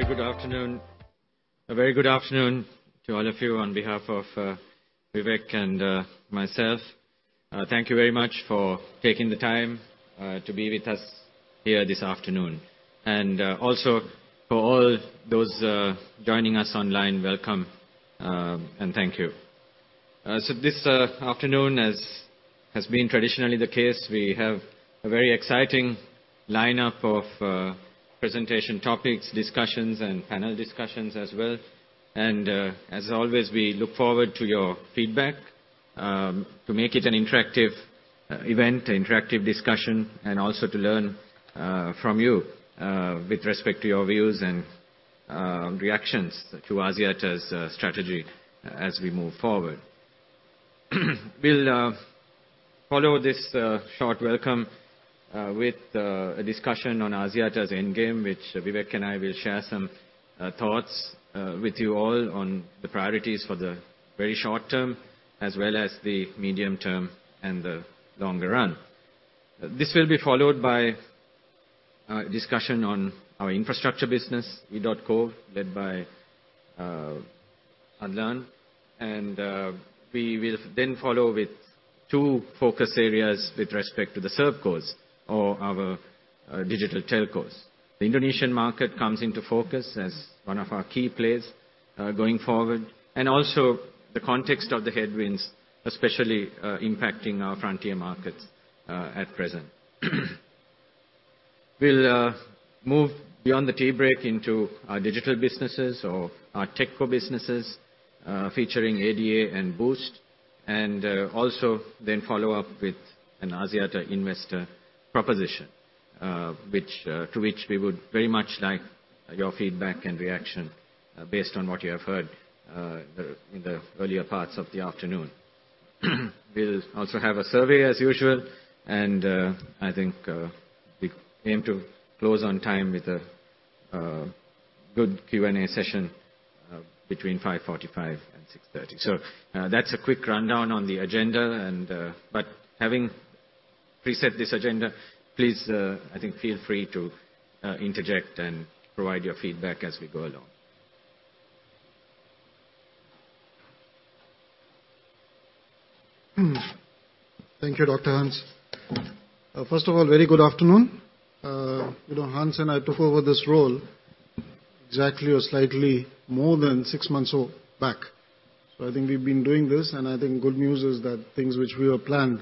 A very good afternoon. A very good afternoon to all of you on behalf of Vivek and myself. Thank you very much for taking the time to be with us here this afternoon. And also for all those joining us online, welcome and thank you. So this afternoon, as has been traditionally the case, we have a very exciting lineup of presentation topics, discussions, and panel discussions as well. And as always, we look forward to your feedback to make it an interactive event, an interactive discussion, and also to learn from you with respect to your views and reactions to Axiata's strategy as we move forward. We'll follow this short welcome with a discussion on Axiata's endgame, which Vivek and I will share some thoughts with you all on the priorities for the very short term, as well as the medium term and the longer run. This will be followed by a discussion on our infrastructure business, EDOTCO, led by Adlan. And we will then follow with two focus areas with respect to the ServeCo or our digital telcos. The Indonesian market comes into focus as one of our key players going forward, and also the context of the headwinds especially impacting our frontier markets at present. We'll move beyond the tea break into our digital businesses or our TechCo businesses featuring ADA and Boost, and also then follow up with an Axiata investor proposition to which we would very much like your feedback and reaction based on what you have heard in the earlier parts of the afternoon. We'll also have a survey as usual, and I think we aim to close on time with a good Q&A session between 5:45 P.M. and 6:30 P.M. So that's a quick rundown on the agenda. But having preset this agenda, please, I think, feel free to interject and provide your feedback as we go along. Thank you, Dr. Hans. First of all, very good afternoon. Hans and I took over this role exactly or slightly more than six months back, so I think we've been doing this, and I think good news is that things which we have planned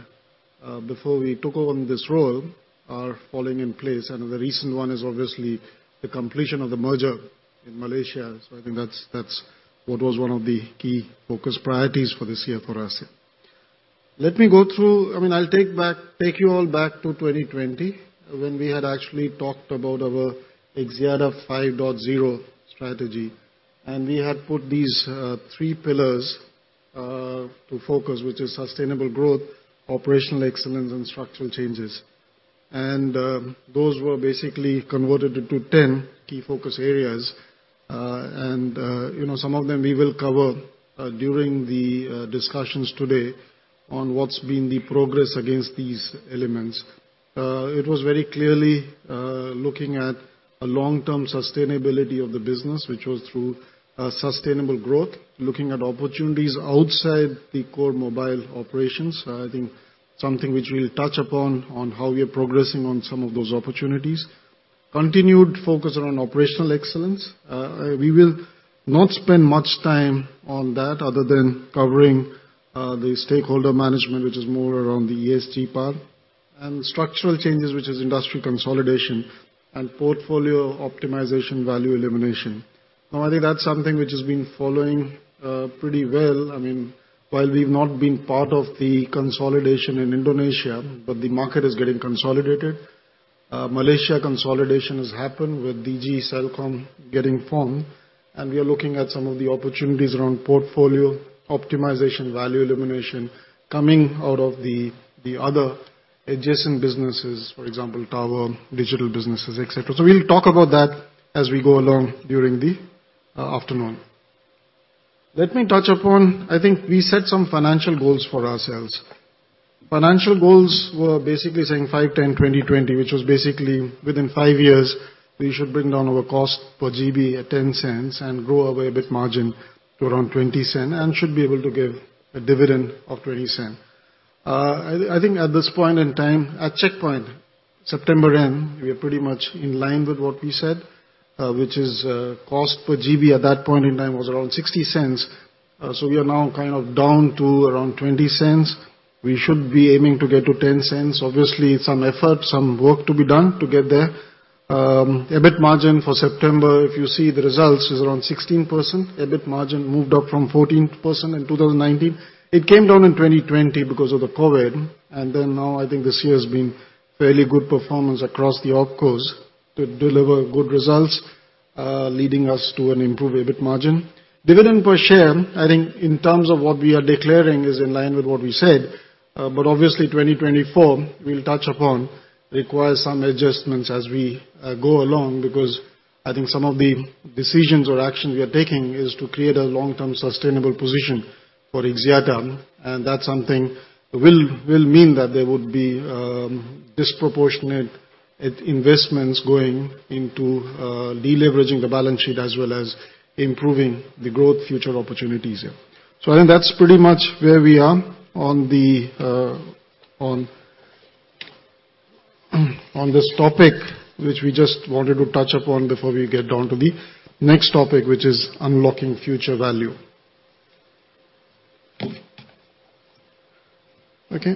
before we took on this role are falling in place, and the recent one is obviously the completion of the merger in Malaysia, so I think that's what was one of the key focus priorities for this year for us. Let me go through. I mean, I'll take you all back to 2020 when we had actually talked about our Axiata 5.0 strategy, and we had put these three pillars to focus, which are sustainable growth, operational excellence, and structural changes, and those were basically converted into 10 key focus areas. And some of them we will cover during the discussions today on what's been the progress against these elements. It was very clearly looking at a long-term sustainability of the business, which was through sustainable growth, looking at opportunities outside the core mobile operations. I think something which we'll touch upon on how we are progressing on some of those opportunities. Continued focus around operational excellence. We will not spend much time on that other than covering the stakeholder management, which is more around the ESG part, and structural changes, which is industry consolidation and portfolio optimization, value elimination. So I think that's something which has been following pretty well. I mean, while we've not been part of the consolidation in Indonesia, but the market is getting consolidated. Malaysia consolidation has happened with Digi, Celcom getting formed. We are looking at some of the opportunities around portfolio optimization, value elimination coming out of the other adjacent businesses, for example, tower, digital businesses, etc. So we'll talk about that as we go along during the afternoon. Let me touch upon. I think we set some financial goals for ourselves. Financial goals were basically saying five, 10, 20, which was basically within five years, we should bring down our cost per GB at 0.10 and grow our EBIT margin to around 0.20 and should be able to give a dividend of 0.20. I think at this point in time, at checkpoint September end, we are pretty much in line with what we said, which is cost per GB at that point in time was around 0.60. So we are now kind of down to around 0.20. We should be aiming to get to 0.10. Obviously, some effort, some work to be done to get there. EBIT margin for September, if you see the results, is around 16%. EBIT margin moved up from 14% in 2019. It came down in 2020 because of the COVID, and then now I think this year has been fairly good performance across the OpCos to deliver good results, leading us to an improved EBIT margin. Dividend per share, I think in terms of what we are declaring is in line with what we said, but obviously, 2024, we'll touch upon, requires some adjustments as we go along because I think some of the decisions or actions we are taking is to create a long-term sustainable position for Axiata, and that's something will mean that there would be disproportionate investments going into deleveraging the balance sheet as well as improving the growth future opportunities here. So I think that's pretty much where we are on this topic, which we just wanted to touch upon before we get down to the next topic, which is unlocking future value. Okay.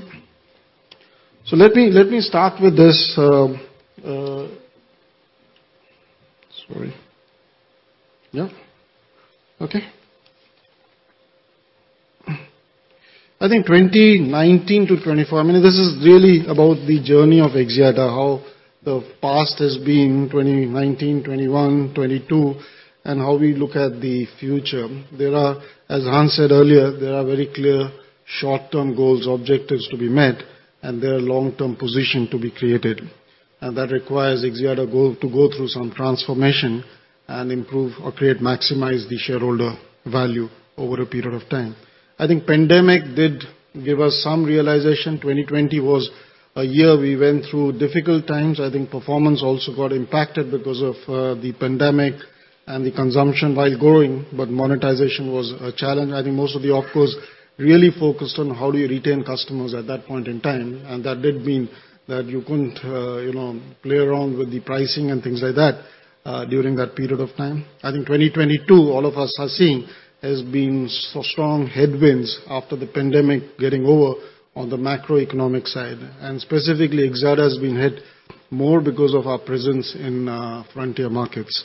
So let me start with this. Sorry. Yeah. Okay. I think 2019-2024, I mean, this is really about the journey of Axiata, how the past has been 2019, 2021, 2022, and how we look at the future. As Hans said earlier, there are very clear short-term goals, objectives to be met, and there are long-term positions to be created. And that requires Axiata to go through some transformation and improve or create, maximize the shareholder value over a period of time. I think pandemic did give us some realization. 2020 was a year we went through difficult times. I think performance also got impacted because of the pandemic and the consumption while growing, but monetization was a challenge. I think most of the OpCos really focused on how do you retain customers at that point in time, and that did mean that you couldn't play around with the pricing and things like that during that period of time. I think 2022, all of us are seeing, has been so strong headwinds after the pandemic getting over on the macroeconomic side, and specifically, Axiata has been hit more because of our presence in frontier markets,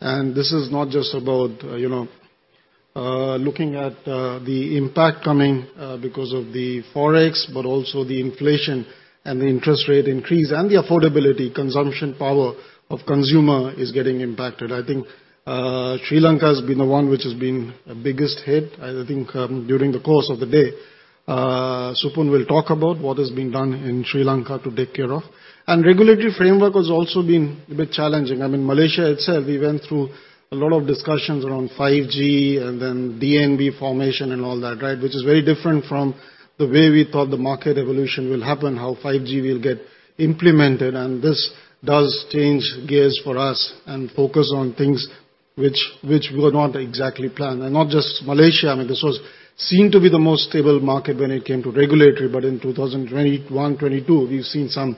and this is not just about looking at the impact coming because of the forex, but also the inflation and the interest rate increase and the affordability, consumption power of consumer is getting impacted. I think Sri Lanka has been the one which has been the biggest hit. I think during the course of the day, Supun will talk about what has been done in Sri Lanka to take care of, and regulatory framework has also been a bit challenging. I mean, Malaysia itself, we went through a lot of discussions around 5G and then DNB formation and all that, right, which is very different from the way we thought the market evolution will happen, how 5G will get implemented, and this does change gears for us and focus on things which we were not exactly planned, and not just Malaysia. I mean, this was seen to be the most stable market when it came to regulatory, but in 2021, 2022, we've seen some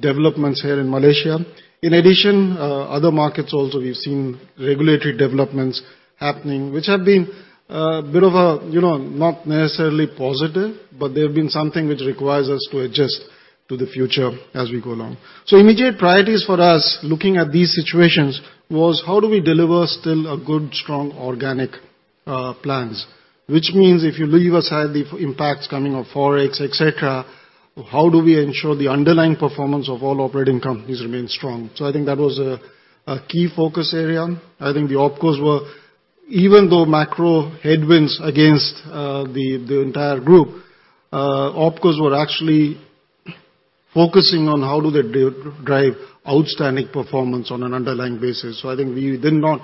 developments here in Malaysia. In addition, other markets also, we've seen regulatory developments happening, which have been a bit of a not necessarily positive, but there have been something which requires us to adjust to the future as we go along. So immediate priorities for us looking at these situations was how do we deliver still a good, strong organic plans, which means if you leave aside the impacts coming of forex, etc., how do we ensure the underlying performance of all operating companies remains strong? So I think that was a key focus area. I think the OpCos were, even though macro headwinds against the entire group, OpCos were actually focusing on how do they drive outstanding performance on an underlying basis. So I think we did not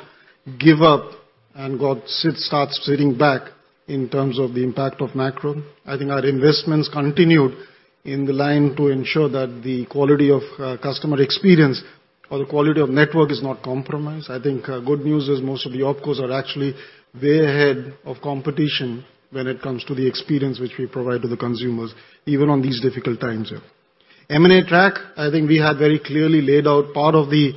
give up or start sitting back in terms of the impact of macro. I think our investments continued in the line to ensure that the quality of customer experience or the quality of network is not compromised. I think good news is most of the OpCos are actually way ahead of competition when it comes to the experience which we provide to the consumers, even on these difficult times here. M&A track, I think we had very clearly laid out part of the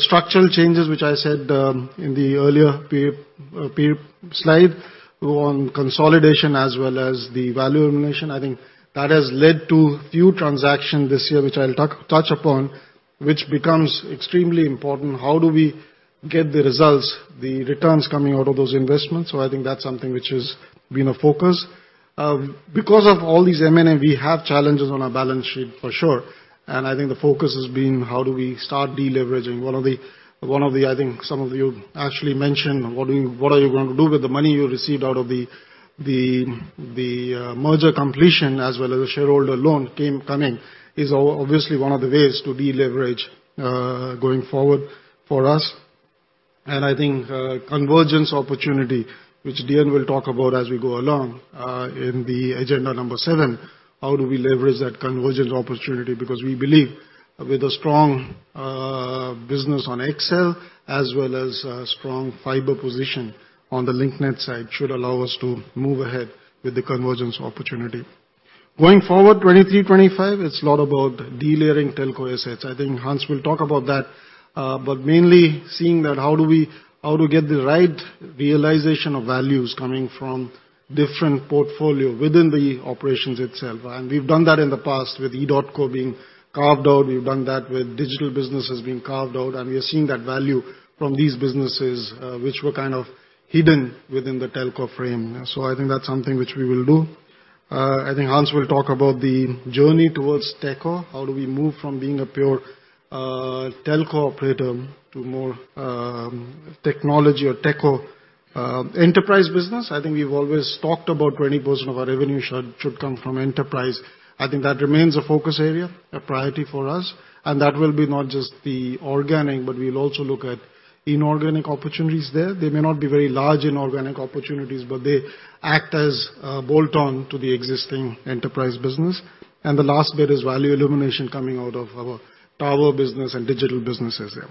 structural changes which I said in the earlier slide on consolidation as well as the value elimination. I think that has led to few transactions this year, which I'll touch upon, which becomes extremely important. How do we get the results, the returns coming out of those investments? So I think that's something which has been a focus. Because of all these M&A, we have challenges on our balance sheet for sure. I think the focus has been how do we start deleveraging. One of the, I think some of you actually mentioned, what are you going to do with the money you received out of the merger completion as well as the shareholder loan coming is obviously one of the ways to deleverage going forward for us. I think convergence opportunity, which Dian will talk about as we go along in the agenda number seven, how do we leverage that convergence opportunity? Because we believe with a strong business on XL as well as a strong fiber position on the Link Net side should allow us to move ahead with the convergence opportunity. Going forward, 2023, 2025, it's a lot about delayering telco assets. I think Hans will talk about that, but mainly seeing that how do we get the right realization of values coming from different portfolio within the operations itself, and we've done that in the past with EDOTCO being carved out. We've done that with digital businesses being carved out, and we are seeing that value from these businesses which were kind of hidden within the telco frame, so I think that's something which we will do. I think Hans will talk about the journey towards TechCo. How do we move from being a pure telco operator to more technology or TechCo enterprise business? I think we've always talked about 20% of our revenue should come from enterprise. I think that remains a focus area, a priority for us, and that will be not just the organic, but we'll also look at inorganic opportunities there. They may not be very large inorganic opportunities, but they act as a bolt-on to the existing enterprise business. And the last bit is value elimination coming out of our Tower business and digital businesses here.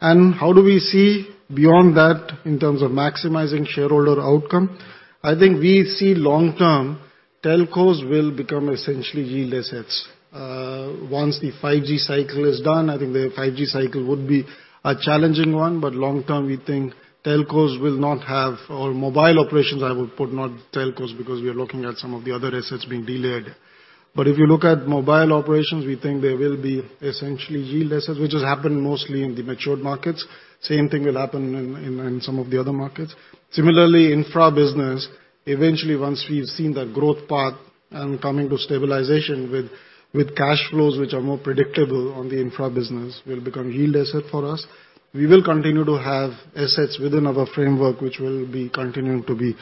And how do we see beyond that in terms of maximizing shareholder outcome? I think we see long-term telcos will become essentially yield assets. Once the 5G cycle is done, I think the 5G cycle would be a challenging one. But long-term, we think telcos will not have or mobile operations, I would put not telcos because we are looking at some of the other assets being delayed. But if you look at mobile operations, we think there will be essentially yield assets, which has happened mostly in the matured markets. Same thing will happen in some of the other markets. Similarly, infra business, eventually once we've seen that growth path and coming to stabilization with cash flows which are more predictable on the infra business, will become yield asset for us. We will continue to have assets within our framework, which will be continuing to be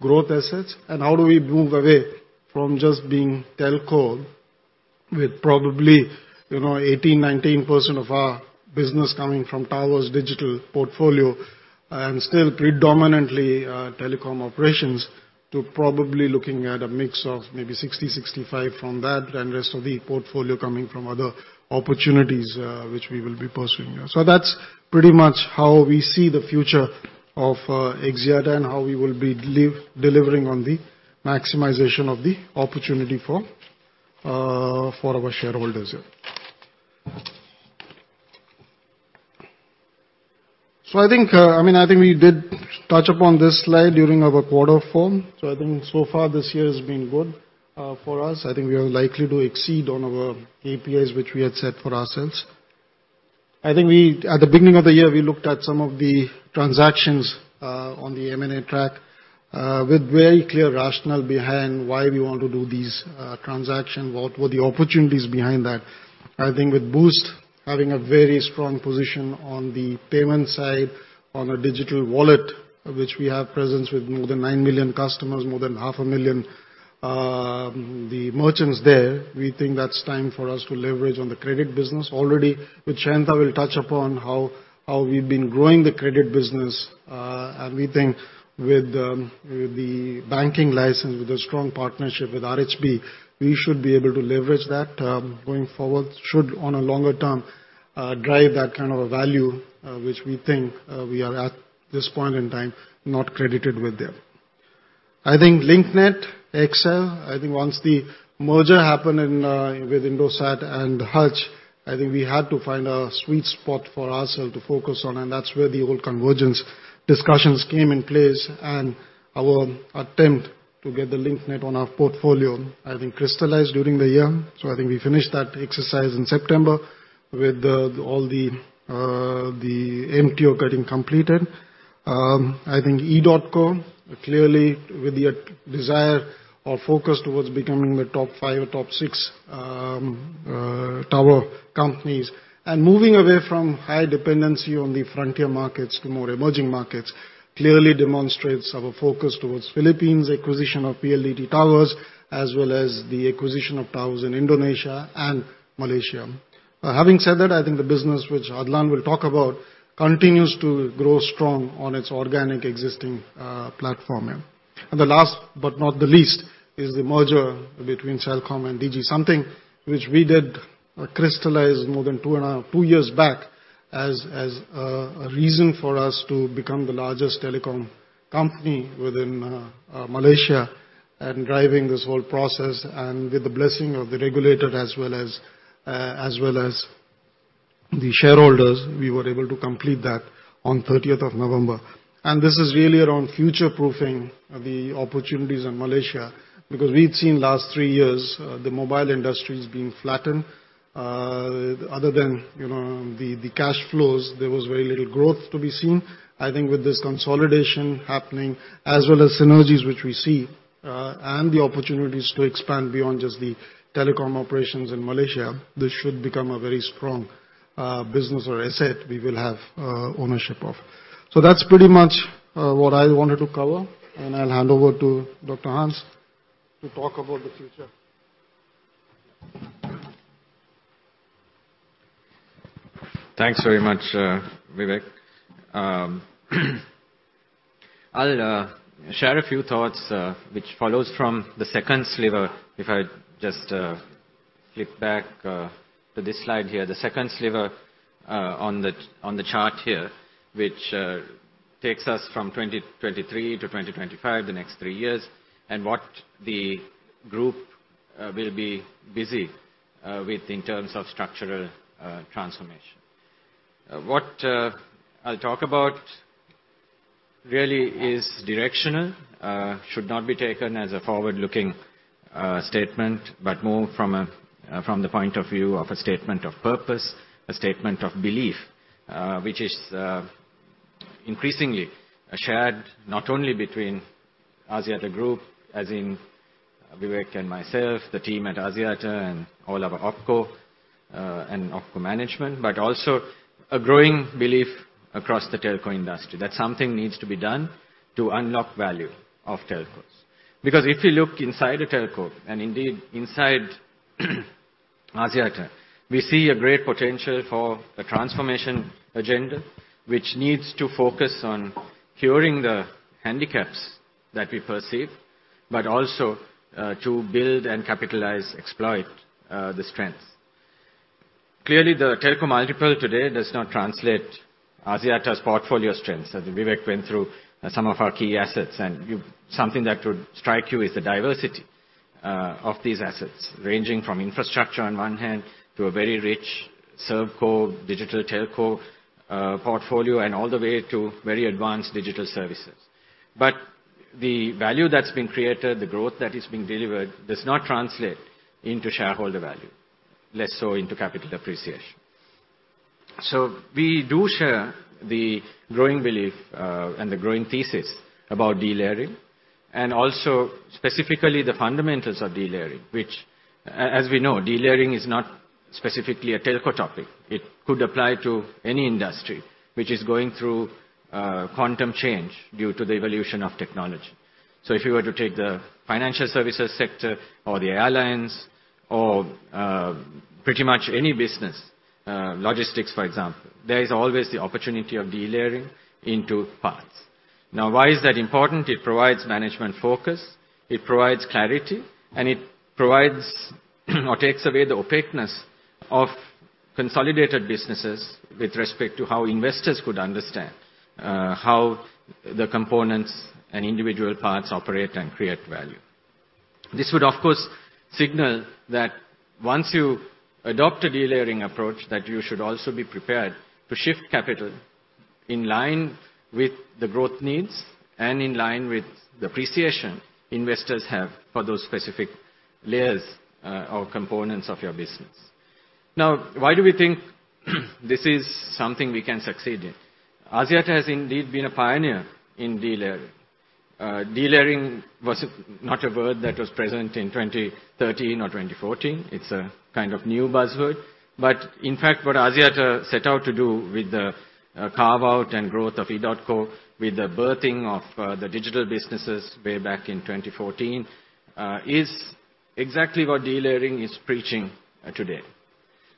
growth assets. And how do we move away from just being telco with probably 18%-19% of our business coming from Towers, Digital Portfolio and still predominantly telecom operations to probably looking at a mix of maybe 60%-65% from that and rest of the portfolio coming from other opportunities which we will be pursuing. So that's pretty much how we see the future of Axiata and how we will be delivering on the maximization of the opportunity for our shareholders here. So I think, I mean, I think we did touch upon this slide during our quarter four. I think so far this year has been good for us. I think we are likely to exceed on our APIs which we had set for ourselves. I think at the beginning of the year, we looked at some of the transactions on the M&A track with very clear rationale behind why we want to do these transactions, what were the opportunities behind that. I think with Boost having a very strong position on the payment side on a digital wallet, which we have presence with more than 9 million customers, more than 500,000 merchants there, we think that's time for us to leverage on the credit business. Already, with Sheyantha, we'll touch upon how we've been growing the credit business. We think with the banking license, with a strong partnership with RHB, we should be able to leverage that going forward. Should on a longer term drive that kind of a value which we think we are at this point in time not credited with there. I think Link Net, XL, I think once the merger happened with Indosat and Hutch, I think we had to find a sweet spot for ourselves to focus on. That's where the all convergence discussions came in place and our attempt to get the Link Net on our portfolio, I think crystallized during the year. We finished that exercise in September with all the MTO getting completed. I think EDOTCO, clearly with the desire or focus towards becoming the top five or top six tower companies and moving away from high dependency on the frontier markets to more emerging markets, clearly demonstrates our focus towards Philippines acquisition of PLDT Towers as well as the acquisition of Towers in Indonesia and Malaysia. Having said that, I think the business which Adlan will talk about continues to grow strong on its organic existing platform here. The last but not the least is the merger between Celcom and Digi, something which we did crystallize more than two years back as a reason for us to become the largest telecom company within Malaysia and driving this whole process. With the blessing of the regulator as well as the shareholders, we were able to complete that on 30th of November. This is really around future-proofing the opportunities in Malaysia because we've seen last three years the mobile industry is being flattened. Other than the cash flows, there was very little growth to be seen. I think with this consolidation happening as well as synergies which we see and the opportunities to expand beyond just the telecom operations in Malaysia, this should become a very strong business or asset we will have ownership of. That's pretty much what I wanted to cover. I'll hand over to Dr. Hans to talk about the future. Thanks very much, Vivek. I'll share a few thoughts which follows from the second sliver. If I just flip back to this slide here, the second sliver on the chart here, which takes us from 2023-2025, the next three years, and what the group will be busy with in terms of structural transformation. What I'll talk about really is directional, should not be taken as a forward-looking statement, but more from the point of view of a statement of purpose, a statement of belief, which is increasingly shared not only between Axiata Group, as in Vivek and myself, the team at Axiata and all our OpCo and OpCo management, but also a growing belief across the telco industry that something needs to be done to unlock value of telcos. Because if you look inside a telco and indeed inside Axiata, we see a great potential for a transformation agenda which needs to focus on curing the handicaps that we perceive, but also to build and capitalize, exploit the strengths. Clearly, the telco multiple today does not translate Axiata's portfolio strengths. As Vivek went through some of our key assets, and something that would strike you is the diversity of these assets, ranging from infrastructure on one hand to a very rich ServeCo, digital telco portfolio, and all the way to very advanced digital services. But the value that's been created, the growth that is being delivered does not translate into shareholder value, less so into capital appreciation. So we do share the growing belief and the growing thesis about delayering and also specifically the fundamentals of delayering, which, as we know, delayering is not specifically a telco topic. It could apply to any industry which is going through quantum change due to the evolution of technology. So if you were to take the Financial Services sector or the airlines or pretty much any business, logistics, for example, there is always the opportunity of delayering into paths. Now, why is that important? It provides management focus. It provides clarity, and it provides or takes away the opaqueness of consolidated businesses with respect to how investors could understand how the components and individual parts operate and create value. This would, of course, signal that once you adopt a delayering approach, that you should also be prepared to shift capital in line with the growth needs and in line with the appreciation investors have for those specific layers or components of your business. Now, why do we think this is something we can succeed in? Axiata has indeed been a pioneer in delayering. Delayering was not a word that was present in 2013 or 2014. It's a kind of new buzzword. But in fact, what Axiata set out to do with the carve-out and growth of EDOTCO, with the birthing of the digital businesses way back in 2014, is exactly what delayering is preaching today.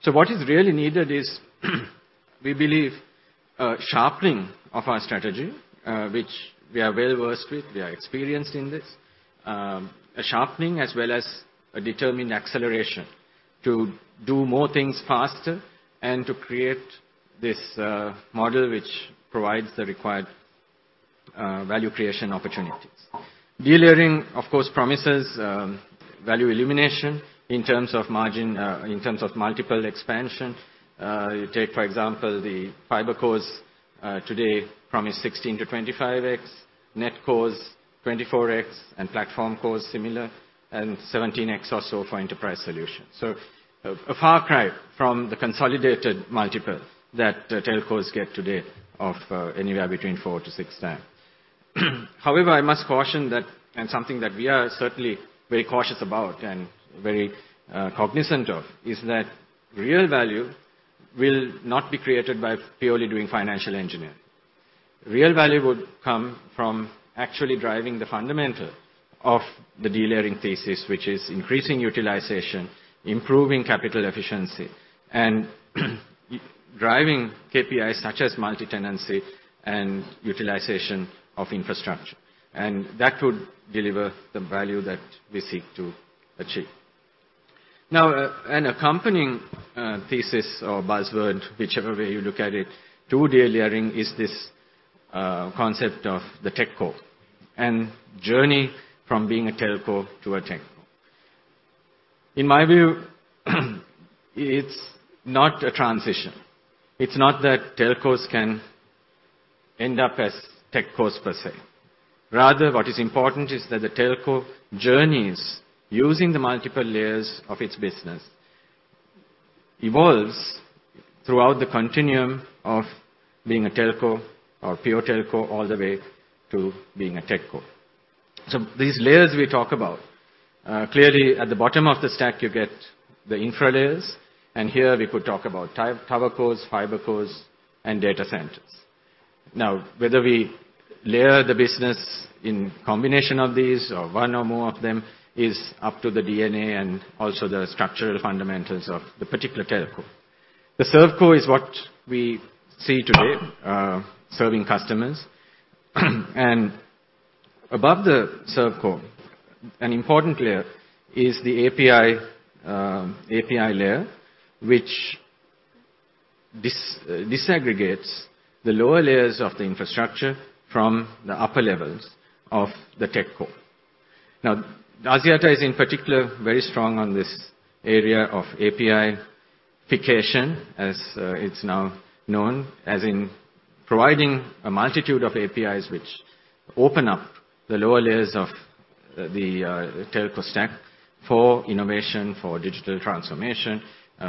So what is really needed is, we believe, sharpening of our strategy, which we are well versed with. We are experienced in this. A sharpening as well as a determined acceleration to do more things faster and to create this model which provides the required value creation opportunities. Delayering, of course, promises value creation in terms of margin, in terms of multiple expansion. You take, for example, the FiberCos today promise 16X-25X, NetCos 24X, and PlatformCos similar and 17X or so for enterprise solutions. So a far cry from the consolidated multiple that telcos get today of anywhere between 4x-6x. However, I must caution that, and something that we are certainly very cautious about and very cognizant of, is that real value will not be created by purely doing financial engineering. Real value would come from actually driving the fundamental of the delayering thesis, which is increasing utilization, improving capital efficiency, and driving KPIs such as multi-tenancy and utilization of infrastructure. And that would deliver the value that we seek to achieve. Now, an accompanying thesis or buzzword, whichever way you look at it, to delayering is this concept of the TechCo. And journey from being a telco to a TechCo. In my view, it's not a transition. It's not that telcos can end up as TechCos per se. Rather, what is important is that the telco journey is using the multiple layers of its business, evolves throughout the continuum of being a telco or pure telco all the way to being a TechCo. So these layers we talk about, clearly at the bottom of the stack, you get the infra layers. And here we could talk about TowerCos, FiberCos, and data centers. Now, whether we layer the business in combination of these or one or more of them is up to the DNA and also the structural fundamentals of the particular telco. The ServeCo is what we see today serving customers. And above the ServeCo, an important layer is the API layer, which disaggregates the lower layers of the infrastructure from the upper levels of the TechCo. Now, Axiata is in particular very strong on this area of APIfication, as it's now known, as in providing a multitude of APIs which open up the lower layers of the telco stack for innovation, for digital transformation,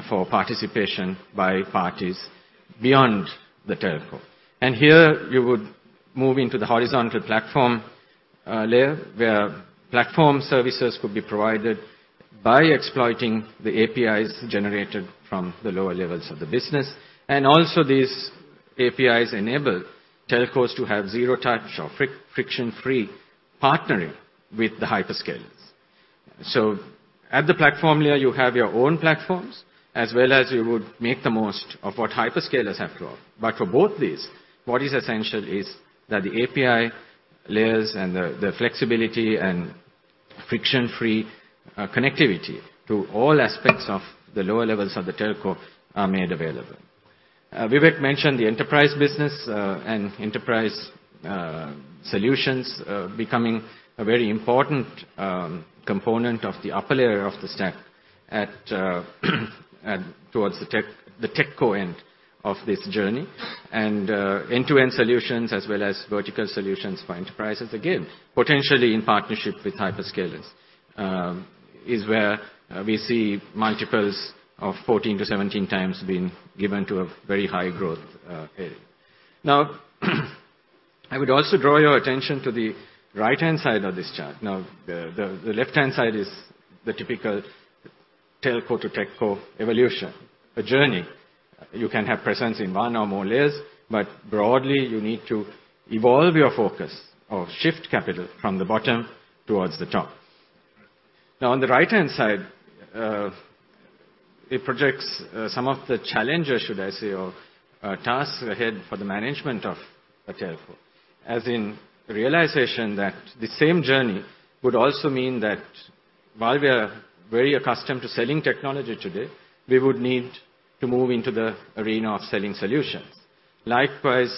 for participation by parties beyond the telco. And here you would move into the horizontal platform layer where platform services could be provided by exploiting the APIs generated from the lower levels of the business. And also these APIs enable telcos to have zero-touch or friction-free partnering with the hyperscalers. So at the platform layer, you have your own platforms as well as you would make the most of what hyperscalers have to offer. But for both these, what is essential is that the API layers and the flexibility and friction-free connectivity to all aspects of the lower levels of the telco are made available. Vivek mentioned the enterprise business and enterprise solutions becoming a very important component of the upper layer of the stack towards the TechCo end of this journey, and end-to-end solutions as well as vertical solutions for enterprises, again, potentially in partnership with hyperscalers, is where we see multiples of 14x-17x being given to a very high growth area. Now, I would also draw your attention to the right-hand side of this chart. Now, the left-hand side is the typical telco to TechCo evolution, a journey. You can have presence in one or more layers, but broadly, you need to evolve your focus or shift capital from the bottom towards the top. Now, on the right-hand side, it projects some of the challenges, should I say, or tasks ahead for the management of a telco, as in realization that the same journey would also mean that while we are very accustomed to selling technology today, we would need to move into the arena of selling solutions. Likewise,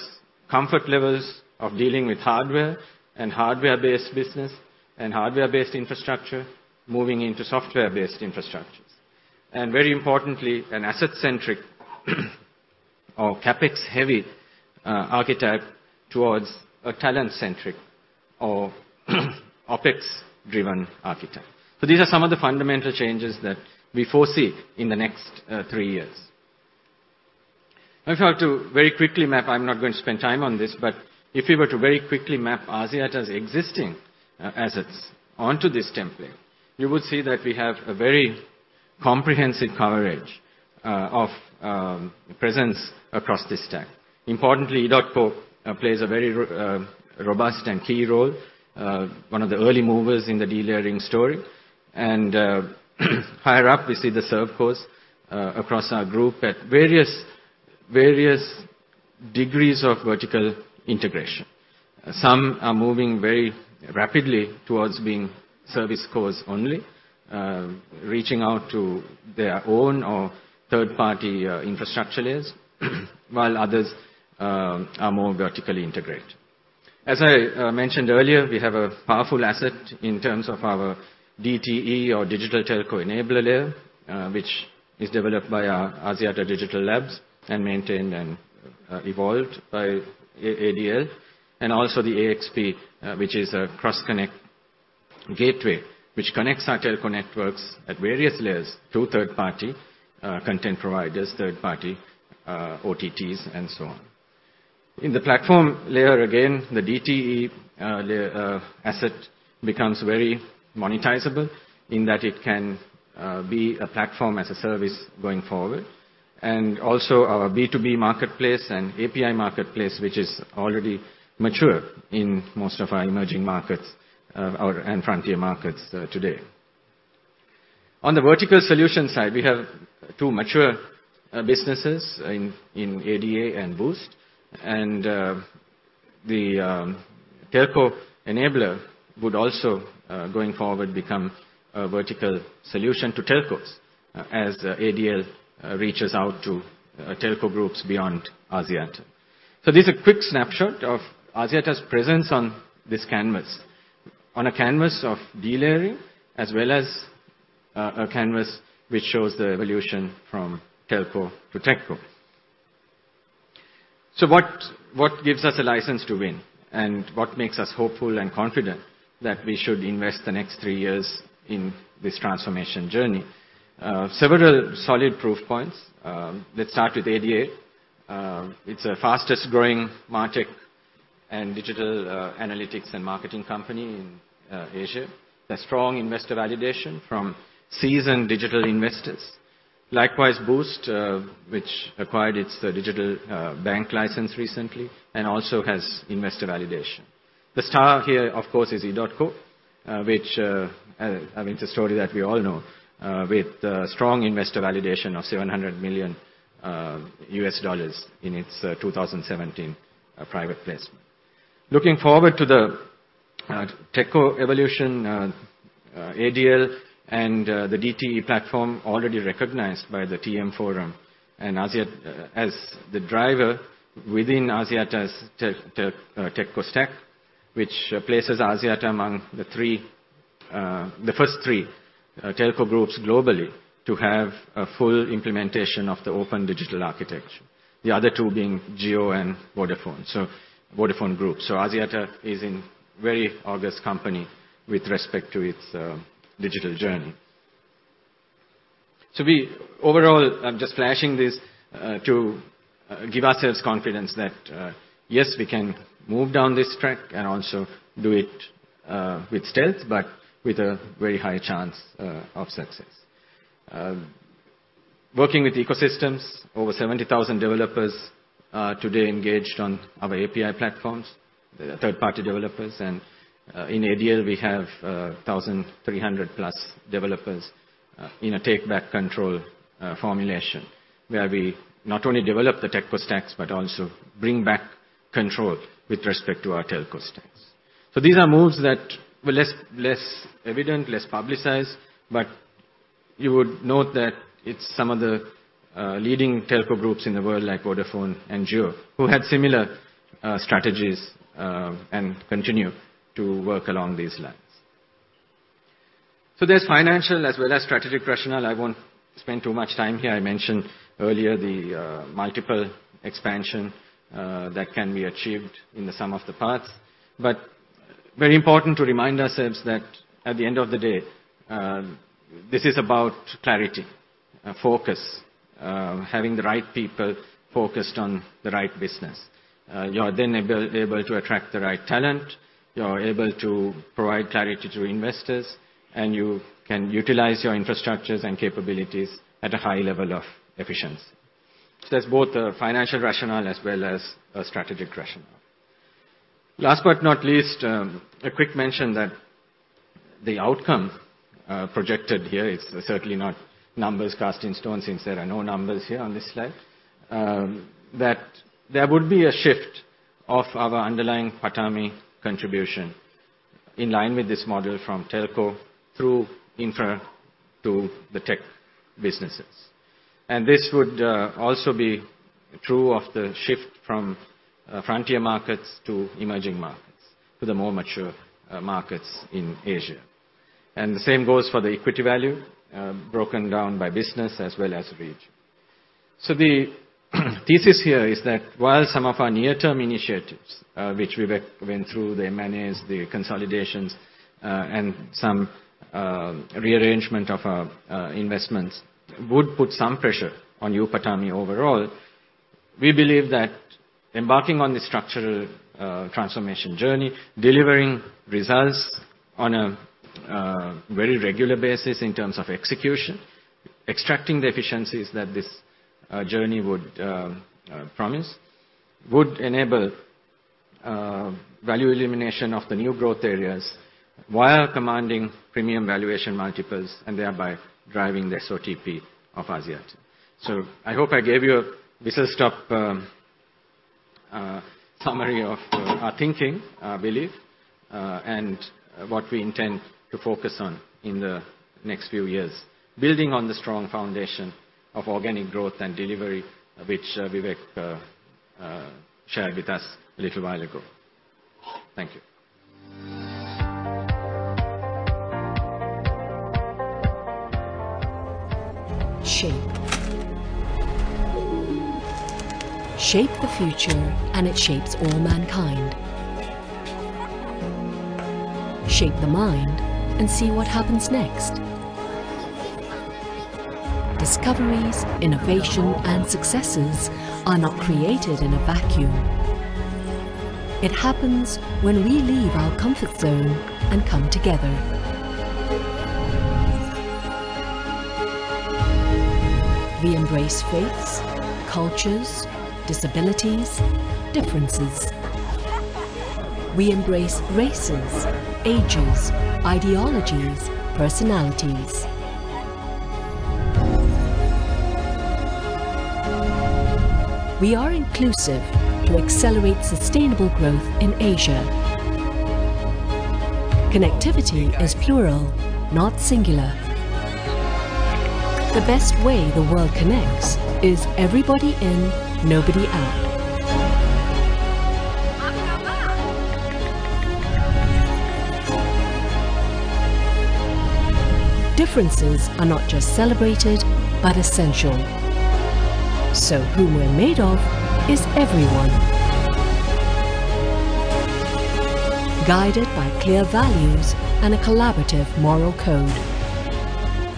comfort levels of dealing with hardware and hardware-based business and hardware-based infrastructure moving into software-based infrastructures. And very importantly, an asset-centric or CapEx-heavy archetype towards a talent-centric or OpEx-driven archetype. So these are some of the fundamental changes that we foresee in the next three years. If I were to very quickly map, I'm not going to spend time on this, but if you were to very quickly map Axiata's existing assets onto this template, you would see that we have a very comprehensive coverage of presence across this stack. Importantly, EDOTCO plays a very robust and key role, one of the early movers in the delayering story. And higher up, we see the ServeCos across our group at various degrees of vertical integration. Some are moving very rapidly towards being ServeCos only, reaching out to their own or third-party infrastructure layers, while others are more vertically integrated. As I mentioned earlier, we have a powerful asset in terms of our DTE or Digital Telco Enabler layer, which is developed by Axiata Digital Labs and maintained and evolved by ADL, and also the AXP, which is a cross-connect gateway which connects our telco networks at various layers to third-party content providers, third-party OTTs, and so on. In the platform layer, again, the DTE asset becomes very monetizable in that it can be a platform as a service going forward, and also our B2B marketplace and API marketplace, which is already mature in most of our emerging markets and frontier markets today. On the vertical solution side, we have two mature businesses in ADA and Boost, and the telco enabler would also, going forward, become a vertical solution to telcos as ADA reaches out to telco groups beyond Axiata. So this is a quick snapshot of Axiata's presence on this canvas, on a canvas of delayering as well as a canvas which shows the evolution from telco to TechCo. So what gives us a license to win and what makes us hopeful and confident that we should invest the next three years in this transformation journey? Several solid proof points. Let's start with ADA. It's a fastest-growing market and digital analytics and marketing company in Asia. There's strong investor validation from seasoned digital investors. Likewise, Boost, which acquired its digital bank license recently and also has investor validation. The star here, of course, is EDOTCO, which, I mean, it's a story that we all know, with strong investor validation of $700 million in its 2017 private placement. Looking forward to the tech core evolution, ADA and the DTE platform already recognized by the TM Forum and Axiata as the driver within Axiata's tech core stack, which places Axiata among the first three telco groups globally to have a full implementation of the Open Digital Architecture, the other two being Jio and Vodafone, so Vodafone Group. So Axiata is in very august company with respect to its digital journey. So overall, I'm just flashing this to give ourselves confidence that, yes, we can move down this track and also do it with stealth, but with a very high chance of success. Working with ecosystems, over 70,000 developers today engaged on our API platforms, third-party developers. And in ADL, we have 1,300+ developers in a take-back control formulation where we not only develop the tech core stacks but also bring back control with respect to our telco stacks. So these are moves that were less evident, less publicized, but you would note that it's some of the leading telco groups in the world, like Vodafone and Jio, who had similar strategies and continue to work along these lines. So there's financial as well as strategic rationale. I won't spend too much time here. I mentioned earlier the multiple expansion that can be achieved in the sum of the parts. But very important to remind ourselves that at the end of the day, this is about clarity, focus, having the right people focused on the right business. You are then able to attract the right talent. You're able to provide clarity to investors, and you can utilize your infrastructures and capabilities at a high level of efficiency. So there's both a financial rationale as well as a strategic rationale. Last but not least, a quick mention that the outcome projected here is certainly not numbers cast in stone since there are no numbers here on this slide. That there would be a shift of our underlying PATAMI contribution in line with this model from telco through infra to the tech businesses. And this would also be true of the shift from frontier markets to emerging markets, to the more mature markets in Asia. The same goes for the equity value broken down by business as well as region. The thesis here is that while some of our near-term initiatives, which we went through, the M&As, the consolidations, and some rearrangement of our investments would put some pressure on new PATAMI, overall, we believe that embarking on the structural transformation journey, delivering results on a very regular basis in terms of execution, extracting the efficiencies that this journey would promise, would enable value elimination of the new growth areas while commanding premium valuation multiples and thereby driving the SOTP of Axiata. I hope I gave you a whistle-stop summary of our thinking, I believe, and what we intend to focus on in the next few years, building on the strong foundation of organic growth and delivery, which Vivek shared with us a little while ago. Thank you. Shape the future, and it shapes all mankind. Shape the mind and see what happens next. Discoveries, innovation, and successes are not created in a vacuum. It happens when we leave our comfort zone and come together. We embrace faiths, cultures, disabilities, differences. We embrace races, ages, ideologies, personalities. We are inclusive to accelerate sustainable growth in Asia. Connectivity is plural, not singular. The best way the world connects is everybody in, nobody out. Differences are not just celebrated but essential. So whom we're made of is everyone, guided by clear values and a collaborative moral code.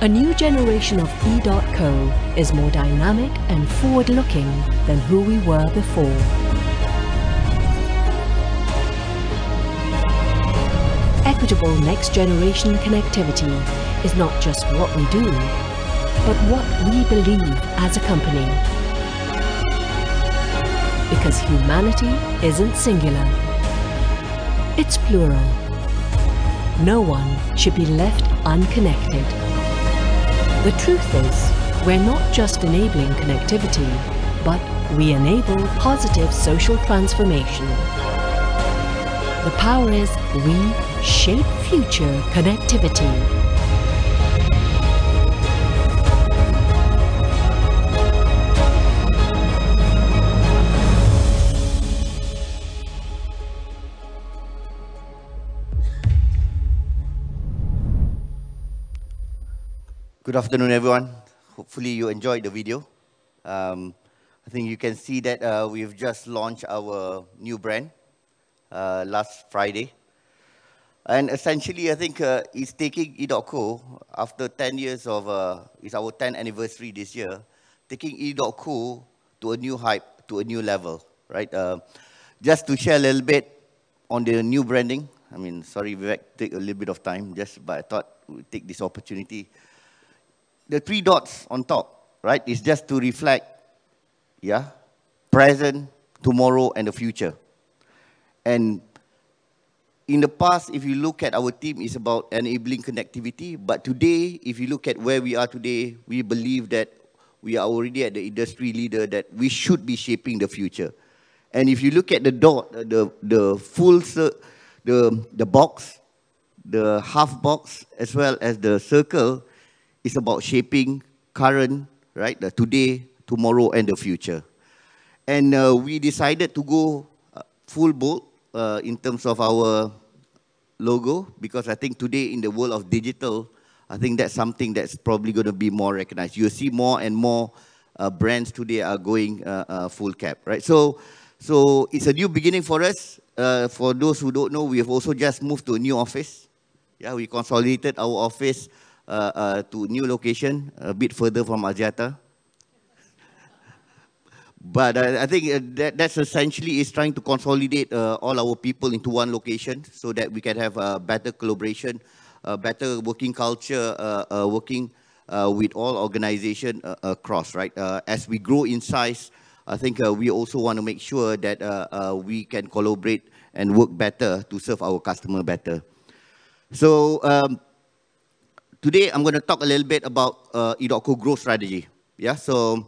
A new generation of EDOTCO is more dynamic and forward-looking than who we were before. Equitable next-generation connectivity is not just what we do, but what we believe as a company. Because humanity isn't singular, it's plural. No one should be left unconnected. The truth is we're not just enabling connectivity, but we enable positive social transformation. The power is we shape future connectivity. Good afternoon, everyone. Hopefully, you enjoyed the video. I think you can see that we've just launched our new brand last Friday. And essentially, I think it's taking EDOTCO, after 10 years of it's our 10th anniversary this year, taking EDOTCO to a new height, to a new level, right? Just to share a little bit on the new branding. I mean, sorry, Vivek, take a little bit of time, just a thought, we take this opportunity. The three dots on top, right, is just to reflect, yeah, present, tomorrow, and the future. And in the past, if you look at our team, it's about enabling connectivity. But today, if you look at where we are today, we believe that we are already an industry leader that we should be shaping the future. And if you look at the full circle, the box, the half box, as well as the circle, it's about shaping the current, right, the today, tomorrow, and the future. And we decided to go full bold in terms of our logo because I think today, in the world of digital, I think that's something that's probably going to be more recognized. You see more and more brands today are going full cap, right? So it's a new beginning for us. For those who don't know, we have also just moved to a new office. Yeah, we consolidated our office to a new location, a bit further from Axiata. But I think that's essentially is trying to consolidate all our people into one location so that we can have a better collaboration, a better working culture, working with all organizations across, right? As we grow in size, I think we also want to make sure that we can collaborate and work better to serve our customers better. So today, I'm going to talk a little bit about EDOTCO growth strategy. Yeah, so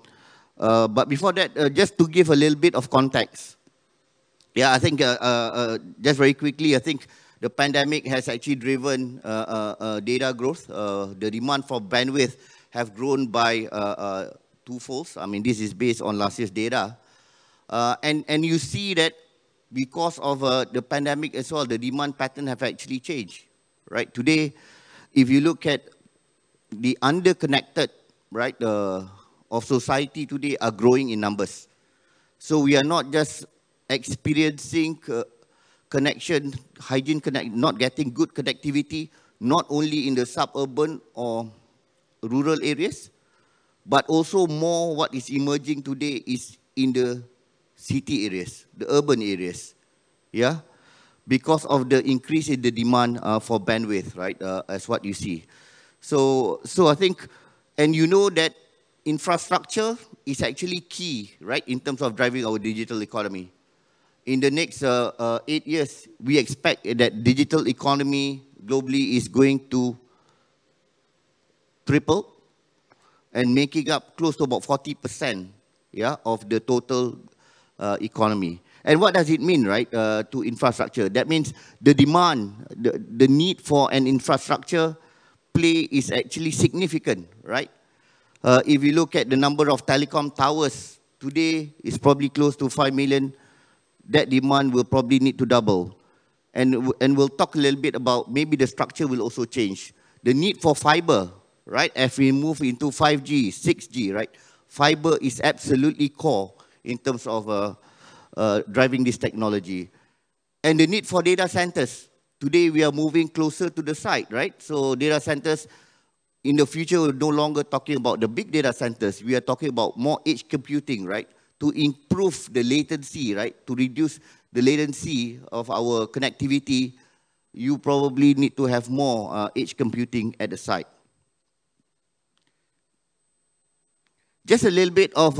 but before that, just to give a little bit of context, yeah, I think just very quickly, I think the pandemic has actually driven data growth. The demand for bandwidth has grown by twofold. I mean, this is based on last year's data. And you see that because of the pandemic as well, the demand pattern has actually changed, right? Today, if you look at the underconnected, right, of society today are growing in numbers. So we are not just experiencing connectivity, high-end connectivity, not getting good connectivity, not only in the suburban or rural areas, but also more what is emerging today is in the city areas, the urban areas, yeah, because of the increase in the demand for bandwidth, right, as what you see. So I think, and you know that infrastructure is actually key, right, in terms of driving our digital economy. In the next eight years, we expect that digital economy globally is going to triple and making up close to about 40%, yeah, of the total economy. And what does it mean, right, to infrastructure? That means the demand, the need for an infrastructure play is actually significant, right? If you look at the number of telecom towers today, it's probably close to 5 million. That demand will probably need to double. We'll talk a little bit about maybe the structure will also change. The need for fiber, right, as we move into 5G, 6G, right, fiber is absolutely core in terms of driving this technology. The need for data centers. Today, we are moving closer to the side, right? So data centers in the future, we're no longer talking about the big data centers. We are talking about more edge computing, right, to improve the latency, right, to reduce the latency of our connectivity. You probably need to have more edge computing at the side. Just a little bit of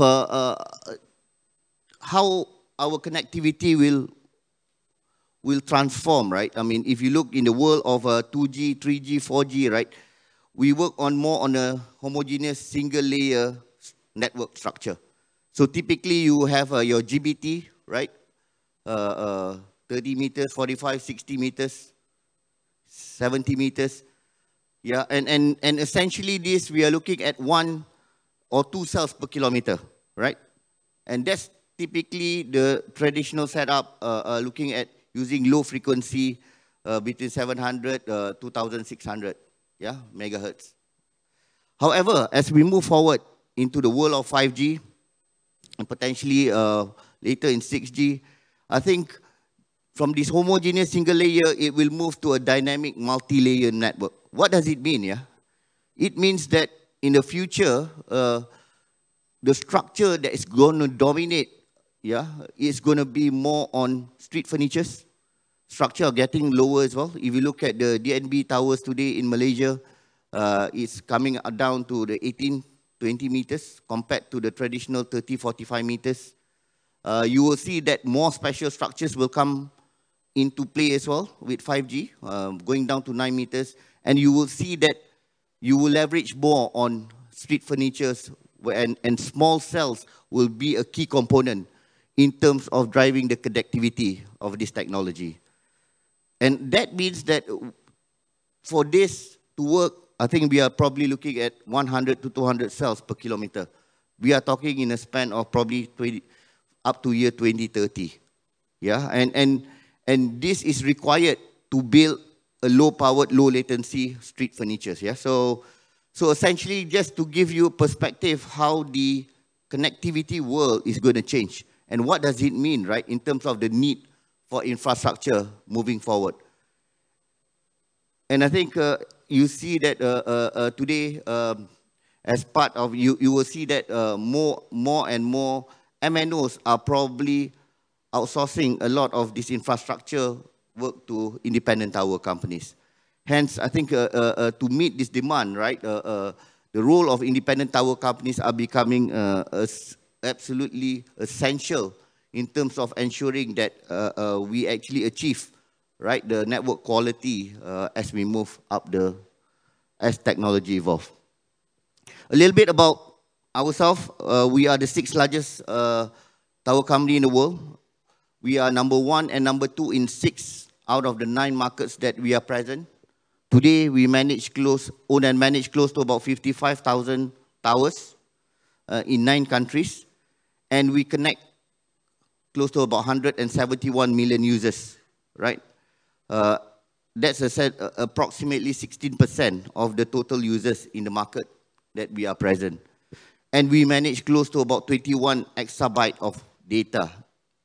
how our connectivity will transform, right? I mean, if you look in the world of 2G, 3G, 4G, right, we work more on a homogeneous single-layer network structure. So typically, you have your GBT, right, 30 m, 45 m, 60 m, 70 m. Yeah, and essentially, this, we are looking at one or two cells per kilometer, right? And that's typically the traditional setup, looking at using low frequency between 700 MHz-2,600 MHz, yeah. However, as we move forward into the world of 5G and potentially later in 6G, I think from this homogeneous single-layer, it will move to a dynamic multi-layer network. What does it mean, yeah? It means that in the future, the structure that is going to dominate, yeah, is going to be more on street furniture. Structure getting lower as well. If you look at the DNB towers today in Malaysia, it's coming down to the 18 m-20 m compared to the traditional 30 m-45 m. You will see that more special structures will come into play as well with 5G, going down to 9 m. You will see that you will leverage more on street furniture, and small cells will be a key component in terms of driving the connectivity of this technology. That means that for this to work, I think we are probably looking at 100-200 cells per kilometer. We are talking in a span of probably up to 2030, yeah? This is required to build low-powered, low-latency street furniture, yeah? Essentially, just to give you a perspective of how the connectivity world is going to change and what does it mean, right, in terms of the need for infrastructure moving forward. I think you see that today, as part of you, you will see that more and more MNOs are probably outsourcing a lot of this infrastructure work to independent tower companies. Hence, I think to meet this demand, right, the role of independent tower companies are becoming absolutely essential in terms of ensuring that we actually achieve, right, the network quality as we move up as technology evolves. A little bit about ourselves. We are the sixth largest tower company in the world. We are number one and number two in six out of the nine markets that we are present. Today, we own and manage close to about 55,000 towers in nine countries. And we connect close to about 171 million users, right? That's approximately 16% of the total users in the market that we are present. And we manage close to about 21 EB of data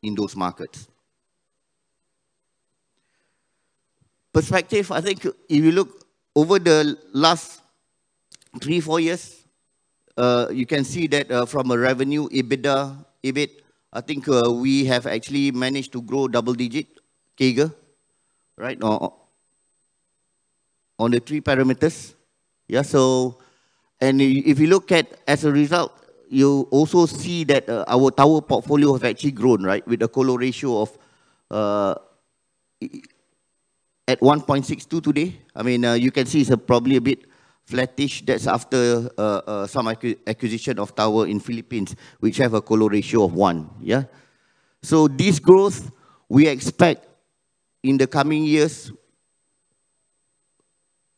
in those markets. Perspective, I think if you look over the last three, four years, you can see that from a revenue, EBITDA, EBIT, I think we have actually managed to grow double-digit CAGR, right, on the three parameters, yeah? So, and if you look at, as a result, you also see that our tower portfolio has actually grown, right, with a colo ratio of at 1.62 today. I mean, you can see it's probably a bit flattish. That's after some acquisition of tower in the Philippines, which have a colo ratio of one, yeah? So this growth, we expect in the coming years,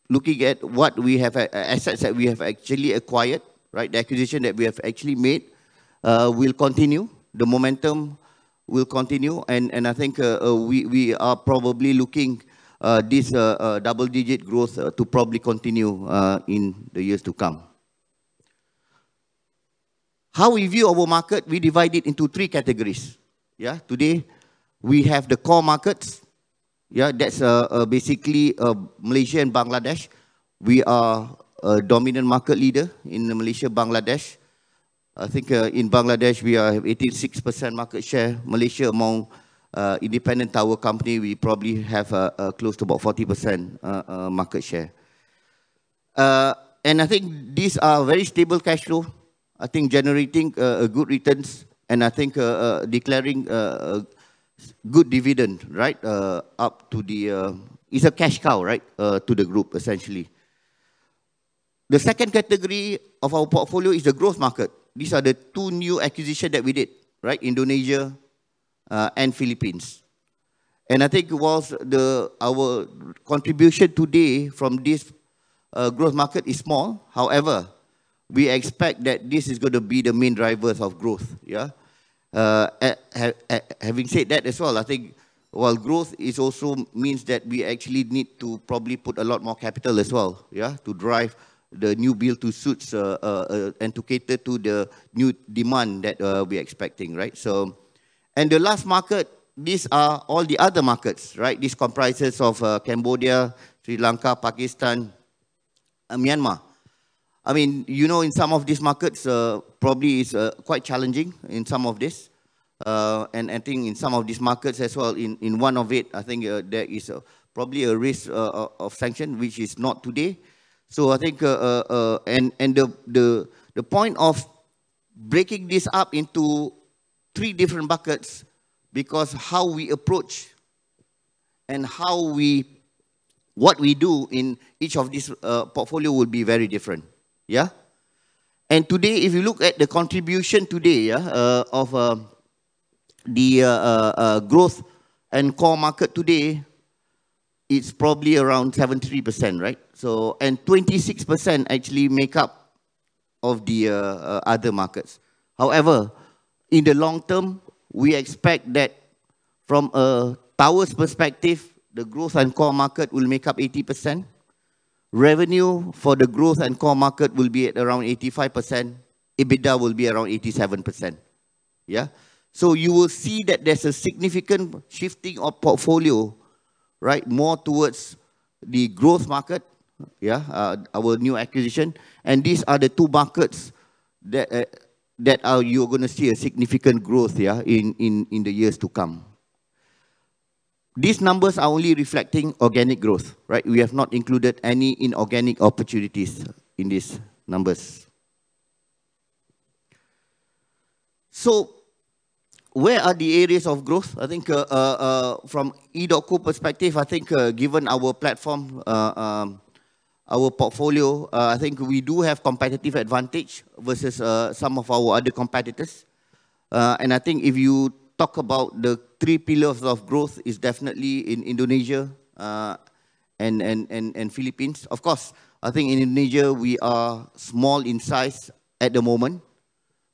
looking at what we have assets that we have actually acquired, right, the acquisition that we have actually made, will continue. The momentum will continue, and I think we are probably looking at this double-digit growth to probably continue in the years to come. How we view our market, we divide it into three categories, yeah? Today, we have the core markets, yeah? That's basically Malaysia and Bangladesh. We are a dominant market leader in Malaysia and Bangladesh. I think in Bangladesh, we have 86% market share. Malaysia, among independent tower companies, we probably have close to about 40% market share. And I think these are very stable cash flow. I think generating good returns and I think declaring good dividend, right, up to the it's a cash cow, right, to the group essentially. The second category of our portfolio is the growth market. These are the two new acquisitions that we did, right, Indonesia and Philippines. And I think while our contribution today from this growth market is small, however, we expect that this is going to be the main drivers of growth, yeah? Having said that as well, I think while growth is also means that we actually need to probably put a lot more capital as well, yeah, to drive the new build-to-suit and to cater to the new demand that we are expecting, right? So, the last market, these are all the other markets, right? This comprises of Cambodia, Sri Lanka, Pakistan, Myanmar. I mean, you know, in some of these markets, probably it's quite challenging in some of this. And I think in some of these markets as well, in one of it, I think there is probably a risk of sanction, which is not today. So, I think the point of breaking this up into three different buckets because how we approach and what we do in each of these portfolios will be very different, yeah? Today, if you look at the contribution today, yeah, of the growth and core market today, it's probably around 73%, right? So, 26% actually make up the other markets. However, in the long term, we expect that from a Tower's perspective, the growth and core market will make up 80%. Revenue for the growth and core market will be at around 85%. EBITDA will be around 87%, yeah? You will see that there's a significant shifting of portfolio, right, more towards the growth market, yeah, our new acquisition. And these are the two buckets that you're going to see a significant growth, yeah, in the years to come. These numbers are only reflecting organic growth, right? We have not included any inorganic opportunities in these numbers. Where are the areas of growth? I think from EDOTCO perspective, I think given our platform, our portfolio, I think we do have competitive advantage versus some of our other competitors. And I think if you talk about the three pillars of growth, it's definitely in Indonesia and Philippines. Of course, I think in Indonesia, we are small in size at the moment.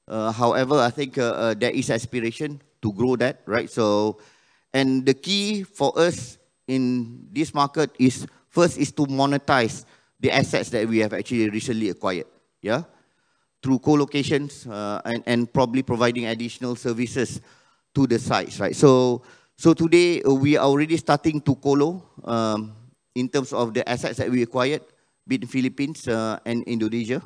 However, I think there is aspiration to grow that, right? So and the key for us in this market is first is to monetize the assets that we have actually recently acquired, yeah, through colocations and probably providing additional services to the sites, right? So today, we are already starting to colo in terms of the assets that we acquired between Philippines and Indonesia.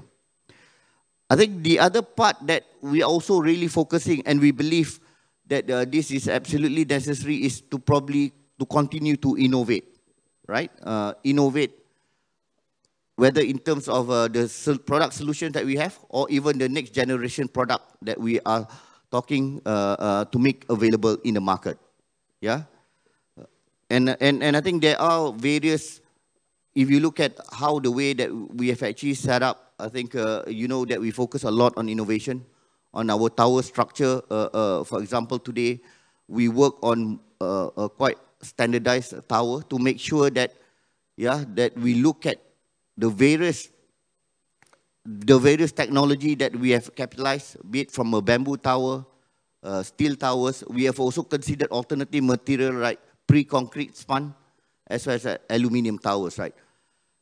I think the other part that we are also really focusing and we believe that this is absolutely necessary is to probably continue to innovate, right? Innovate whether in terms of the product solutions that we have or even the next generation product that we are talking to make available in the market, yeah? I think there are various if you look at how the way that we have actually set up. I think you know that we focus a lot on innovation on our tower structure. For example, today, we work on a quite standardized tower to make sure that, yeah, that we look at the various technology that we have capitalized, be it from a bamboo tower, steel towers. We have also considered alternative material, right, precast concrete spun as well as aluminum towers, right?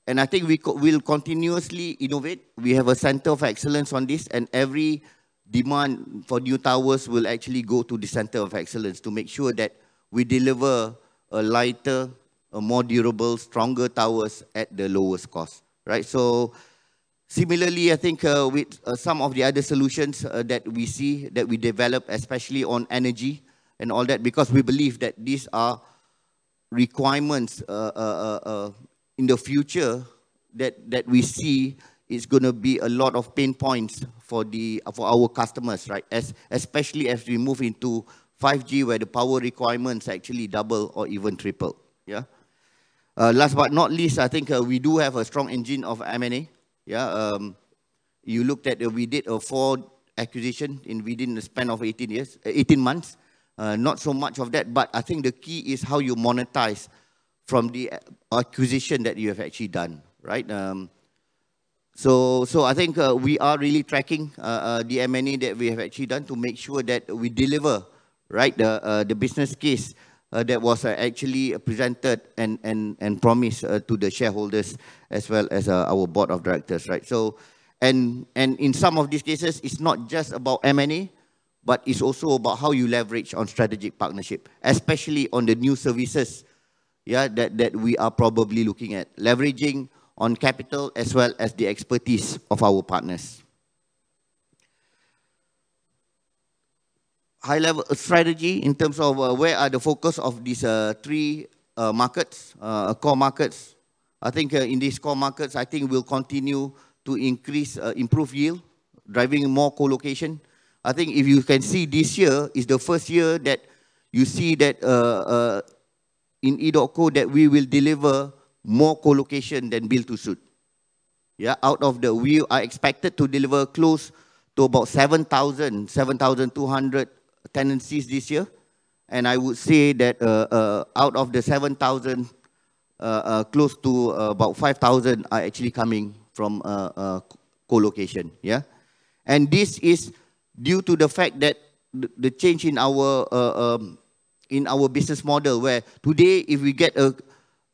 I think we will continuously innovate. We have a center of excellence on this, and every demand for new towers will actually go to the center of excellence to make sure that we deliver lighter, more durable, stronger towers at the lowest cost, right? So similarly, I think with some of the other solutions that we see that we develop, especially on energy and all that, because we believe that these are requirements in the future that we see it's going to be a lot of pain points for our customers, right? Especially as we move into 5G, where the power requirements actually double or even triple, yeah? Last but not least, I think we do have a strong engine of M&A, yeah? You look at we did four acquisitions within the span of 18 months. Not so much of that, but I think the key is how you monetize from the acquisition that you have actually done, right? So I think we are really tracking the M&A that we have actually done to make sure that we deliver, right, the business case that was actually presented and promised to the shareholders as well as our board of directors, right? So and in some of these cases, it's not just about M&A, but it's also about how you leverage on strategic partnership, especially on the new services, yeah, that we are probably looking at leveraging on capital as well as the expertise of our partners. High-level strategy in terms of where are the focus of these three markets, core markets. I think in these core markets, I think we'll continue to increase, improve yield, driving more colocation. I think if you can see, this year is the first year that you see that in EDOTCO that we will deliver more colocation than build-to-suit, yeah? Overall, we are expected to deliver close to about 7,000-7,200 tenancies this year. And I would say that out of the 7,000, close to about 5,000 are actually coming from colocation, yeah? And this is due to the fact that the change in our business model, where today if we get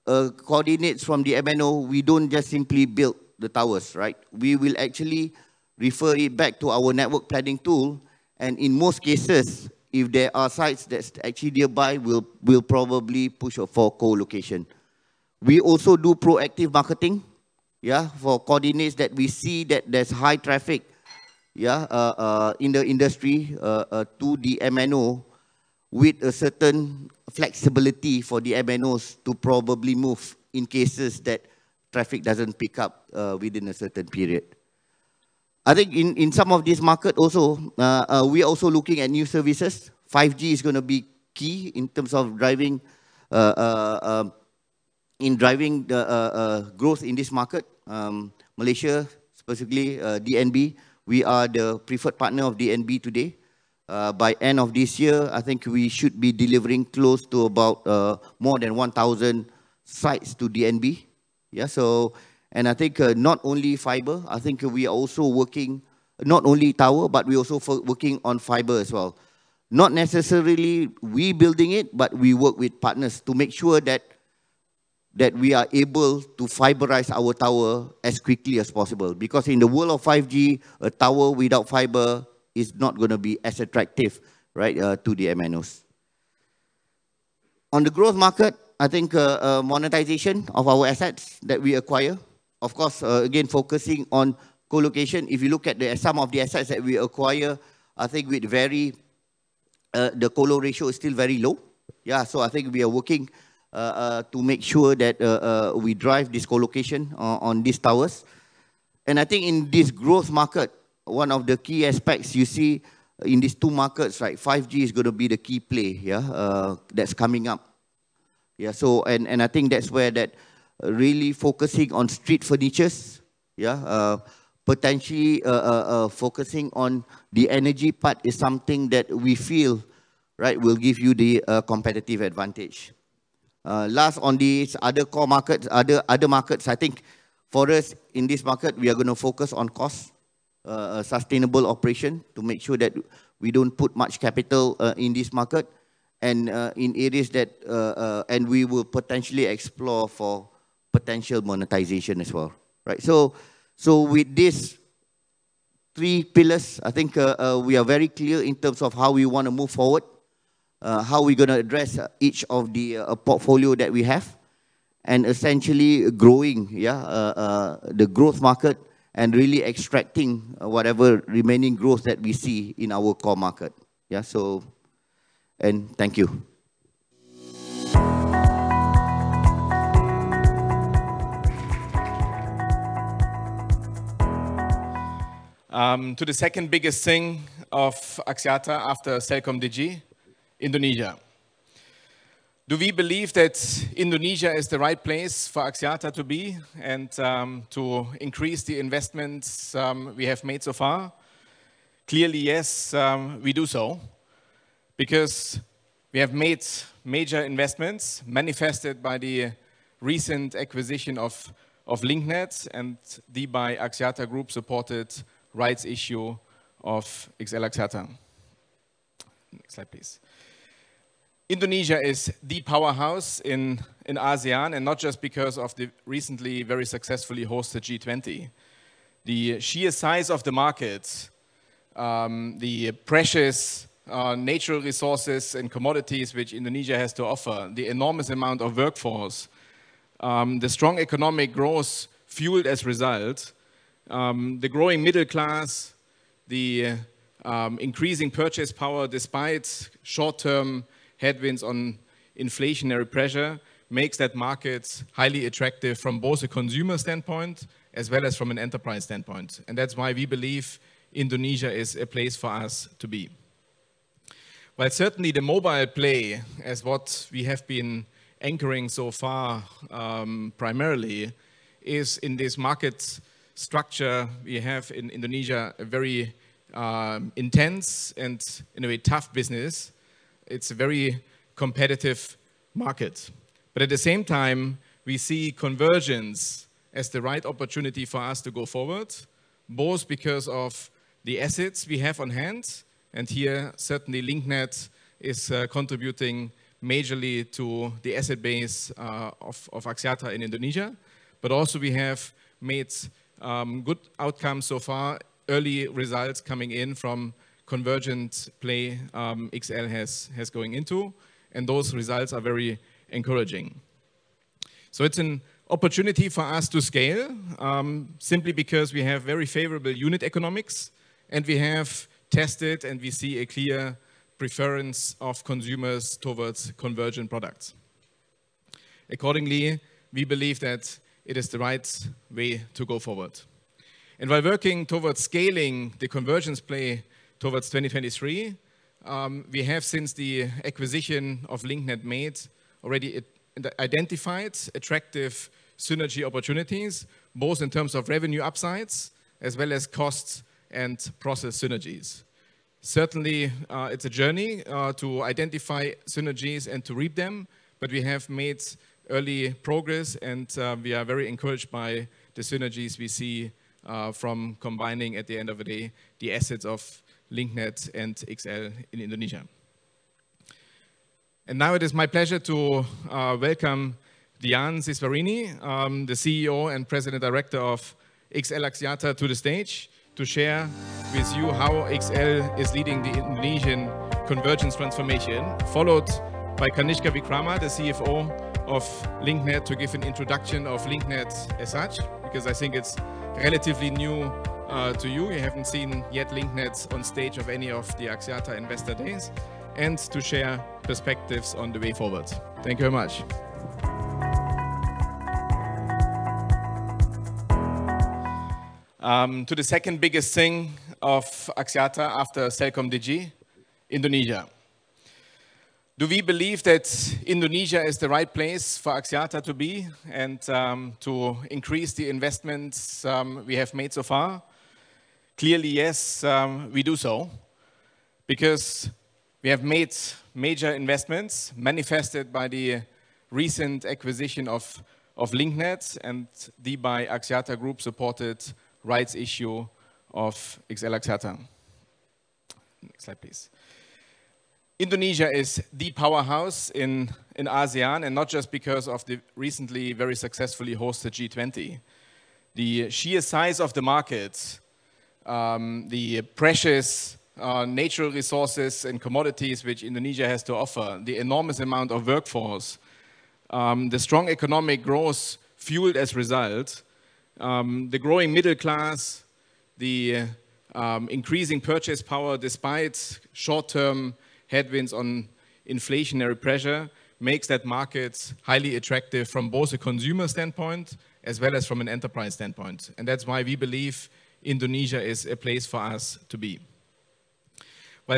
coordinates from the MNO, we don't just simply build the towers, right? We will actually refer it back to our network planning tool. And in most cases, if there are sites that are actually nearby, we'll probably push for colocation. We also do proactive marketing, yeah, for colocation that we see that there's high traffic, yeah, in the industry to the MNO with a certain flexibility for the MNOs to probably move in cases that traffic doesn't pick up within a certain period. I think in some of these markets also, we are also looking at new services. 5G is going to be key in terms of driving the growth in this market. Malaysia, specifically DNB, we are the preferred partner of DNB today. By the end of this year, I think we should be delivering close to about more than 1,000 sites to DNB, yeah? So, I think not only fiber, we are also working not only tower, but we are also working on fiber as well. Not necessarily. We're building it, but we work with partners to make sure that we are able to fiberize our tower as quickly as possible. Because in the world of 5G, a tower without fiber is not going to be as attractive, right, to the MNOs. On the growth market, I think monetization of our assets that we acquire, of course, again, focusing on colocation. If you look at some of the assets that we acquire, I think the colo ratio is still very low, yeah? So I think we are working to make sure that we drive this colocation on these towers, and I think in this growth market, one of the key aspects you see in these two markets, right, 5G is going to be the key play, yeah, that's coming up, yeah? And I think that's where that really focusing on street furniture, yeah, potentially focusing on the energy part is something that we feel, right, will give you the competitive advantage. Lastly on these other core markets, other markets, I think for us in this market, we are going to focus on cost sustainable operation to make sure that we don't put much capital in this market and in areas that we will potentially explore for potential monetization as well, right? With these three pillars, I think we are very clear in terms of how we want to move forward, how we're going to address each of the portfolios that we have and essentially growing, yeah, the growth market and really extracting whatever remaining growth that we see in our core market, yeah. Thank you. To the second biggest thing of Axiata after CelcomDigi, Indonesia. Do we believe that Indonesia is the right place for Axiata to be and to increase the investments we have made so far? Clearly, yes, we do so because we have made major investments manifested by the recent acquisition of Link Net and the by Axiata Group supported rights issue of XL Axiata. Next slide, please. Indonesia is the powerhouse in ASEAN and not just because of the recently very successfully hosted G20. The sheer size of the markets, the precious natural resources and commodities which Indonesia has to offer, the enormous amount of workforce, the strong economic growth fueled as a result, the growing middle class, the increasing purchase power despite short-term headwinds on inflationary pressure makes that market highly attractive from both a consumer standpoint as well as from an enterprise standpoint. That's why we believe Indonesia is a place for us to be. But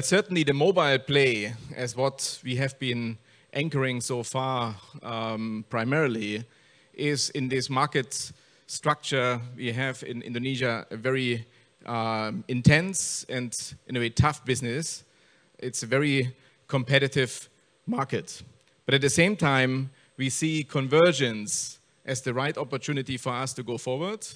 certainly the mobile play as what we have been anchoring so far primarily is in this market structure we have in Indonesia, a very intense and in a way tough business. It's a very competitive market. But at the same time, we see convergence as the right opportunity for us to go forward,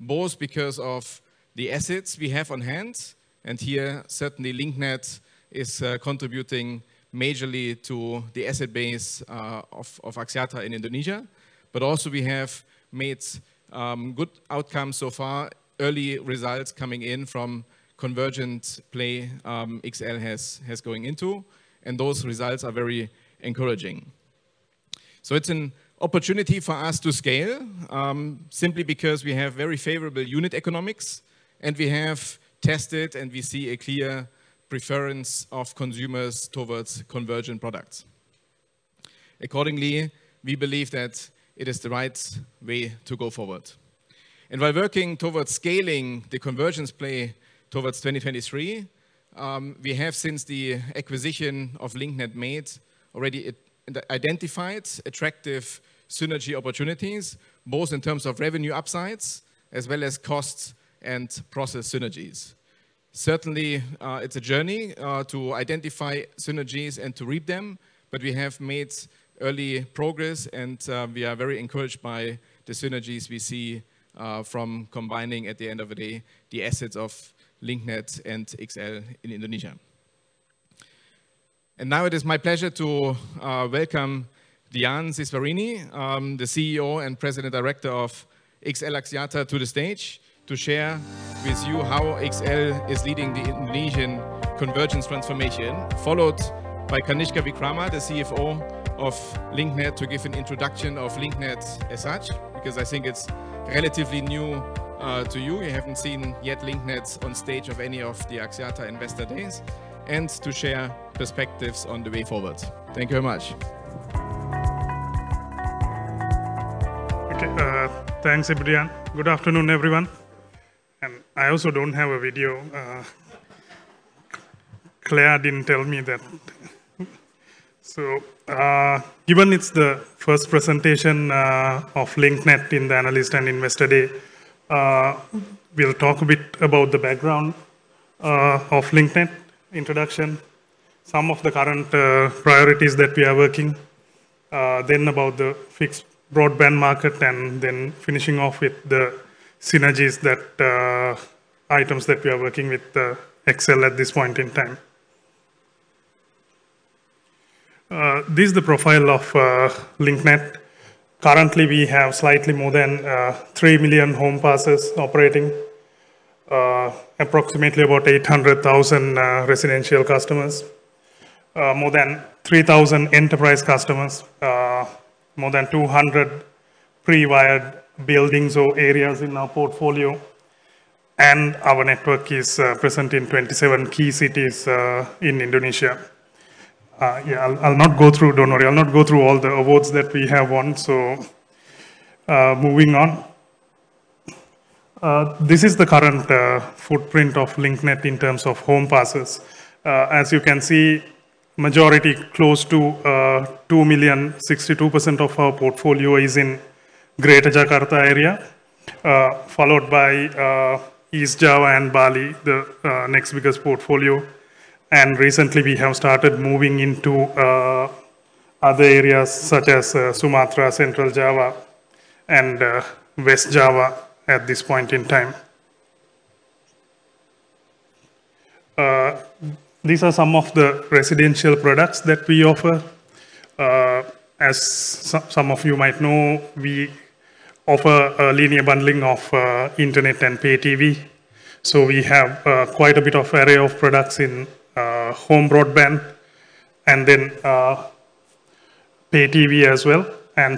both because of the assets we have on hand. And here, certainly Link Net is contributing majorly to the asset base of Axiata in Indonesia. But also we have made good outcomes so far, early results coming in from convergent play XL has going into. And those results are very encouraging. So it's an opportunity for us to scale simply because we have very favorable unit economics and we have tested and we see a clear preference of consumers towards convergent products. Accordingly, we believe that it is the right way to go forward. While working towards scaling the convergence play towards 2023, we have since the acquisition of Link Net made already identified attractive synergy opportunities, both in terms of revenue upsides as well as costs and process synergies. Certainly, it's a journey to identify synergies and to reap them, but we have made early progress and we are very encouraged by the synergies we see from combining at the end of the day the assets of Link Net and XL in Indonesia. Now it is my pleasure to welcome Dian Siswarini, the CEO and President Director of XL Axiata to the stage to share with you how XL is leading the Indonesian convergence transformation, followed by Kanishka Wickrama, the CFO of Link Net, to give an introduction of Link Net as such, because I think it's relatively new we'll talk a bit about the background of Link Net introduction, some of the current priorities that we are working, then about the fixed broadband market, and then finishing off with the synergies that items that we are working with XL at this point in time. This is the profile of Link Net. Currently, we have slightly more than 3 million home passes operating, approximately about 800,000 residential customers, more than 3,000 enterprise customers, more than 200 pre-wired buildings or areas in our portfolio, and our network is present in 27 key cities in Indonesia. Yeah, I'll not go through, don't worry, I'll not go through all the awards that we have won. Moving on. This is the current footprint of Link Net in terms of home passes. As you can see, majority close to 2 million, 62% of our portfolio is in Greater Jakarta area, followed by East Java and Bali, the next biggest portfolio. Recently, we have started moving into other areas such as Sumatra, Central Java, and West Java at this point in time. These are some of the residential products that we offer. As some of you might know, we offer a linear bundling of internet and Pay TV. So we have quite a bit of area of products in home broadband and then Pay TV as well.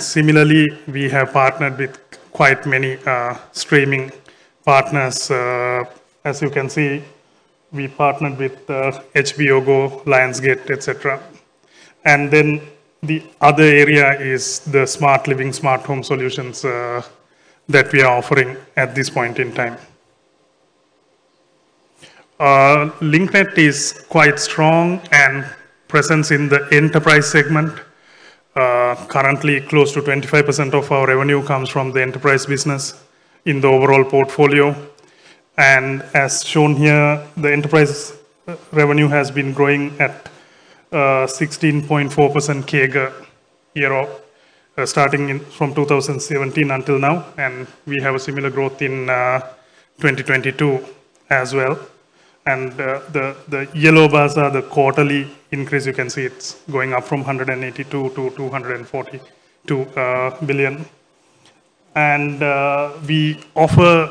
Similarly, we have partnered with quite many streaming partners. As you can see, we partnered with HBO GO, Lionsgate, etc. Then the other area is the Smart Living, Smart Home solutions that we are offering at this point in time. Link Net is quite strong and present in the enterprise segment. Currently, close to 25% of our revenue comes from the enterprise business in the overall portfolio, and as shown here, the enterprise revenue has been growing at 16.4% CAGR year-over-year starting from 2017 until now, and we have a similar growth in 2022 as well. The yellow bars are the quarterly increase. You can see it's going up from 182 billion to 242 billion. We offer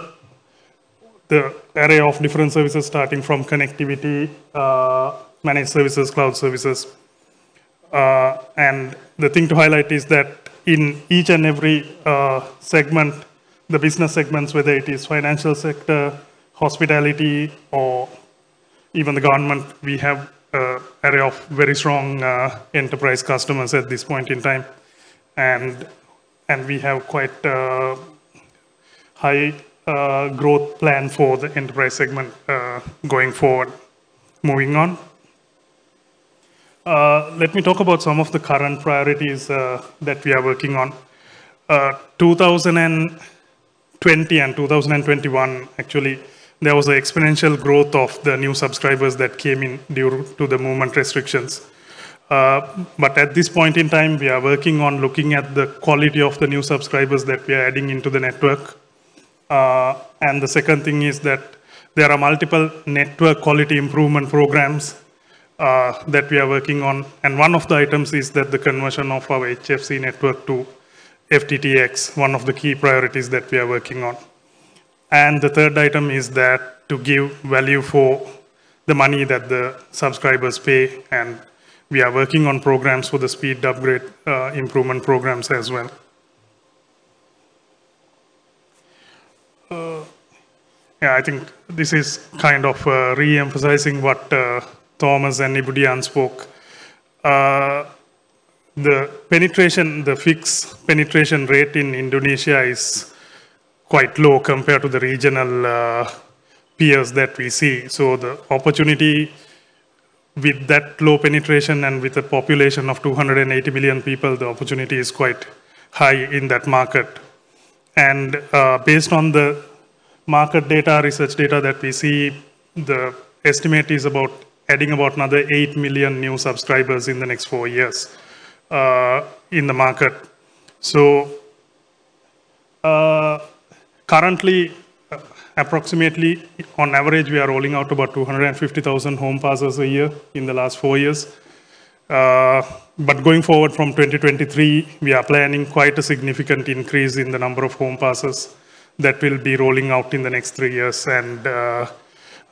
in the area of different services starting from connectivity, managed services, cloud services. The thing to highlight is that in each and every segment, the business segments, whether it is financial sector, hospitality, or even the government, we have a very strong array of very strong enterprise customers at this point in time, and we have quite a high growth plan for the enterprise segment going forward. Moving on. Let me talk about some of the current priorities that we are working on. 2020 and 2021, actually, there was an exponential growth of the new subscribers that came in due to the movement restrictions. But at this point in time, we are working on looking at the quality of the new subscribers that we are adding into the network. And the second thing is that there are multiple network quality improvement programs that we are working on. And one of the items is that the conversion of our HFC network to FTTX, one of the key priorities that we are working on. And the third item is that to give value for the money that the subscribers pay. And we are working on programs for the speed upgrade improvement programs as well. Yeah, I think this is kind of reemphasizing what Thomas and Dian spoke. The penetration, the fixed penetration rate in Indonesia is quite low compared to the regional peers that we see. So the opportunity with that low penetration and with the population of 280 million people, the opportunity is quite high in that market. And based on the market data, research data that we see, the estimate is about adding about another 8 million new subscribers in the next four years in the market. So currently, approximately on average, we are rolling out about 250,000 home passes a year in the last four years. But going forward from 2023, we are planning quite a significant increase in the number of home passes that will be rolling out in the next three years. And the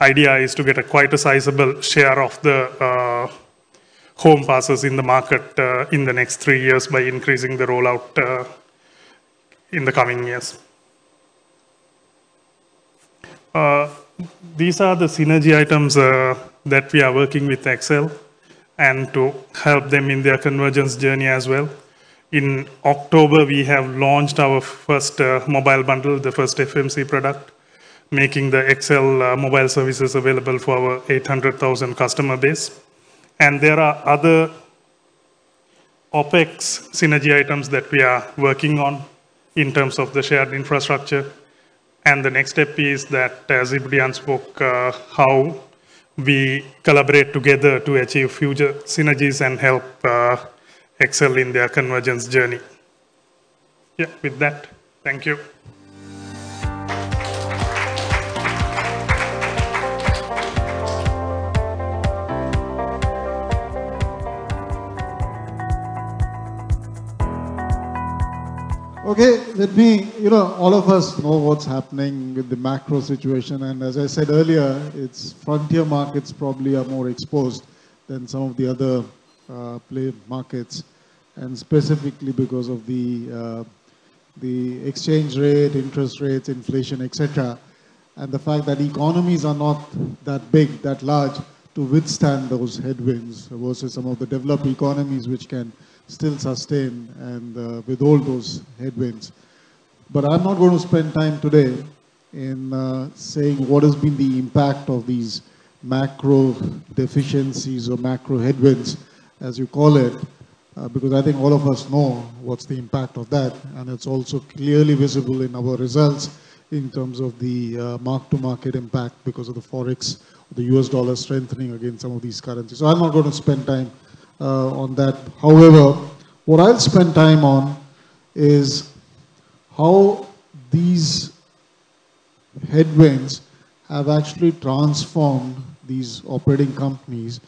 idea is to get quite a sizable share of the home passes in the market in the next three years by increasing the rollout in the coming years. These are the synergy items that we are working with XL and to help them in their convergence journey as well. In October, we have launched our first mobile bundle, the first FMC product, making the XL mobile services available for our 800,000 customer base. There are other OpEx synergy items that we are working on in terms of the shared infrastructure. The next step is that, as Dian spoke, how we collaborate together to achieve future synergies and help XL in their convergence journey. Yeah, with that, thank you. Okay, let me, you know, all of us know what's happening with the macro situation. And as I said earlier, its frontier markets probably are more exposed than some of the other play markets, and specifically because of the exchange rate, interest rates, inflation, etc., and the fact that economies are not that big, that large to withstand those headwinds versus some of the developed economies which can still sustain and withstand those headwinds. But I'm not going to spend time today in saying what has been the impact of these macro deficiencies or macro headwinds, as you call it, because I think all of us know what's the impact of that. And it's also clearly visible in our results in terms of the mark-to-market impact because of the forex, the US dollar strengthening against some of these currencies. So I'm not going to spend time on that. However, what I'll spend time on is how these headwinds have actually transformed these operating companies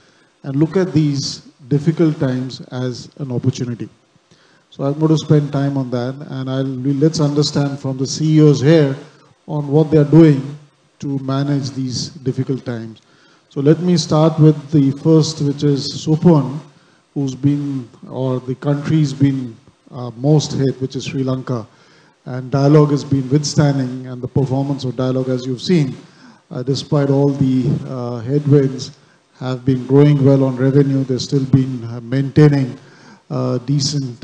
and look at these difficult times as an opportunity. So I'm going to spend time on that. And let's understand from the CEOs here on what they are doing to manage these difficult times. So let me start with the first, which is Supun, who's been, or the country's been most hit, which is Sri Lanka. And Dialog has been withstanding and the performance of Dialog, as you've seen, despite all the headwinds, have been growing well on revenue. They're still been maintaining decent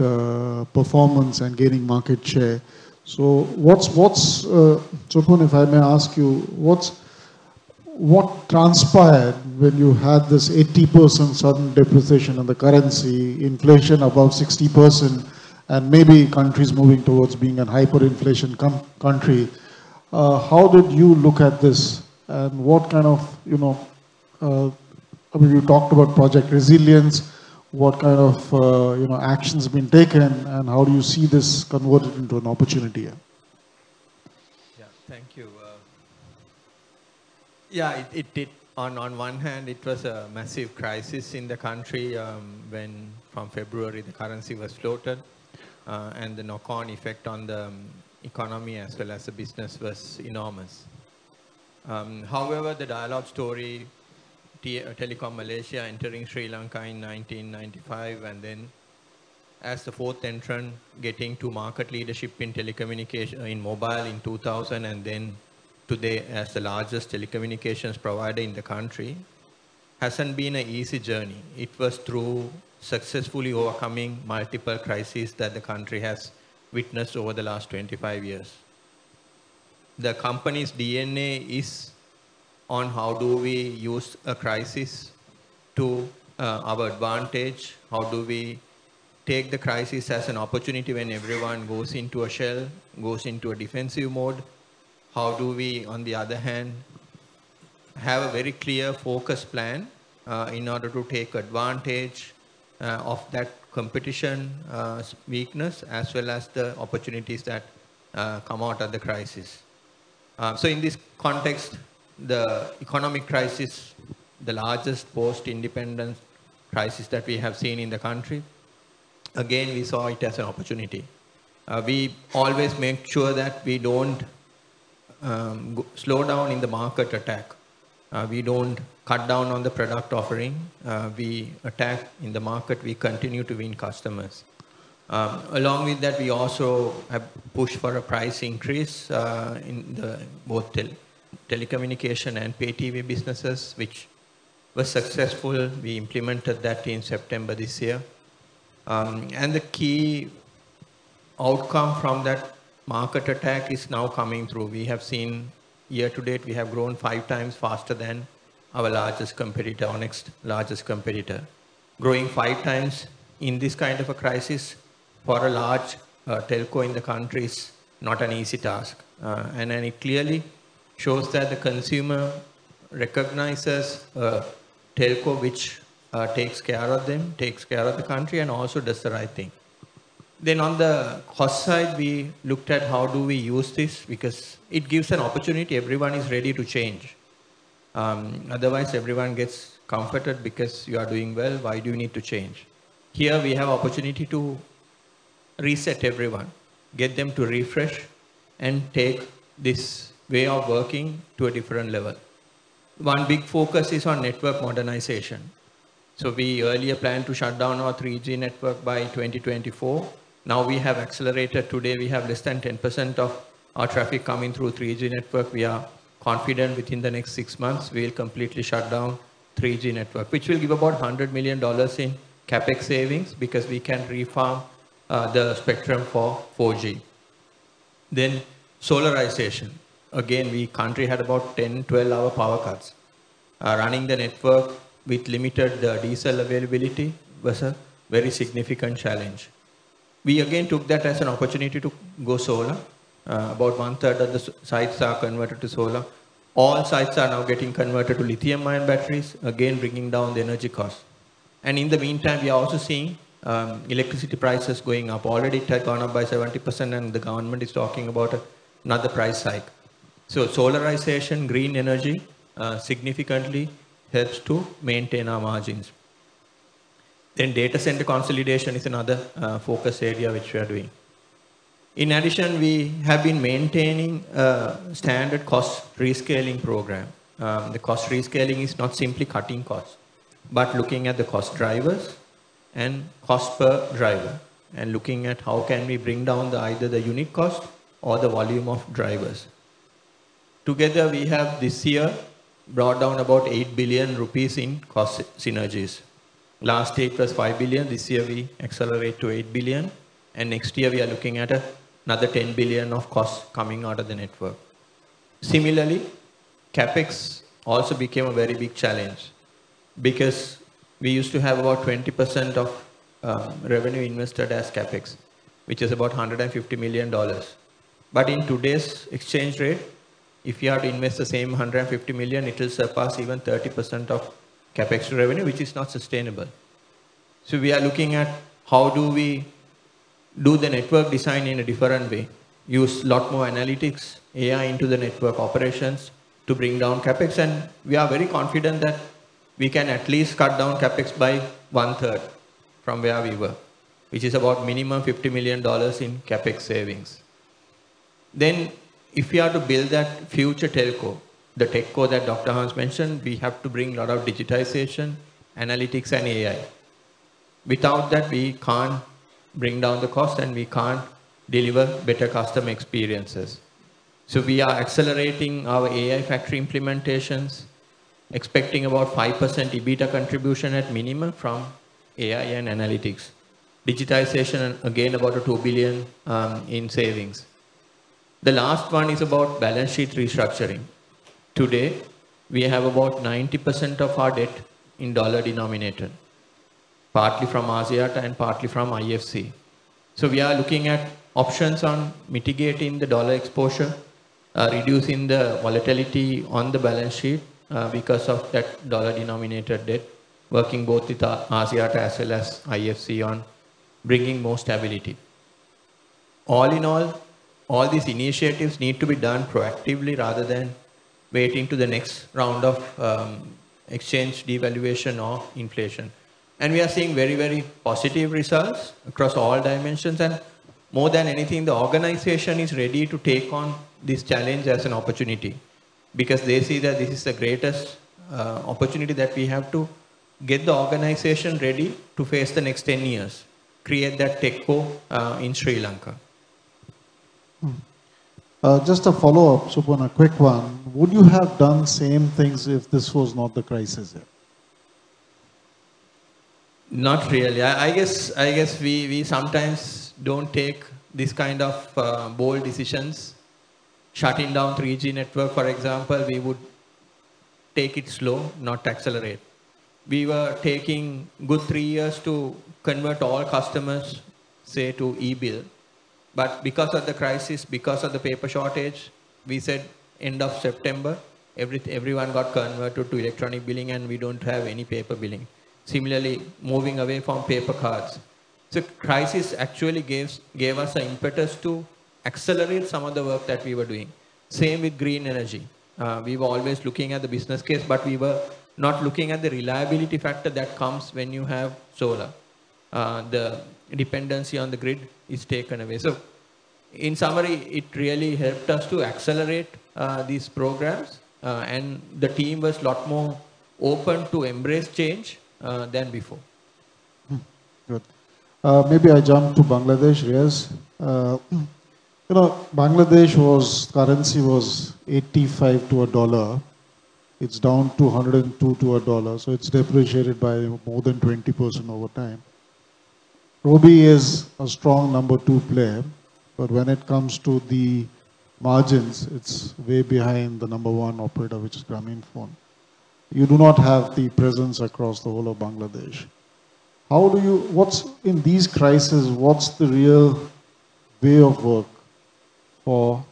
performance and gaining market share. So what's, Supun, if I may ask you, what transpired when you had this 80% sudden depreciation of the currency, inflation above 60%, and maybe countries moving towards being a hyperinflation country? How did you look at this? What kind of, you know, we talked about project resilience? What kind of actions have been taken? And how do you see this converted into an opportunity? Yeah. Thank you. Yeah, it did. On one hand, it was a massive crisis in the country when from February, the currency was floated and the knock-on effect on the economy as well as the business was enormous. However, the Dialog story, Telekom Malaysia entering Sri Lanka in 1995 and then as the fourth entrant getting to market leadership in telecommunication in mobile in 2000 and then today as the largest telecommunications provider in the country hasn't been an easy journey. It was through successfully overcoming multiple crises that the country has witnessed over the last 25 years. The company's DNA is on how do we use a crisis to our advantage? How do we take the crisis as an opportunity when everyone goes into a shell, goes into a defensive mode? How do we, on the other hand, have a very clear focus plan in order to take advantage of that competition weakness as well as the opportunities that come out of the crisis? So in this context, the economic crisis, the largest post-independence crisis that we have seen in the country, again, we saw it as an opportunity. We always make sure that we don't slow down in the market attack. We don't cut down on the product offering. We attack in the market. We continue to win customers. Along with that, we also have pushed for a price increase in both telecommunication and Pay TV businesses, which was successful. We implemented that in September this year. And the key outcome from that market attack is now coming through. We have seen year to date, we have grown 5x faster than our largest competitor, Onyx. Growing 5x in this kind of a crisis for a large telco in the country is not an easy task, and it clearly shows that the consumer recognizes a telco which takes care of them, takes care of the country, and also does the right thing, then on the cost side, we looked at how do we use this because it gives an opportunity. Everyone is ready to change. Otherwise, everyone gets comforted because you are doing well. Why do you need to change? Here, we have an opportunity to reset everyone, get them to refresh and take this way of working to a different level. One big focus is on network modernization, so we earlier planned to shut down our 3G network by 2024. Now we have accelerated. Today, we have less than 10% of our traffic coming through 3G network. We are confident within the next six months, we'll completely shut down 3G network, which will give about $100 million in CapEx savings because we can refarm the spectrum for 4G. Then solarization. Again, our country had about 10-12-hour power cuts. Running the network with limited diesel availability was a very significant challenge. We again took that as an opportunity to go solar. About one third of the sites are converted to solar. All sites are now getting converted to lithium-ion batteries, again bringing down the energy cost, and in the meantime, we are also seeing electricity prices going up already, gone up by 70%, and the government is talking about another price hike, so solarization, green energy significantly helps to maintain our margins. Data center consolidation is another focus area which we are doing. In addition, we have been maintaining a standard cost rescaling program. The cost rescaling is not simply cutting costs, but looking at the cost drivers and cost per driver and looking at how can we bring down either the unit cost or the volume of drivers. Together, we have this year brought down about LKR 8 billion in cost synergies. Last year it was LKR 5 billion. This year we accelerate to LKR 8 billion. And next year we are looking at another LKR 10 billion of costs coming out of the network. Similarly, CapEx also became a very big challenge because we used to have about 20% of revenue invested as CapEx, which is about $150 million. But in today's exchange rate, if you have to invest the same $150 million, it will surpass even 30% of CapEx revenue, which is not sustainable. So we are looking at how do we do the network design in a different way, use a lot more analytics, AI into the network operations to bring down CapEx. And we are very confident that we can at least cut down CapEx by one third from where we were, which is about minimum $50 million in CapEx savings. Then if we are to build that future telco, the telco that Dr. Hans mentioned, we have to bring a lot of digitization, analytics, and AI. Without that, we can't bring down the cost and we can't deliver better customer experiences. We are accelerating our AI factory implementations, expecting about 5% EBITDA contribution at minimum from AI and analytics, digitization, and again about $2 billion in savings. The last one is about balance sheet restructuring. Today, we have about 90% of our debt in dollar-denominated, partly from Axiata and partly from IFC. So we are looking at options on mitigating the dollar exposure, reducing the volatility on the balance sheet because of that dollar-denominated debt, working both with Axiata as well as IFC on bringing more stability. All in all, all these initiatives need to be done proactively rather than waiting for the next round of exchange devaluation or inflation, and we are seeing very, very positive results across all dimensions. More than anything, the organization is ready to take on this challenge as an opportunity because they see that this is the greatest opportunity that we have to get the organization ready to face the next 10 years, create that TechCo in Sri Lanka. Just a follow-up, Supun, a quick one. Would you have done the same things if this was not the crisis yet? Not really. I guess we sometimes don't take these kind of bold decisions. Shutting down 3G network, for example, we would take it slow, not accelerate. We were taking good three years to convert all customers, say, to e-bill. But because of the crisis, because of the paper shortage, we said end of September, everyone got converted to electronic billing and we don't have any paper billing. Similarly, moving away from paper cards. So crisis actually gave us an impetus to accelerate some of the work that we were doing. Same with green energy. We were always looking at the business case, but we were not looking at the reliability factor that comes when you have solar. The dependency on the grid is taken away. So in summary, it really helped us to accelerate these programs and the team was a lot more open to embrace change than before. Good. Maybe I jump to Bangladesh, Riyaaz. You know, Bangladesh currency was BDT 85 to $1. It's down to BDT 102 to $1. So it's depreciated by more than 20% over time. Robi is a strong number two player, but when it comes to the margins, it's way behind the number one operator, which is Grameenphone. You do not have the presence across the whole of Bangladesh. What's in these crises? What's the real way of work for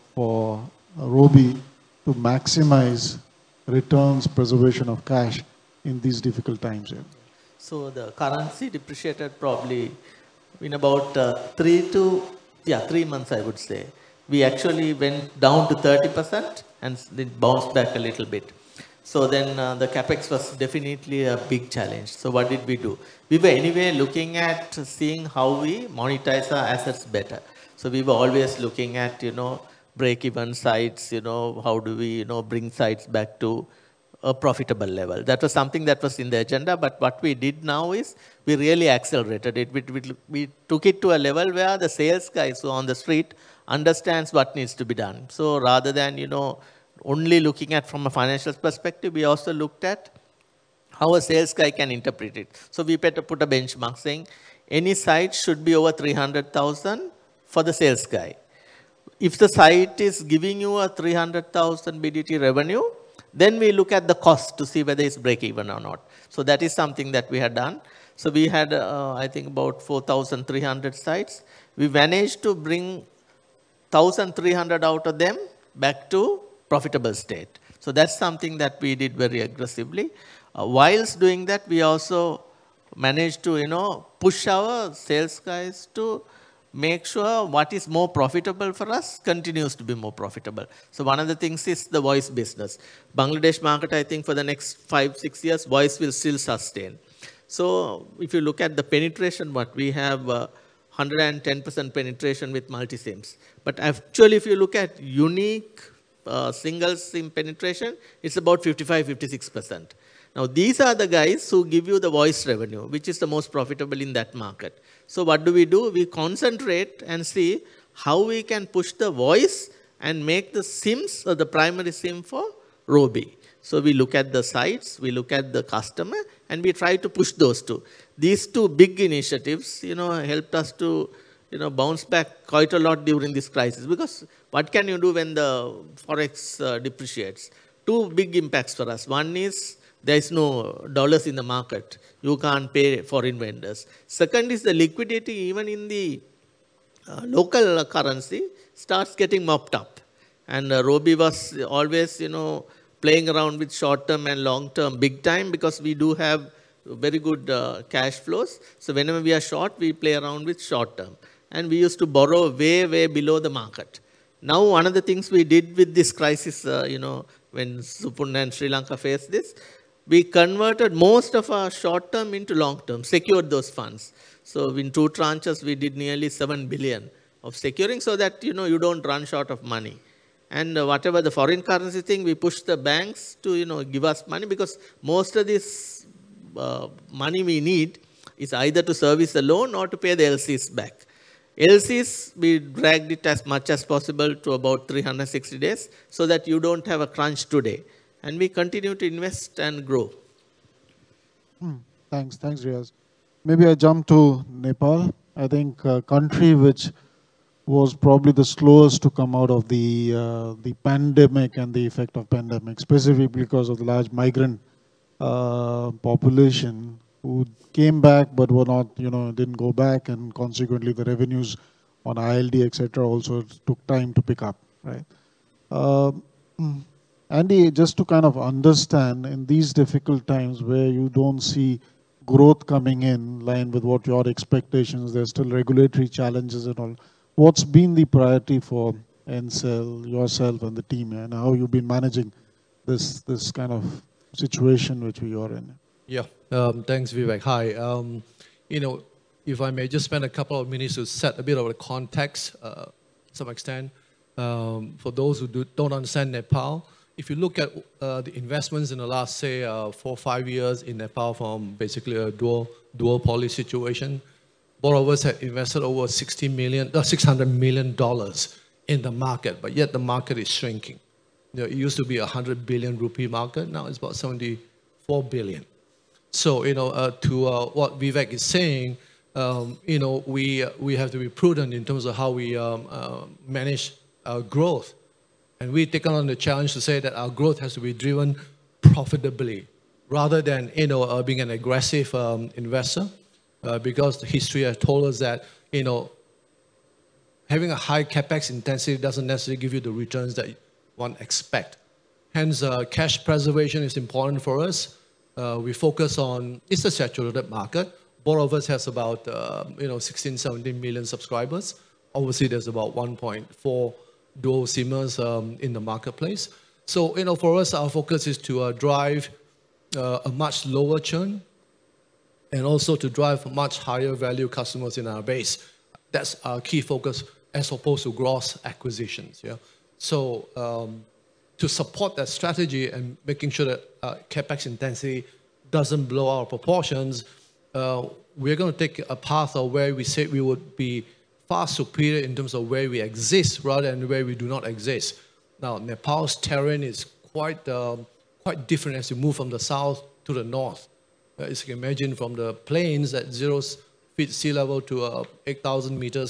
Robi to maximize returns, preservation of cash in these difficult times? So the currency depreciated probably in about three to, yeah, three months, I would say. We actually went down to 30% and then bounced back a little bit. So then the CapEx was definitely a big challenge. So what did we do? We were anyway looking at seeing how we monetize our assets better. So we were always looking at, you know, break even sites, you know, how do we, you know, bring sites back to a profitable level. That was something that was in the agenda. But what we did now is we really accelerated it. We took it to a level where the sales guy on the street understands what needs to be done. So rather than, you know, only looking at from a financial perspective, we also looked at how a sales guy can interpret it. So we put a benchmark saying any site should be over BDT 300,000 for the sales guy. If the site is giving you a BDT 300,000 revenue, then we look at the cost to see whether it's break even or not. So that is something that we had done. So we had, I think, about 4,300 sites. We managed to bring 1,300 out of them back to profitable state. So that's something that we did very aggressively. While doing that, we also managed to, you know, push our sales guys to make sure what is more profitable for us continues to be more profitable. So one of the things is the voice business. Bangladesh market, I think for the next five, six years, voice will still sustain. So if you look at the penetration, what we have 110% penetration with multi-SIMs. But actually, if you look at unique single SIM penetration, it's about 55%-56%. Now these are the guys who give you the voice revenue, which is the most profitable in that market. So what do we do? We concentrate and see how we can push the voice and make the SIMs or the primary SIM for Robi. So we look at the sites, we look at the customer, and we try to push those two. These two big initiatives, you know, helped us to, you know, bounce back quite a lot during this crisis because what can you do when the forex depreciates? Two big impacts for us. One is there is no dollars in the market. You can't pay foreign vendors. Second is the liquidity, even in the local currency, starts getting mopped up. Robi was always, you know, playing around with short term and long term big time because we do have very good cash flows. So whenever we are short, we play around with short term. We used to borrow way, way below the market. Now one of the things we did with this crisis, you know, when Supun and Sri Lanka faced this, we converted most of our short term into long term, secured those funds. In two tranches, we did nearly BDT 7 billion of securing so that, you know, you don't run short of money. Whatever the foreign currency thing, we pushed the banks to, you know, give us money because most of this money we need is either to service the loan or to pay the LCs back. LCs, we dragged it as much as possible to about 360 days so that you don't have a crunch today. And we continue to invest and grow. Thanks. Thanks, Riyaaz. Maybe I jump to Nepal. I think a country which was probably the slowest to come out of the pandemic and the effect of pandemic, specifically because of the large migrant population who came back but were not, you know, didn't go back and consequently the revenues on ILD, et cetera, also took time to pick up. Right? Andy, just to kind of understand in these difficult times where you don't see growth coming in line with what your expectations, there's still regulatory challenges and all, what's been the priority for Ncell, yourself and the team and how you've been managing this kind of situation which we are in? Yeah. Thanks, Vivek. Hi. You know, if I may just spend a couple of minutes to set a bit of a context to some extent for those who don't understand Nepal. If you look at the investments in the last, say, four, five years in Nepal from basically a duopoly situation, borrowers had invested over $600 million in the market, but yet the market is shrinking. It used to be a $100 billion market, now it's about $74 billion. So, you know, to what Vivek is saying, you know, we have to be prudent in terms of how we manage growth, and we take on the challenge to say that our growth has to be driven profitably rather than, you know, being an aggressive investor because the history has told us that, you know, having a high CapEx intensity doesn't necessarily give you the returns that you want to expect. Hence, cash preservation is important for us. We focus on; it's a saturated market. Ncell has about, you know, 16-17 million subscribers. Obviously, there's about 1.4 dual SIMs in the marketplace. So, you know, for us, our focus is to drive a much lower churn and also to drive much higher value customers in our base. That's our key focus as opposed to gross acquisitions. Yeah. So to support that strategy and making sure that CapEx intensity doesn't blow out of proportions, we're going to take a path of where we say we would be far superior in terms of where we exist rather than where we do not exist. Now, Nepal's terrain is quite different as you move from the south to the north. As you can imagine, from the plains at zero feet sea level to 8,000 m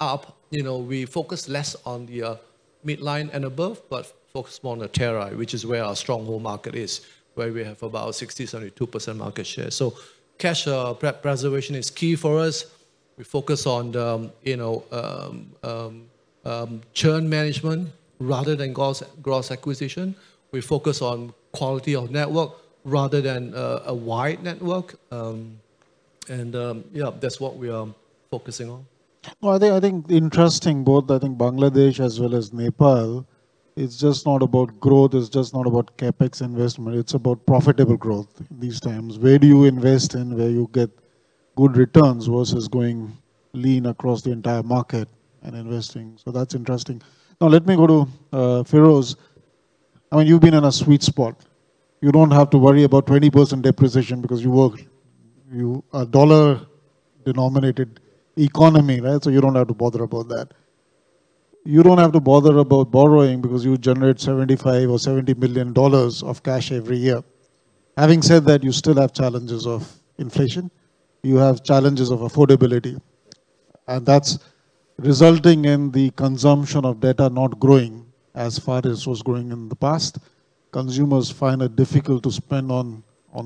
up, you know, we focus less on the midline and above, but focus more on the terrain, which is where our stronghold market is, where we have about 60%-72% market share. So cash preservation is key for us. We focus on, you know, churn management rather than gross acquisition. We focus on quality of network rather than a wide network. And yeah, that's what we are focusing on. I think interesting both, I think Bangladesh as well as Nepal, it's just not about growth, it's just not about CapEx investment, it's about profitable growth these times. Where do you invest and where you get good returns versus going lean across the entire market and investing. So that's interesting. Now let me go to Feiruz. I mean, you've been in a sweet spot. You don't have to worry about 20% depreciation because you work in a dollar-denominated economy, right? So you don't have to bother about that. You don't have to bother about borrowing because you generate $75 or $70 million of cash every year. Having said that, you still have challenges of inflation. You have challenges of affordability. And that's resulting in the consumption of data not growing as fast as was growing in the past. Consumers find it difficult to spend on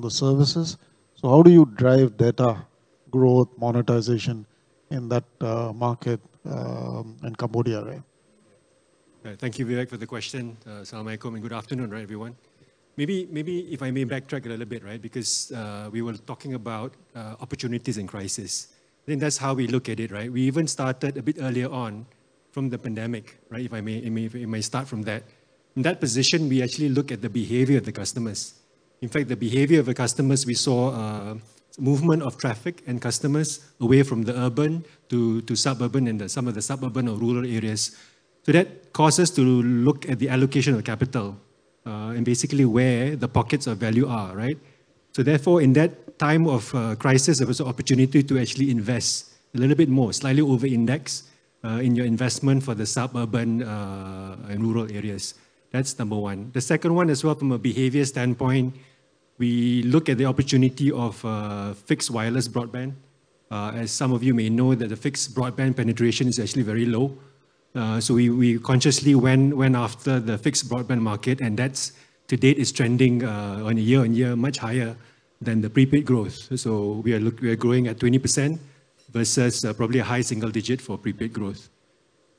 the services. So how do you drive data growth monetization in that market and Cambodia, right? Thank you, Vivek, for the question. Salam Alaikum and good afternoon, right, everyone. Maybe if I may backtrack a little bit, right, because we were talking about opportunities and crisis. I think that's how we look at it, right? We even started a bit earlier on from the pandemic, right? If I may, it may start from that. In that position, we actually look at the behavior of the customers. In fact, the behavior of the customers, we saw a movement of traffic and customers away from the urban to suburban and some of the suburban or rural areas. So that caused us to look at the allocation of capital and basically where the pockets of value are, right? So therefore, in that time of crisis, there was an opportunity to actually invest a little bit more, slightly over-index in your investment for the suburban and rural areas. That's number one. The second one as well from a behavior standpoint, we look at the opportunity of fixed wireless broadband. As some of you may know, the fixed broadband penetration is actually very low. So we consciously went after the fixed broadband market, and that to date is trending on a year-on-year much higher than the prepaid growth. So we are growing at 20% versus probably a high single digit for prepaid growth.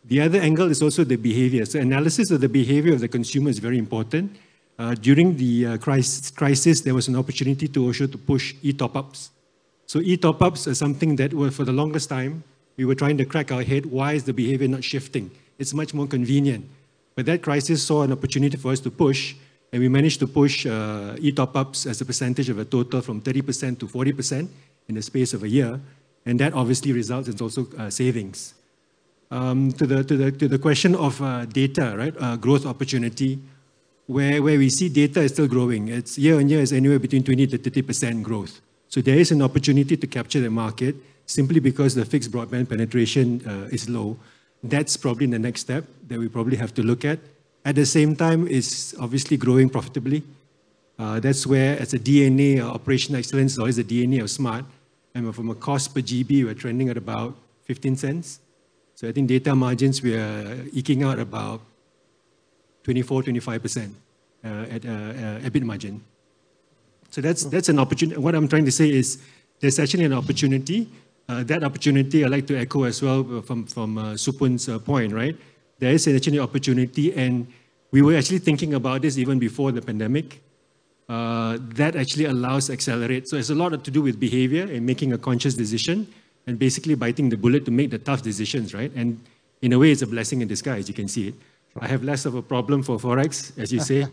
The other angle is also the behavior. So analysis of the behavior of the consumer is very important. During the crisis, there was an opportunity to also push e-top-ups. So e-top-ups are something that for the longest time, we were trying to crack our head, why is the behavior not shifting? It's much more convenient. But that crisis saw an opportunity for us to push, and we managed to push e-top-ups as a percentage of a total from 30% to 40% in the space of a year. And that obviously results in also savings. To the question of data, right, growth opportunity, where we see data is still growing. It's year-on-year anywhere between 20%-30% growth. So there is an opportunity to capture the market simply because the fixed broadband penetration is low. That's probably the next step that we probably have to look at. At the same time, it's obviously growing profitably. That's where as a DNA of operational excellence, or as a DNA of Smart, I mean, from a cost per GB, we're trending at about 0.15. So I think data margins, we're eking out about 24%-25% EBIT margin. So that's an opportunity. What I'm trying to say is there's actually an opportunity. That opportunity, I'd like to echo as well from Supun's point, right? There is an opportunity, and we were actually thinking about this even before the pandemic. That actually allows accelerate. It's a lot to do with behavior and making a conscious decision and basically biting the bullet to make the tough decisions, right? And in a way, it's a blessing in disguise, you can see it. I have less of a problem for forex, as you say.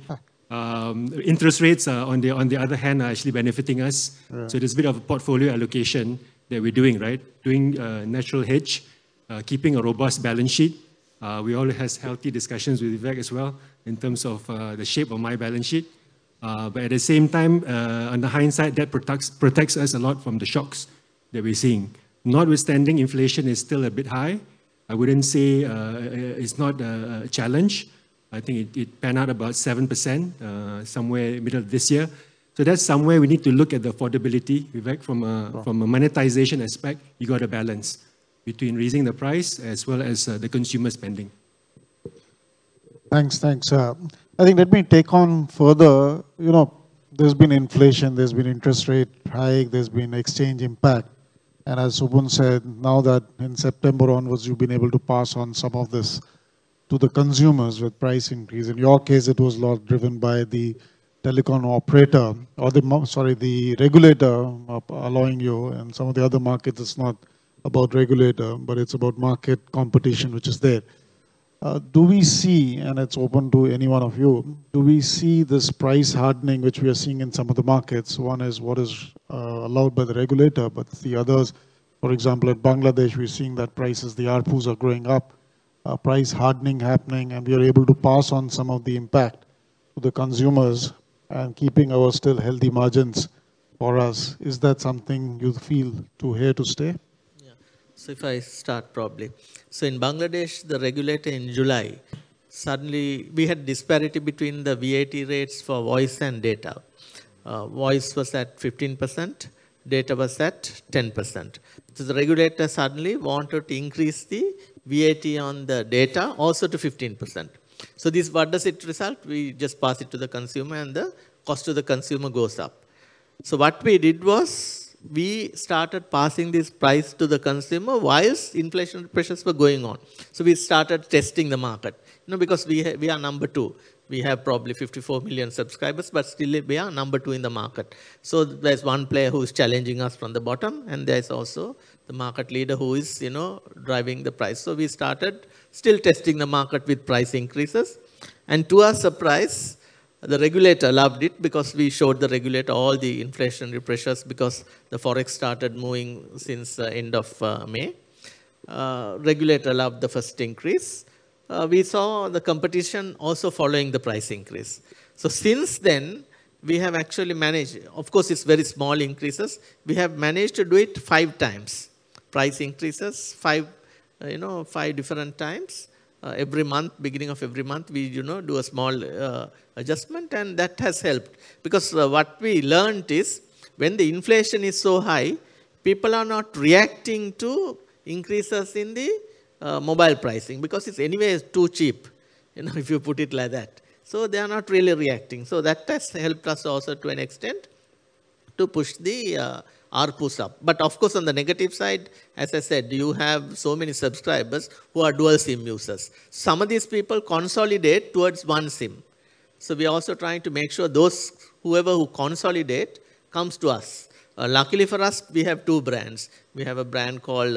Interest rates, on the other hand, are actually benefiting us. So there's a bit of a portfolio allocation that we're doing, right? Doing a natural hedge, keeping a robust balance sheet. We always have healthy discussions with Vivek as well in terms of the shape of my balance sheet. But at the same time, in hindsight, that protects us a lot from the shocks that we're seeing. Notwithstanding, inflation is still a bit high. I wouldn't say it's not a challenge. I think it pans out about 7% somewhere in the middle of this year. So that's somewhere we need to look at the affordability, Vivek, from a monetization aspect. You got a balance between raising the price as well as the consumer spending. Thanks. Thanks. I think let me take on further. You know, there's been inflation, there's been interest rate hike, there's been exchange impact. And as Supun said, now that in September onwards, you've been able to pass on some of this to the consumers with price increase. In your case, it was a lot driven by the telecom operator or the, sorry, the regulator allowing you. And some of the other markets, it's not about regulator, but it's about market competition, which is there. Do we see, and it's open to any one of you, do we see this price hardening which we are seeing in some of the markets? One is what is allowed by the regulator, but the others, for example, in Bangladesh, we're seeing that prices, the ARPUs are growing up, price hardening happening, and we are able to pass on some of the impact to the consumers and keeping our still healthy margins for us. Is that something you feel is here to stay? Yeah, so if I start, probably, in Bangladesh, the regulator in July suddenly we had disparity between the VAT rates for voice and data. Voice was at 15%, data was at 10%. The regulator suddenly wanted to increase the VAT on the data also to 15%. So this, what does it result? We just pass it to the consumer and the cost to the consumer goes up. What we did was we started passing this price to the consumer while inflation pressures were going on. So we started testing the market, you know, because we are number two. We have probably 54 million subscribers, but still we are number two in the market. So there's one player who is challenging us from the bottom, and there's also the market leader who is, you know, driving the price. So we started still testing the market with price increases. And to our surprise, the regulator loved it because we showed the regulator all the inflationary pressures because the forex started moving since the end of May. The regulator loved the first increase. We saw the competition also following the price increase. So since then, we have actually managed, of course, it's very small increases. We have managed to do it five times, price increases, five, you know, five different times every month, beginning of every month, we, you know, do a small adjustment, and that has helped because what we learned is when the inflation is so high, people are not reacting to increases in the mobile pricing because it's anyway too cheap, you know, if you put it like that. So they are not really reacting. So that has helped us also to an extent to push the ARPUs up. But of course, on the negative side, as I said, you have so many subscribers who are dual SIM users. Some of these people consolidate towards one SIM. So we are also trying to make sure those whoever who consolidate comes to us. Luckily for us, we have two brands. We have a brand called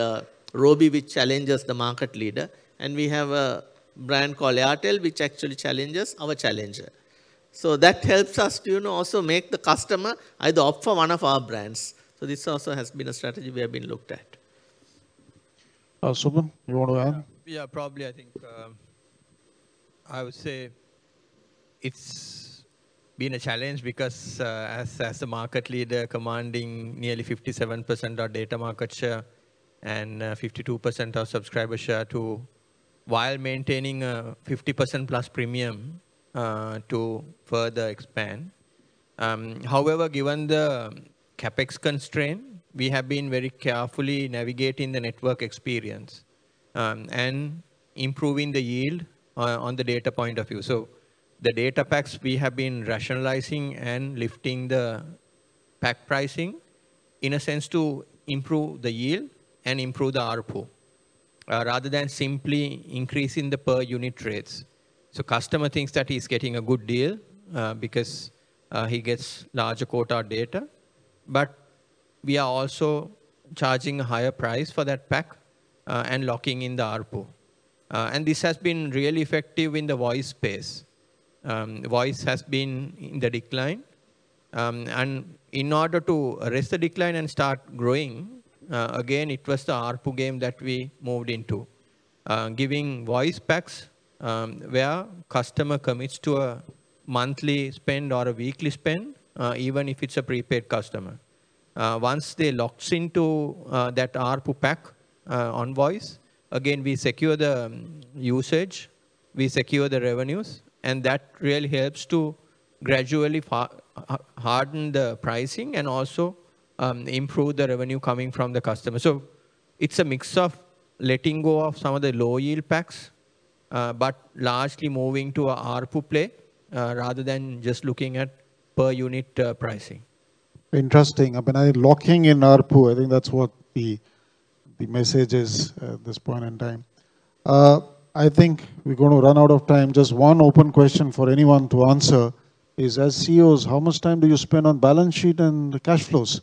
Robi, which challenges the market leader, and we have a brand called Airtel, which actually challenges our challenger. So that helps us to, you know, also make the customer either opt for one of our brands. So this also has been a strategy we have been looked at. Supun, you want to add? Yeah, probably, I think I would say it's been a challenge because as the market leader commanding nearly 57% of data market share and 52% of subscriber share too while maintaining a 50%+ premium to further expand. However, given the CapEx constraint, we have been very carefully navigating the network experience and improving the yield on the data point of view. So the data packs, we have been rationalizing and lifting the pack pricing in a sense to improve the yield and improve the ARPU rather than simply increasing the per unit rates. So customer thinks that he's getting a good deal because he gets a larger quota data, but we are also charging a higher price for that pack and locking in the ARPU. And this has been really effective in the voice space. Voice has been in the decline. And in order to arrest the decline and start growing again, it was the ARPU game that we moved into. Giving voice packs where customer commits to a monthly spend or a weekly spend, even if it's a prepaid customer. Once they lock into that ARPU pack on voice, again, we secure the usage, we secure the revenues, and that really helps to gradually harden the pricing and also improve the revenue coming from the customer. So it's a mix of letting go of some of the low yield packs, but largely moving to an ARPU play rather than just looking at per unit pricing. Interesting. I mean, I think locking in ARPU, I think that's what the message is at this point in time. I think we're going to run out of time. Just one open question for anyone to answer is, as CEOs, how much time do you spend on balance sheet and cash flows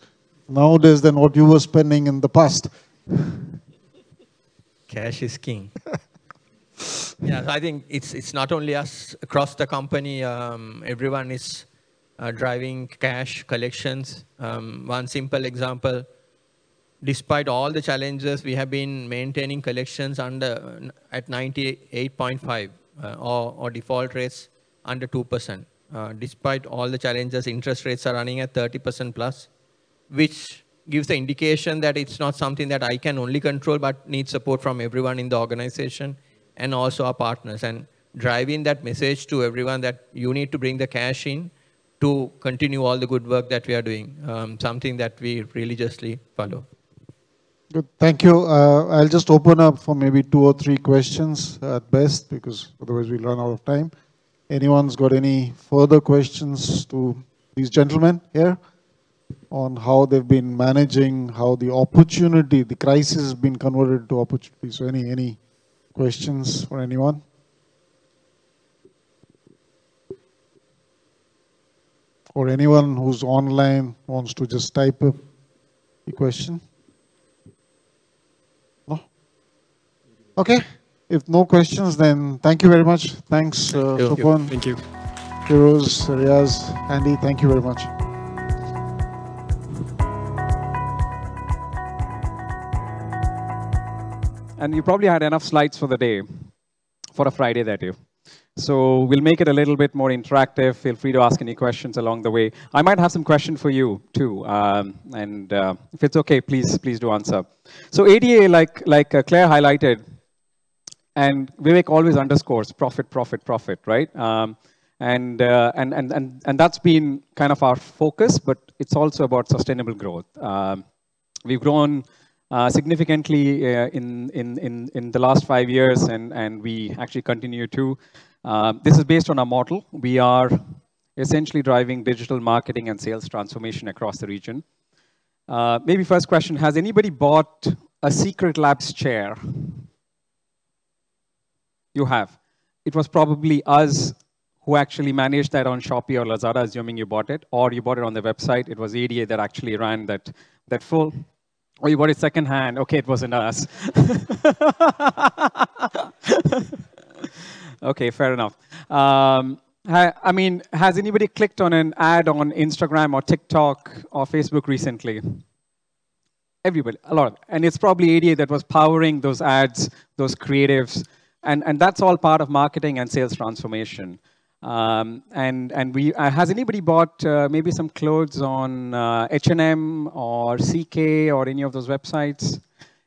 nowadays than what you were spending in the past? Cash is king. Yeah, I think it's not only us across the company. Everyone is driving cash collections. One simple example, despite all the challenges, we have been maintaining collections under at 98.5% or default rates under 2%. Despite all the challenges, interest rates are running at 30%+, which gives the indication that it's not something that I can only control but needs support from everyone in the organization and also our partners and driving that message to everyone that you need to bring the cash in to continue all the good work that we are doing, something that we religiously follow. Thank you. I'll just open up for maybe two or three questions at best because otherwise we'll run out of time. Anyone's got any further questions to these gentlemen here on how they've been managing, how the opportunity, the crisis has been converted to opportunity? So any questions for anyone? Or anyone who's online wants to just type up the question? No? Okay. If no questions, then thank you very much. Thanks, Supun. Thank you. Feiruz, Riyaaz, Andy, thank you very much. And you probably had enough slides for the day for a Friday that day. So we'll make it a little bit more interactive. Feel free to ask any questions along the way. I might have some questions for you too. And if it's okay, please do answer. So ADA, like Clare highlighted, and Vivek always underscores profit, profit, profit, right? And that's been kind of our focus, but it's also about sustainable growth. We've grown significantly in the last five years, and we actually continue to. This is based on our model. We are essentially driving digital marketing and sales transformation across the region. Maybe first question, has anybody bought a Secretlab chair? You have. It was probably us who actually managed that on Shopee or Lazada, assuming you bought it, or you bought it on the website. It was ADA that actually ran that full. Or you bought it secondhand. Okay, it wasn't us. Okay, fair enough. I mean, has anybody clicked on an ad on Instagram or TikTok or Facebook recently? Everybody, a lot of them, and it's probably ADA that was powering those ads, those creatives. And that's all part of marketing and sales transformation, and has anybody bought maybe some clothes on H&M or CK or any of those websites?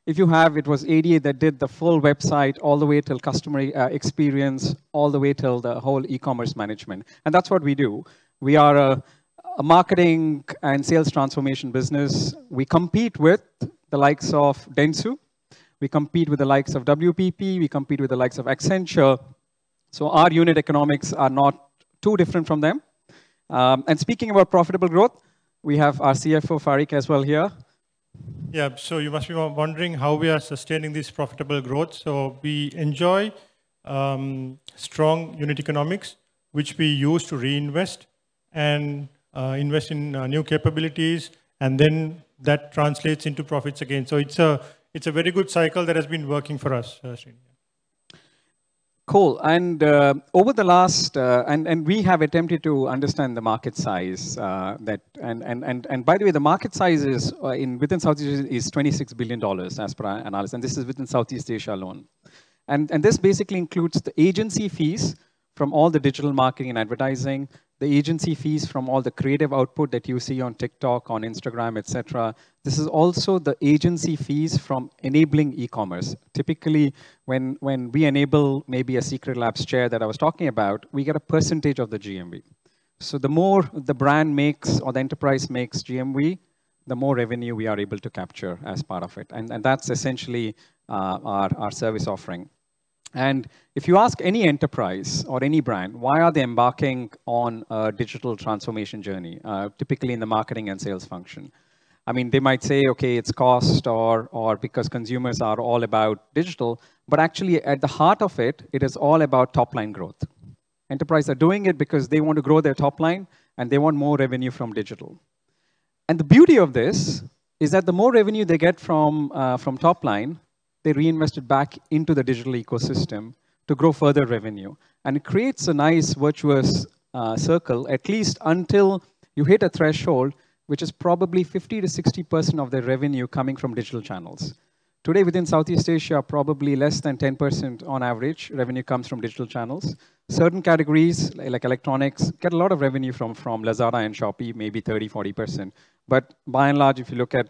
If you have, it was ADA that did the full website all the way till customer experience, all the way till the whole e-commerce management, and that's what we do. We are a marketing and sales transformation business. We compete with the likes of Dentsu. We compete with the likes of WPP. We compete with the likes of Accenture, so our unit economics are not too different from them, and speaking about profitable growth, we have our CFO, Fariq, as well here. Yeah, so you must be wondering how we are sustaining this profitable growth. So we enjoy strong unit economics, which we use to reinvest and invest in new capabilities, and then that translates into profits again. So it's a very good cycle that has been working for us. Cool. And over the last, and we have attempted to understand the market size that, and by the way, the market size within Southeast Asia is $26 billion as per our analysis, and this is within Southeast Asia alone. This basically includes the agency fees from all the digital marketing and advertising, the agency fees from all the creative output that you see on TikTok, on Instagram, et cetera. This is also the agency fees from enabling e-commerce. Typically, when we enable maybe a Secretlab chair that I was talking about, we get a percentage of the GMV. So the more the brand makes or the enterprise makes GMV, the more revenue we are able to capture as part of it. And that's essentially our service offering. And if you ask any enterprise or any brand, why are they embarking on a digital transformation journey, typically in the marketing and sales function? I mean, they might say, okay, it's cost or because consumers are all about digital, but actually at the heart of it, it is all about top-line growth. Enterprises are doing it because they want to grow their top line and they want more revenue from digital. And the beauty of this is that the more revenue they get from top line, they reinvest it back into the digital ecosystem to grow further revenue. And it creates a nice virtuous circle, at least until you hit a threshold, which is probably 50%-60% of their revenue coming from digital channels. Today, within Southeast Asia, probably less than 10% on average revenue comes from digital channels. Certain categories like electronics get a lot of revenue from Lazada and Shopee, maybe 30%, 40%. But by and large, if you look at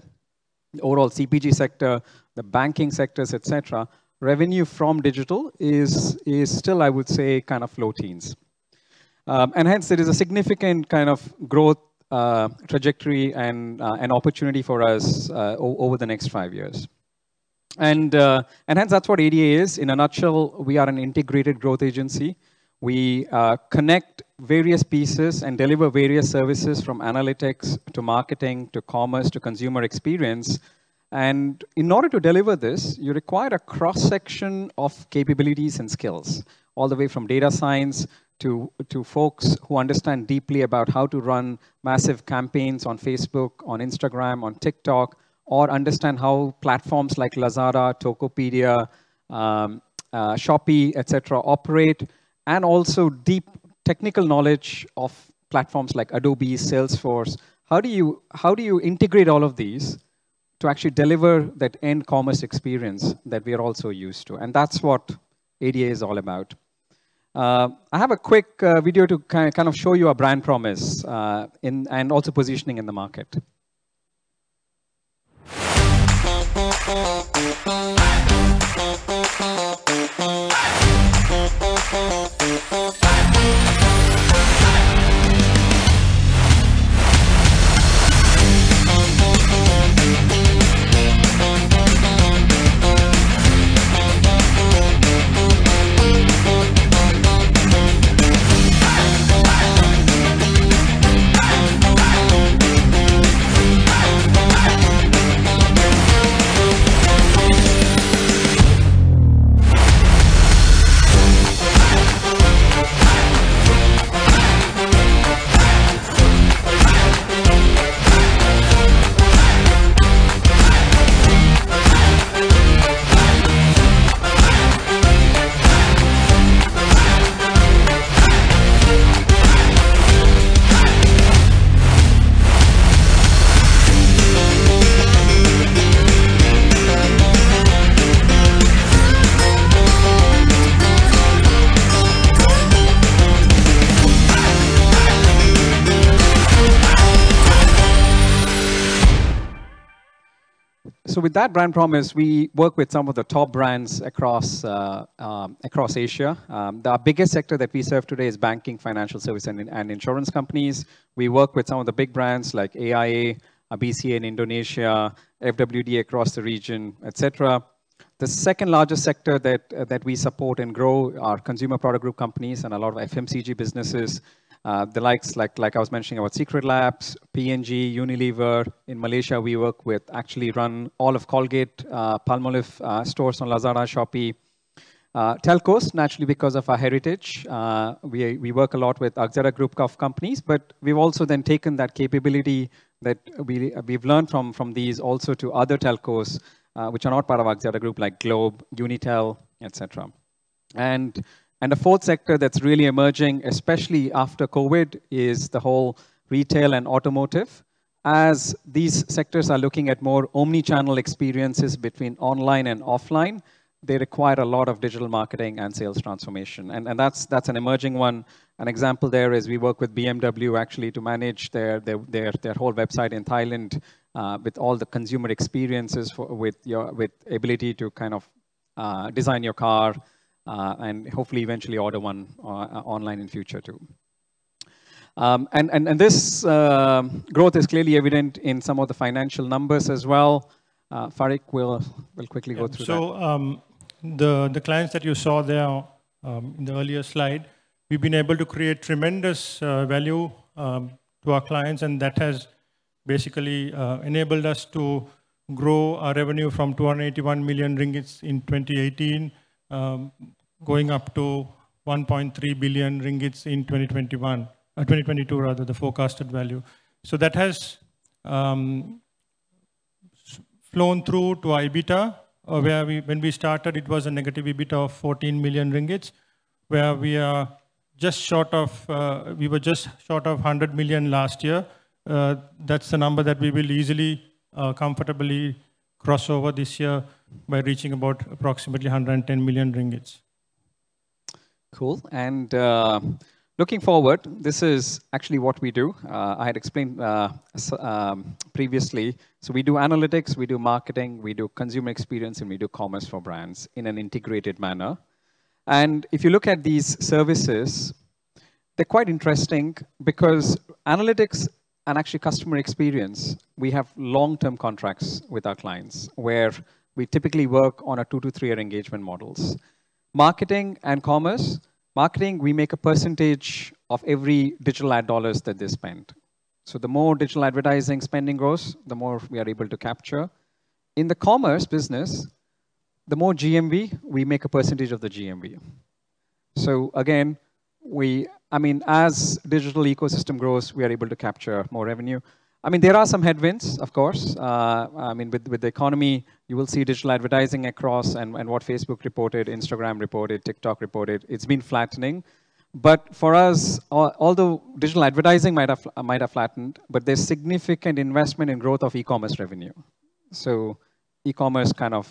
the overall CPG sector, the banking sectors, et cetera, revenue from digital is still, I would say, kind of low teens. Hence, it is a significant kind of growth trajectory and opportunity for us over the next five years. Hence, that's what ADA is. In a nutshell, we are an integrated growth agency. We connect various pieces and deliver various services from analytics to marketing to commerce to consumer experience. In order to deliver this, you require a cross-section of capabilities and skills all the way from data science to folks who understand deeply about how to run massive campaigns on Facebook, on Instagram, on TikTok, or understand how platforms like Lazada, Tokopedia, Shopee, et cetera, operate, and also deep technical knowledge of platforms like Adobe, Salesforce. How do you integrate all of these to actually deliver that end commerce experience that we are also used to? That's what ADA is all about. I have a quick video to kind of show you our brand promise and also positioning in the market. So with that brand promise, we work with some of the top brands across Asia. The biggest sector that we serve today is banking, financial services, and insurance companies. We work with some of the big brands like AIA, BCA in Indonesia, FWD across the region, et cetera. The second largest sector that we support and grow are consumer product group companies and a lot of FMCG businesses, the likes, like I was mentioning about Secretlab, P&G, Unilever. In Malaysia, we work with, actually run all of Colgate-Palmolive stores on Lazada, Shopee, telcos, naturally because of our heritage. We work a lot with Axiata Group of companies, but we've also then taken that capability that we've learned from these also to other telcos, which are not part of Axiata Group like Globe, Unitel, et cetera. The fourth sector that's really emerging, especially after COVID, is the whole retail and automotive. As these sectors are looking at more omnichannel experiences between online and offline, they require a lot of digital marketing and sales transformation. That's an emerging one. An example there is we work with BMW actually to manage their whole website in Thailand with all the consumer experiences with the ability to kind of design your car and hopefully eventually order one online in the future too. This growth is clearly evident in some of the financial numbers as well. Fariq will quickly go through that. So the clients that you saw there in the earlier slide, we've been able to create tremendous value to our clients, and that has basically enabled us to grow our revenue from 281 million ringgit in 2018, going up to 1.3 billion ringgit in 2021, 2022, rather, the forecasted value. So that has flown through to our EBITDA. When we started, it was a negative EBITDA of 14 million ringgit, where we were just short of 100 million last year. That's the number that we will easily, comfortably cross over this year by reaching about approximately 110 million ringgit. Cool. And looking forward, this is actually what we do. I had explained previously. So we do analytics, we do marketing, we do consumer experience, and we do commerce for brands in an integrated manner. If you look at these services, they're quite interesting because analytics and actually customer experience, we have long-term contracts with our clients where we typically work on our two to three-year engagement models. Marketing and commerce, marketing, we make a percentage of every digital ad dollars that they spend. So the more digital advertising spending grows, the more we are able to capture. In the commerce business, the more GMV, we make a percentage of the GMV. So again, I mean, as the digital ecosystem grows, we are able to capture more revenue. I mean, there are some headwinds, of course. I mean, with the economy, you will see digital advertising across and what Facebook reported, Instagram reported, TikTok reported. It's been flattening. But for us, although digital advertising might have flattened, but there's significant investment and growth of e-commerce revenue. So e-commerce kind of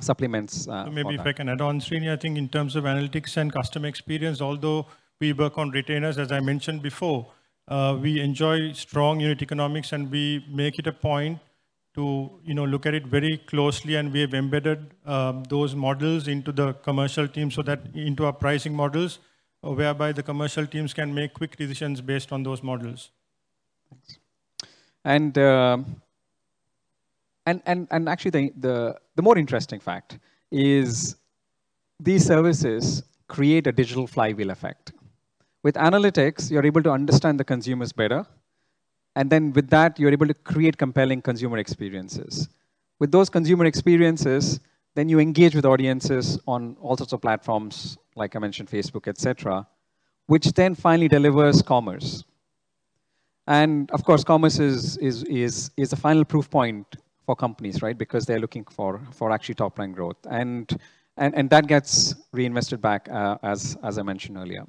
supplements. Maybe if I can add on, Srini, I think in terms of analytics and customer experience, although we work on retainers, as I mentioned before, we enjoy strong unit economics and we make it a point to look at it very closely. And we have embedded those models into the commercial team so that into our pricing models, whereby the commercial teams can make quick decisions based on those models. And actually, the more interesting fact is these services create a digital flywheel effect. With analytics, you're able to understand the consumers better. And then with that, you're able to create compelling consumer experiences. With those consumer experiences, then you engage with audiences on all sorts of platforms, like I mentioned, Facebook, et cetera, which then finally delivers commerce. And of course, commerce is a final proof point for companies, right? Because they're looking for actually top-line growth. That gets reinvested back, as I mentioned earlier.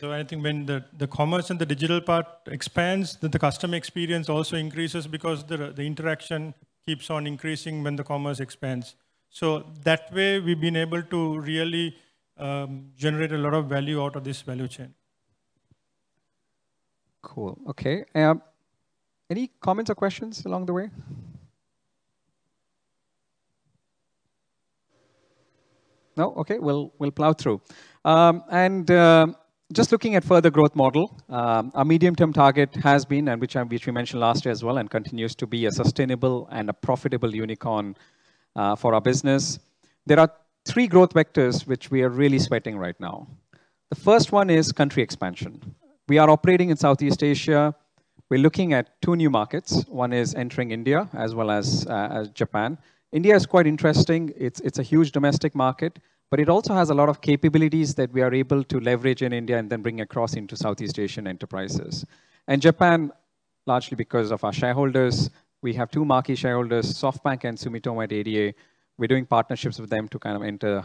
So I think when the commerce and the digital part expands, then the customer experience also increases because the interaction keeps on increasing when the commerce expands. So that way, we've been able to really generate a lot of value out of this value chain. Cool. Okay. Any comments or questions along the way? No? Okay. We'll plow through. And just looking at the further growth model, our medium-term target has been, and which we mentioned last year as well, and continues to be a sustainable and a profitable unicorn for our business. There are three growth vectors which we are really sweating right now. The first one is country expansion. We are operating in Southeast Asia. We're looking at two new markets. One is entering India as well as Japan. India is quite interesting. It's a huge domestic market, but it also has a lot of capabilities that we are able to leverage in India and then bring across into Southeast Asian enterprises and Japan, largely because of our shareholders. We have two marquee shareholders, SoftBank and Sumitomo at ADA. We're doing partnerships with them to kind of enter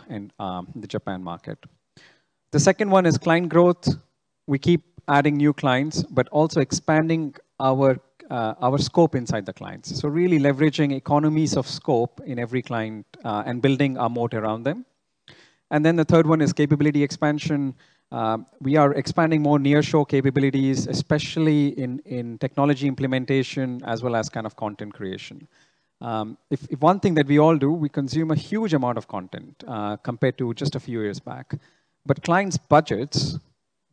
the Japan market. The second one is client growth. We keep adding new clients, but also expanding our scope inside the clients, so really leveraging economies of scope in every client and building our moat around them. The third one is capability expansion. We are expanding more nearshore capabilities, especially in technology implementation as well as kind of content creation. One thing that we all do, we consume a huge amount of content compared to just a few years back. But clients' budgets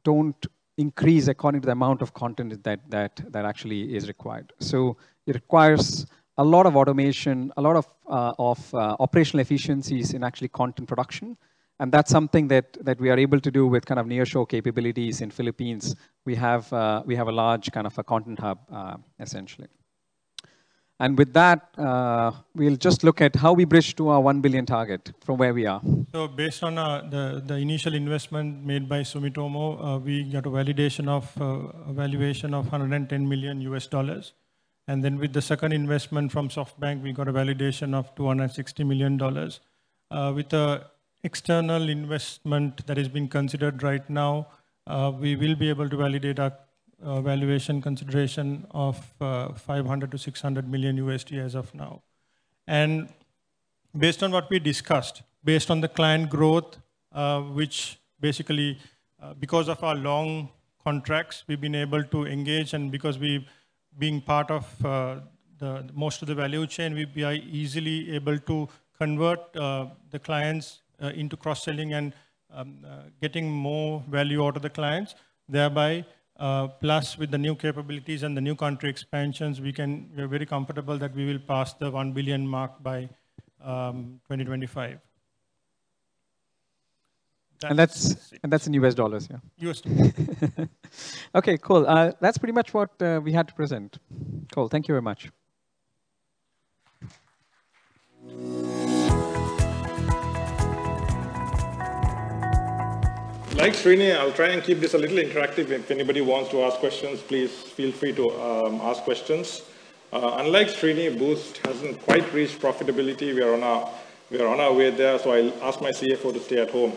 don't increase according to the amount of content that actually is required. So it requires a lot of automation, a lot of operational efficiencies in actually content production and that's something that we are able to do with kind of nearshore capabilities in the Philippines. We have a large kind of content hub, essentially. And with that, we'll just look at how we bridge to our $1 billion target from where we are. So based on the initial investment made by Sumitomo, we got a validation of a valuation of $110 million. And then with the second investment from SoftBank, we got a validation of $260 million. With the external investment that is being considered right now, we will be able to validate our valuation consideration of $500 million-$600 million as of now. Based on what we discussed, based on the client growth, which basically because of our long contracts, we've been able to engage. Because we've been part of most of the value chain, we'll be easily able to convert the clients into cross-selling and getting more value out of the clients. Thereby, plus with the new capabilities and the new country expansions, we are very comfortable that we will pass the $1 billion mark by 2025. That's in US dollars, yeah? US dollars. Okay, cool. That's pretty much what we had to present. Cool. Thank you very much. Like Srini, I'll try and keep this a little interactive. If anybody wants to ask questions, please feel free to ask questions. Unlike Srini, Boost hasn't quite reached profitability. We are on our way there, so I'll ask my CFO to stay at home.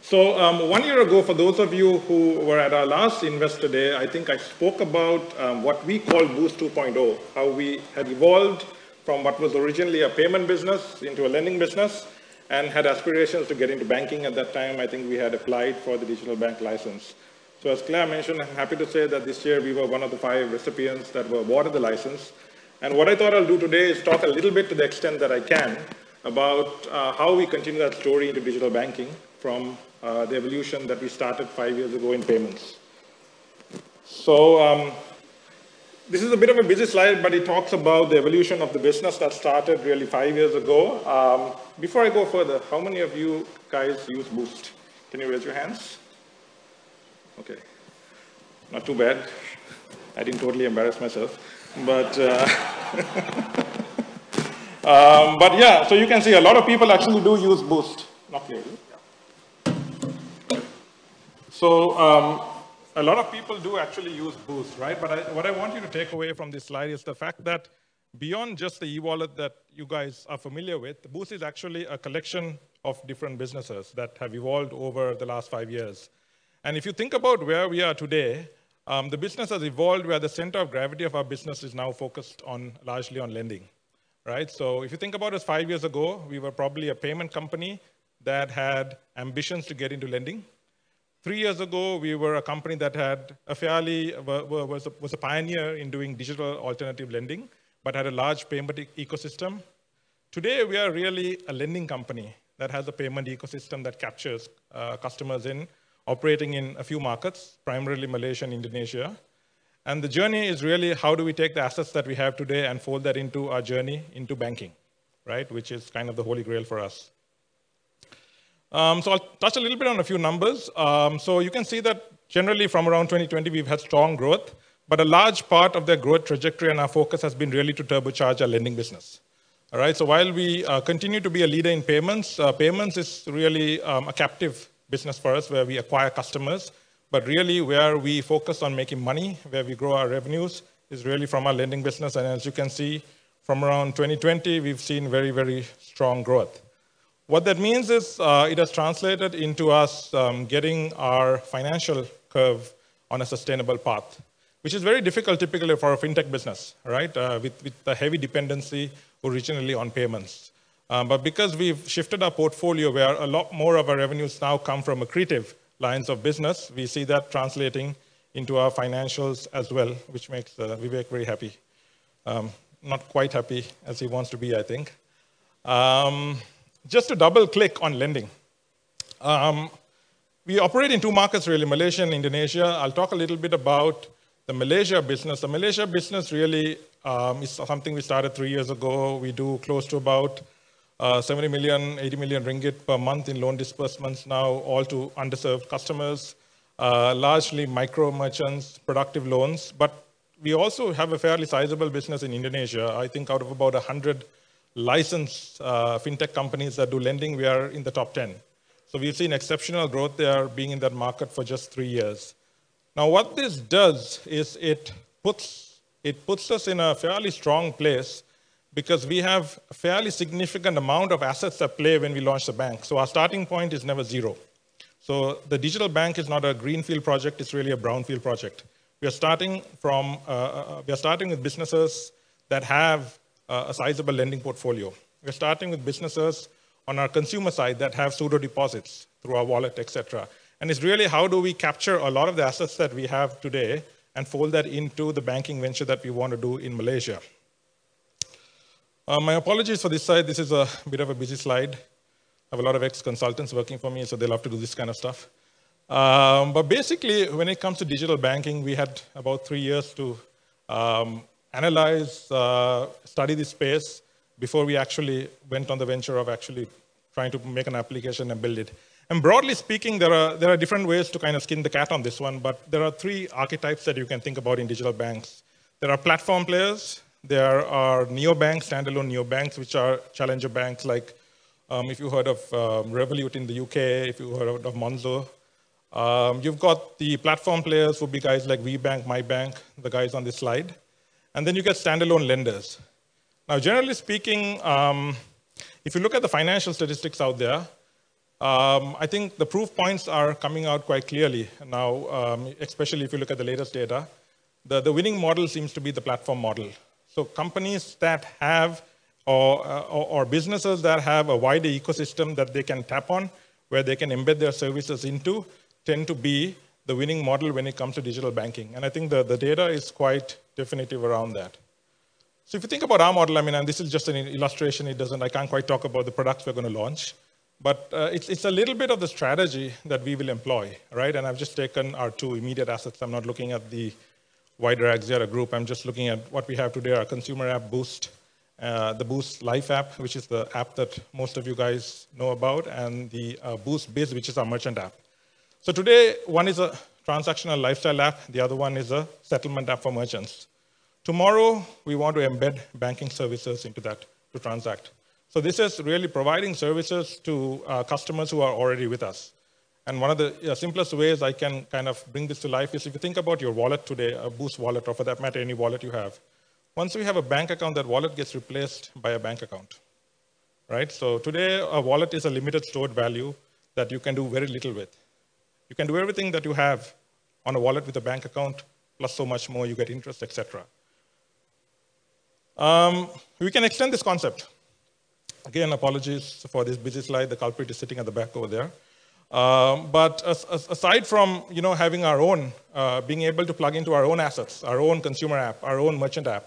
So one year ago, for those of you who were at our last Investor Day, I think I spoke about what we call Boost 2.0, how we had evolved from what was originally a payment business into a lending business and had aspirations to get into banking at that time. I think we had applied for the digital bank license. So as Clare mentioned, I'm happy to say that this year we were one of the five recipients that were awarded the license. And what I thought I'll do today is talk a little bit to the extent that I can about how we continue that story into digital banking from the evolution that we started five years ago in payments. So this is a bit of a busy slide, but it talks about the evolution of the business that started really five years ago. Before I go further, how many of you guys use Boost? Can you raise your hands? Okay. Not too bad. I didn't totally embarrass myself. But yeah, so you can see a lot of people actually do use Boost. Not yet. So a lot of people do actually use Boost, right? But what I want you to take away from this slide is the fact that beyond just the e-wallet that you guys are familiar with, Boost is actually a collection of different businesses that have evolved over the last five years. And if you think about where we are today, the business has evolved where the center of gravity of our business is now focused largely on lending, right? So if you think about it, five years ago, we were probably a payment company that had ambitions to get into lending. Three years ago, we were a company that was a pioneer in doing digital alternative lending, but had a large payment ecosystem. Today, we are really a lending company that has a payment ecosystem that captures customers in operating in a few markets, primarily Malaysia and Indonesia, and the journey is really how do we take the assets that we have today and fold that into our journey into banking, right, which is kind of the Holy Grail for us, so I'll touch a little bit on a few numbers, so you can see that generally from around 2020, we've had strong growth, but a large part of the growth trajectory and our focus has been really to turbocharge our lending business, all right? So while we continue to be a leader in payments, payments is really a captive business for us where we acquire customers. But really, where we focus on making money, where we grow our revenues, is really from our lending business. And as you can see, from around 2020, we've seen very, very strong growth. What that means is it has translated into us getting our financial curve on a sustainable path, which is very difficult typically for a fintech business, right, with the heavy dependency originally on payments. But because we've shifted our portfolio, where a lot more of our revenues now come from accretive lines of business, we see that translating into our financials as well, which makes Vivek very happy. Not quite happy as he wants to be, I think. Just to double-click on lending, we operate in two markets really, Malaysia and Indonesia. I'll talk a little bit about the Malaysia business. The Malaysia business really is something we started three years ago. We do close to about 70 million-80 million ringgit per month in loan disbursements now, all to underserved customers, largely micro merchants, productive loans. But we also have a fairly sizable business in Indonesia. I think out of about 100 licensed fintech companies that do lending, we are in the top 10. So we've seen exceptional growth there being in that market for just three years. Now, what this does is it puts us in a fairly strong place because we have a fairly significant amount of assets at play when we launch the bank. So our starting point is never zero. So the digital bank is not a greenfield project. It's really a brownfield project. We are starting with businesses that have a sizable lending portfolio. We are starting with businesses on our consumer side that have pseudo deposits through our wallet, et cetera. It's really how do we capture a lot of the assets that we have today and fold that into the banking venture that we want to do in Malaysia. My apologies for this slide. This is a bit of a busy slide. I have a lot of ex-consultants working for me, so they love to do this kind of stuff. Basically, when it comes to digital banking, we had about three years to analyze, study this space before we actually went on the venture of actually trying to make an application and build it. Broadly speaking, there are different ways to kind of skin the cat on this one, but there are three archetypes that you can think about in digital banks. There are platform players. There are standalone neobanks, which are challenger banks, like if you heard of Revolut in the U.K., if you heard of Monzo. You've got the platform players, who would be guys like WeBank, MYbank, the guys on this slide, and then you get standalone lenders. Now, generally speaking, if you look at the financial statistics out there, I think the proof points are coming out quite clearly now, especially if you look at the latest data. The winning model seems to be the platform model, so companies that have or businesses that have a wider ecosystem that they can tap on, where they can embed their services into, tend to be the winning model when it comes to digital banking, and I think the data is quite definitive around that, so if you think about our model, I mean, and this is just an illustration. I can't quite talk about the products we're going to launch, but it's a little bit of the strategy that we will employ, right? And I've just taken our two immediate assets. I'm not looking at the wider Axiata group. I'm just looking at what we have today, our consumer app, Boost, the Boost Life app, which is the app that most of you guys know about, and the Boost Biz, which is our merchant app. So today, one is a transactional lifestyle app. The other one is a settlement app for merchants. Tomorrow, we want to embed banking services into that to transact. So this is really providing services to customers who are already with us. And one of the simplest ways I can kind of bring this to life is if you think about your wallet today, a Boost wallet or for that matter, any wallet you have. Once we have a bank account, that wallet gets replaced by a bank account, right? So today, a wallet is a limited stored value that you can do very little with. You can do everything that you have on a wallet with a bank account, plus so much more. You get interest, et cetera. We can extend this concept. Again, apologies for this busy slide. The culprit is sitting at the back over there. But aside from having our own, being able to plug into our own assets, our own consumer app, our own merchant app,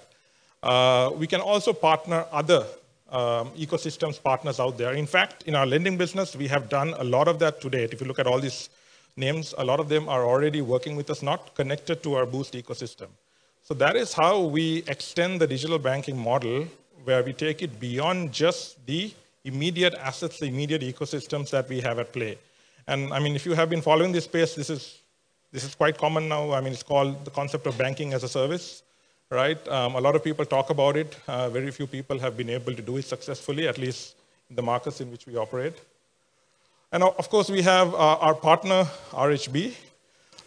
we can also partner other ecosystems, partners out there. In fact, in our lending business, we have done a lot of that today. If you look at all these names, a lot of them are already working with us, not connected to our Boost ecosystem. So that is how we extend the digital banking model, where we take it beyond just the immediate assets, the immediate ecosystems that we have at play. And I mean, if you have been following this space, this is quite common now. I mean, it's called the concept of banking as a service, right? A lot of people talk about it. Very few people have been able to do it successfully, at least in the markets in which we operate. And of course, we have our partner, RHB.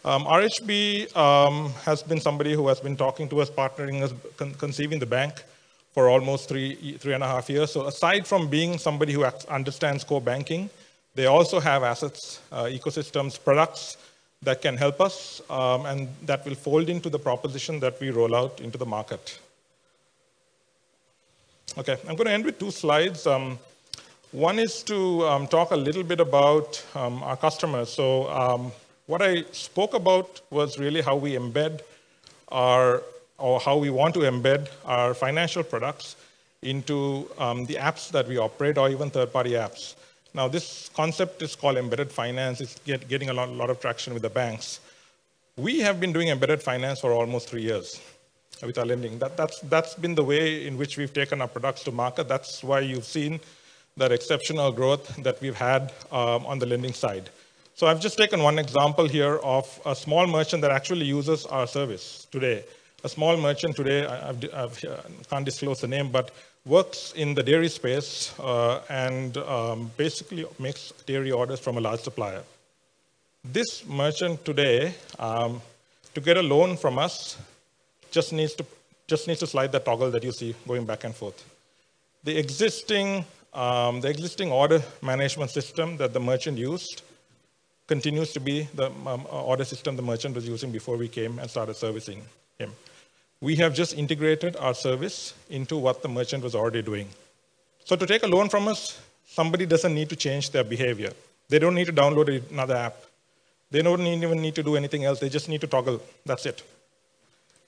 RHB has been somebody who has been talking to us, partnering us, conceiving the bank for almost three and a half years. So aside from being somebody who understands core banking, they also have assets, ecosystems, products that can help us and that will fold into the proposition that we roll out into the market. Okay, I'm going to end with two slides. One is to talk a little bit about our customers. So what I spoke about was really how we embed or how we want to embed our financial products into the apps that we operate or even third-party apps. Now, this concept is called embedded finance. It's getting a lot of traction with the banks. We have been doing embedded finance for almost three years with our lending. That's been the way in which we've taken our products to market. That's why you've seen that exceptional growth that we've had on the lending side. So I've just taken one example here of a small merchant that actually uses our service today. A small merchant today, I can't disclose the name, but works in the dairy space and basically makes dairy orders from a large supplier. This merchant today, to get a loan from us, just needs to slide that toggle that you see going back and forth. The existing order management system that the merchant used continues to be the order system the merchant was using before we came and started servicing him. We have just integrated our service into what the merchant was already doing. So to take a loan from us, somebody doesn't need to change their behavior. They don't need to download another app. They don't even need to do anything else. They just need to toggle. That's it,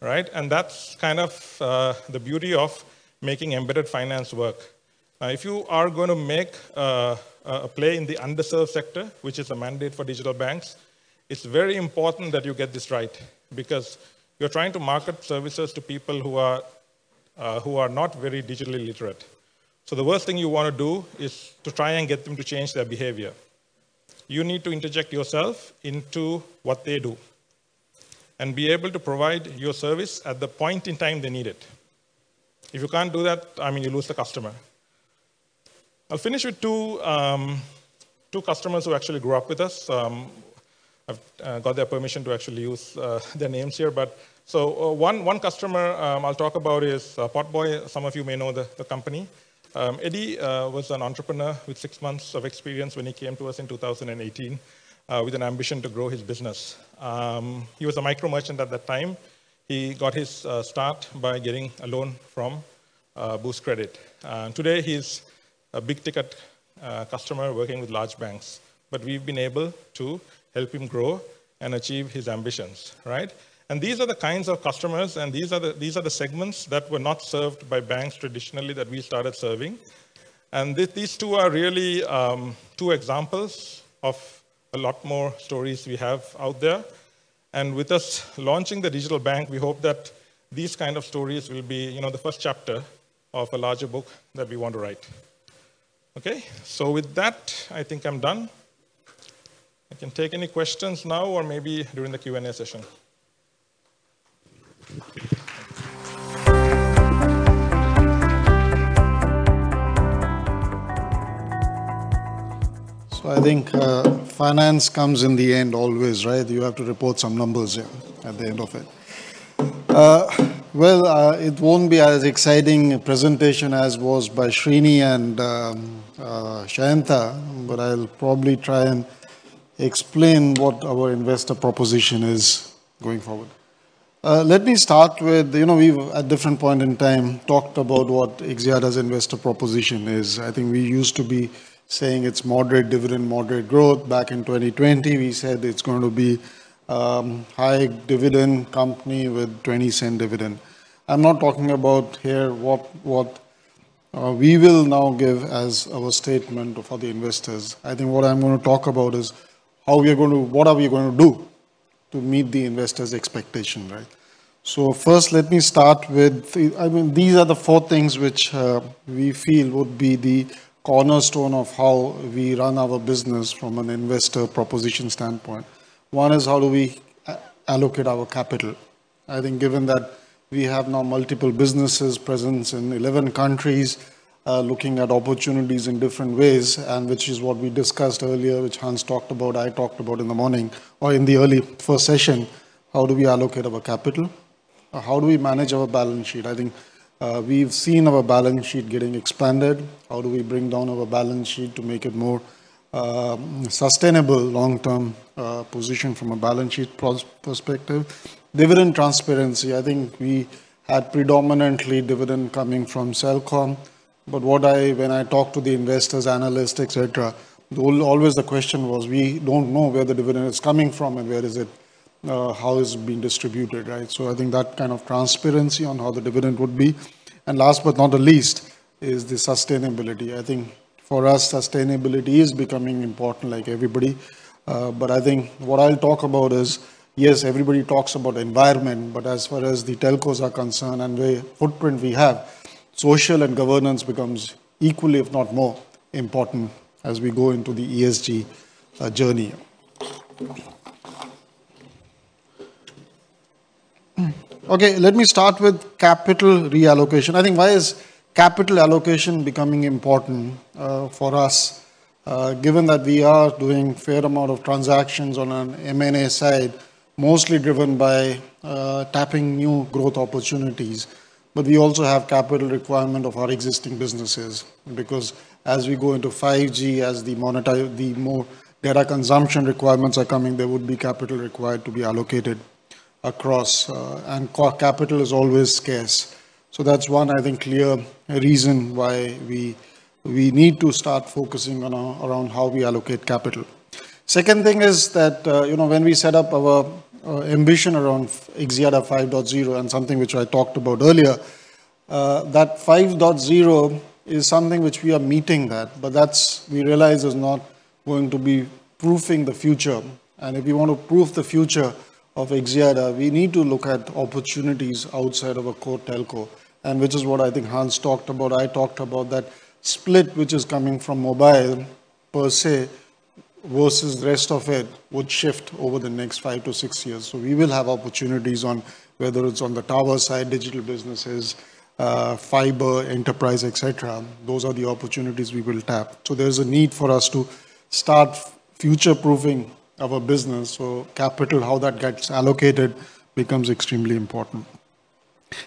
right? And that's kind of the beauty of making embedded finance work. Now, if you are going to make a play in the underserved sector, which is a mandate for digital banks, it's very important that you get this right because you're trying to market services to people who are not very digitally literate. So the worst thing you want to do is to try and get them to change their behavior. You need to interject yourself into what they do and be able to provide your service at the point in time they need it. If you can't do that, I mean, you lose the customer. I'll finish with two customers who actually grew up with us. I've got their permission to actually use their names here. But so one customer I'll talk about is Potboy. Some of you may know the company. Eddie was an entrepreneur with six months of experience when he came to us in 2018 with an ambition to grow his business. He was a micro merchant at that time. He got his start by getting a loan from Boost Credit. And today, he's a big-ticket customer working with large banks. But we've been able to help him grow and achieve his ambitions, right? And these are the kinds of customers, and these are the segments that were not served by banks traditionally that we started serving. And these two are really two examples of a lot more stories we have out there. And with us launching the digital bank, we hope that these kind of stories will be the first chapter of a larger book that we want to write. Okay, so with that, I think I'm done. I can take any questions now or maybe during the Q&A session. So I think finance comes in the end always, right? You have to report some numbers at the end of it well, it won't be as exciting a presentation as was by Srini and Sheyantha, but I'll probably try and explain what our investor proposition is going forward. Let me start with, at different point in time, talked about what Axiata's investor proposition is. I think we used to be saying it's moderate dividend, moderate growth. Back in 2020, we said it's going to be a high dividend company with 0.20 dividend. I'm not talking about here what we will now give as our statement for the investors. I think what I'm going to talk about is how we are going to, what are we going to do to meet the investor's expectation, right? First, let me start with. I mean, these are the four things which we feel would be the cornerstone of how we run our business from an investor proposition standpoint. One is how do we allocate our capital. I think given that we have now multiple businesses present in 11 countries, looking at opportunities in different ways, and which is what we discussed earlier, which Hans talked about, I talked about in the morning or in the early first session, how do we allocate our capital? How do we manage our balance sheet? I think we've seen our balance sheet getting expanded. How do we bring down our balance sheet to make it more sustainable long-term position from a balance sheet perspective? Dividend transparency. I think we had predominantly dividend coming from Celcom. But when I talked to the investors, analysts, et cetera, always the question was, we don't know where the dividend is coming from and where is it, how is it being distributed, right? So I think that kind of transparency on how the dividend would be. And last but not the least is the sustainability. I think for us, sustainability is becoming important like everybody. But I think what I'll talk about is, yes, everybody talks about environment, but as far as the telcos are concerned and the footprint we have, social and governance becomes equally, if not more, important as we go into the ESG journey. Okay, let me start with capital reallocation. I think why is capital allocation becoming important for us, given that we are doing a fair amount of transactions on an M&A side, mostly driven by tapping new growth opportunities? But we also have capital requirement of our existing businesses because as we go into 5G, as the more data consumption requirements are coming, there would be capital required to be allocated across, and capital is always scarce. So that's one, I think, clear reason why we need to start focusing around how we allocate capital. Second thing is that when we set up our ambition around Axiata 5.0 and something which I talked about earlier, that 5.0 is something which we are meeting that, but that we realize is not going to be future-proofing the future. And if we want to future-proof the future of Axiata, we need to look at opportunities outside of a core telco, and which is what I think Hans talked about. I talked about that split which is coming from mobile per se versus the rest of it would shift over the next five to six years. So we will have opportunities on whether it's on the tower side, digital businesses, fiber, enterprise, et cetera. Those are the opportunities we will tap. So there's a need for us to start future-proofing our business. So capital, how that gets allocated, becomes extremely important.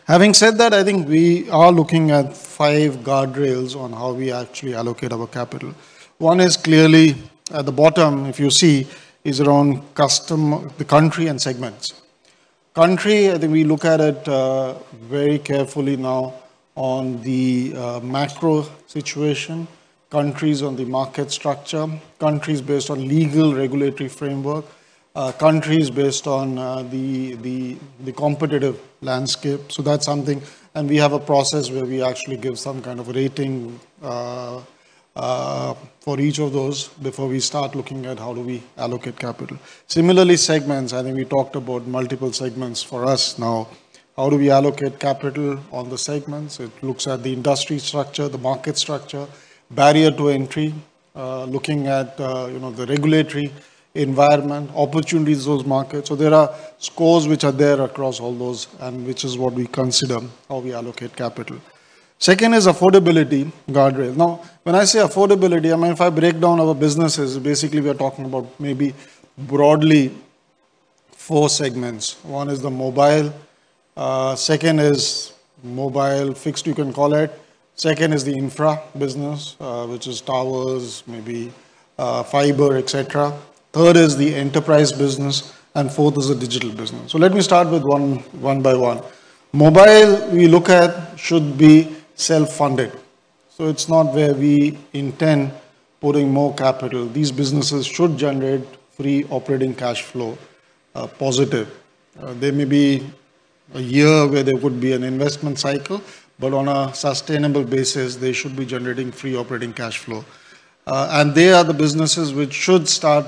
Having said that, I think we are looking at five guardrails on how we actually allocate our capital. One is clearly at the bottom, if you see, is around the country and segments. Country, I think we look at it very carefully now on the macro situation, countries on the market structure, countries based on legal regulatory framework, countries based on the competitive landscape. So that's something. And we have a process where we actually give some kind of rating for each of those before we start looking at how do we allocate capital. Similarly, segments. I think we talked about multiple segments for us now. How do we allocate capital on the segments? It looks at the industry structure, the market structure, barrier to entry, looking at the regulatory environment, opportunities, those markets. So there are scores which are there across all those, and which is what we consider how we allocate capital. Second is affordability guardrail. Now, when I say affordability, I mean, if I break down our businesses, basically we are talking about maybe broadly four segments. One is the mobile, second is mobile fixed, you can call it. Second is the infra business, which is towers, maybe fiber, et cetera. Third is the enterprise business, and fourth is a digital business. So let me start with one by one. Mobile, we look at should be self-funded. So it's not where we intend putting more capital. These businesses should generate free operating cash flow, positive. There may be a year where there would be an investment cycle, but on a sustainable basis, they should be generating free operating cash flow. And they are the businesses which should start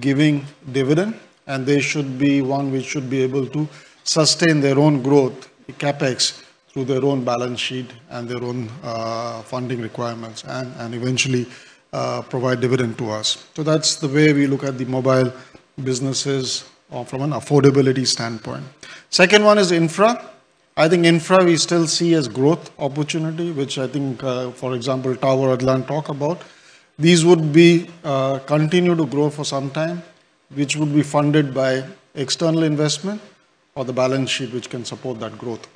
giving dividend, and they should be one which should be able to sustain their own growth, CapEx, through their own balance sheet and their own funding requirements, and eventually provide dividend to us. So that's the way we look at the mobile businesses from an affordability standpoint. Second one is infra. I think infra we still see as growth opportunity, which I think, for example, tower Adlan talked about. These would continue to grow for some time, which would be funded by external investment or the balance sheet which can support that growth.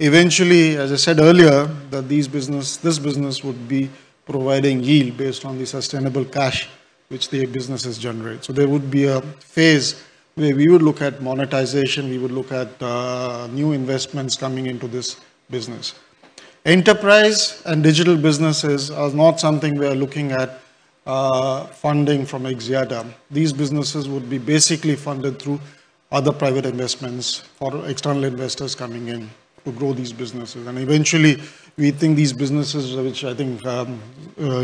Eventually, as I said earlier, that this business would be providing yield based on the sustainable cash which the businesses generate. There would be a phase where we would look at monetization. We would look at new investments coming into this business. Enterprise and digital businesses are not something we are looking at funding from Axiata. These businesses would be basically funded through other private investments for external investors coming in to grow these businesses. Eventually, we think these businesses, which I think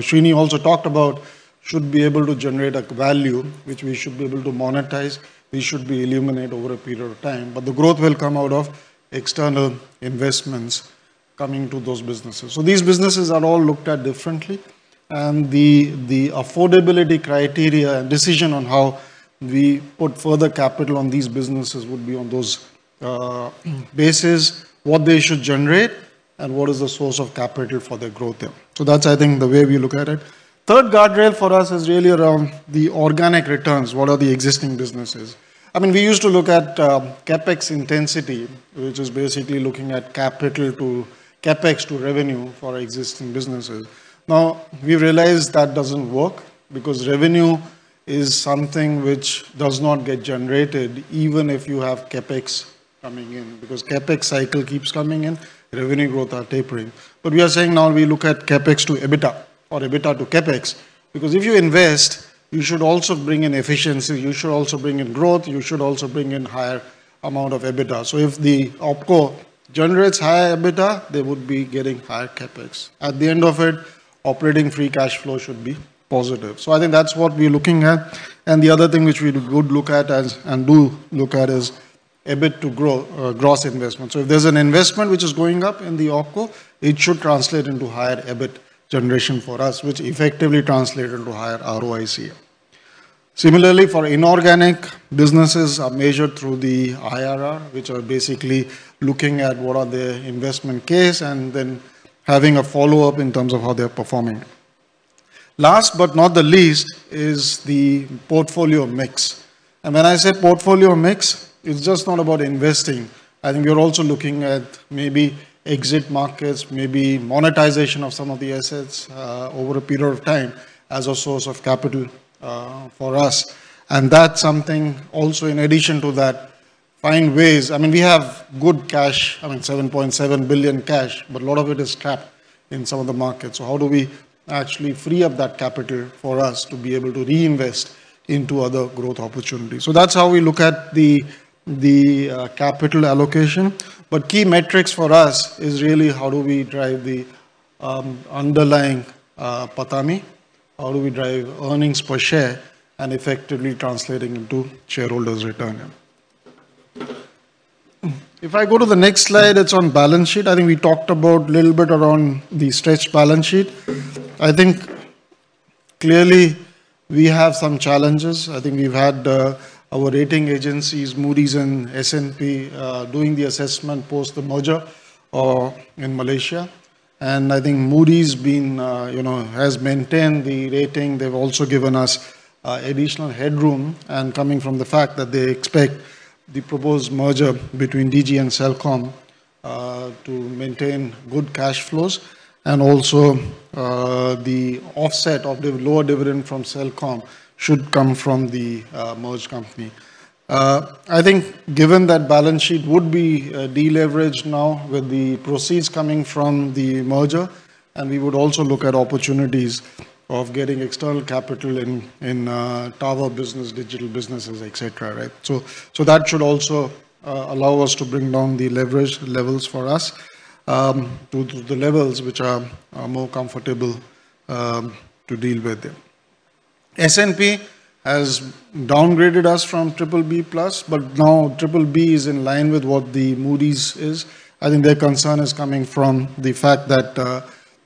Srini also talked about, should be able to generate a value which we should be able to monetize. They should be exited over a period of time, but the growth will come out of external investments coming to those businesses. So these businesses are all looked at differently, and the affordability criteria and decision on how we put further capital on these businesses would be on that basis, what they should generate, and what is the source of capital for their growth. So that's, I think, the way we look at it. Third guardrail for us is really around the organic returns. What are the existing businesses? I mean, we used to look at CapEx intensity, which is basically looking at CapEx to revenue for existing businesses. Now, we realize that doesn't work because revenue is something which does not get generated even if you have CapEx coming in because CapEx cycle keeps coming in. Revenue growth is tapering. But we are saying now we look at CapEx to EBITDA or EBITDA to CapEx because if you invest, you should also bring in efficiency. You should also bring in growth. You should also bring in a higher amount of EBITDA. So if the OpCo generates higher EBITDA, they would be getting higher CapEx. At the end of it, operating free cash flow should be positive. So I think that's what we're looking at. The other thing which we would look at and do look at is EBIT to gross investment. So if there's an investment which is going up in the OpCo, it should translate into higher EBIT generation for us, which effectively translates into higher ROIC. Similarly, for inorganic businesses, we measure through the IRR, which are basically looking at what are their investment case and then having a follow-up in terms of how they're performing. Last but not the least is the portfolio mix, and when I say portfolio mix, it's just not about investing. I think we're also looking at maybe exit markets, maybe monetization of some of the assets over a period of time as a source of capital for us. And that's something also in addition to that, find ways. I mean, we have good cash, I mean, 7.7 billion cash, but a lot of it is trapped in some of the markets. So how do we actually free up that capital for us to be able to reinvest into other growth opportunities? So that's how we look at the capital allocation. But key metrics for us is really how do we drive the underlying PATAMI, how do we drive earnings per share, and effectively translating into shareholders' return. If I go to the next slide, it's on balance sheet. I think we talked about a little bit around the stretched balance sheet. I think clearly we have some challenges. I think we've had our rating agencies, Moody's and S&P, doing the assessment post the merger in Malaysia, and I think Moody's has maintained the rating. They've also given us additional headroom, coming from the fact that they expect the proposed merger between Digi and Celcom to maintain good cash flows, and also the offset of the lower dividend from Celcom should come from the merged company. I think given that balance sheet would be deleveraged now with the proceeds coming from the merger, and we would also look at opportunities of getting external capital in tower business, digital businesses, et cetera, right, so that should also allow us to bring down the leverage levels for us to the levels which are more comfortable to deal with. S&P has downgraded us from BBB plus, but now BBB is in line with what the Moody's is. I think their concern is coming from the fact that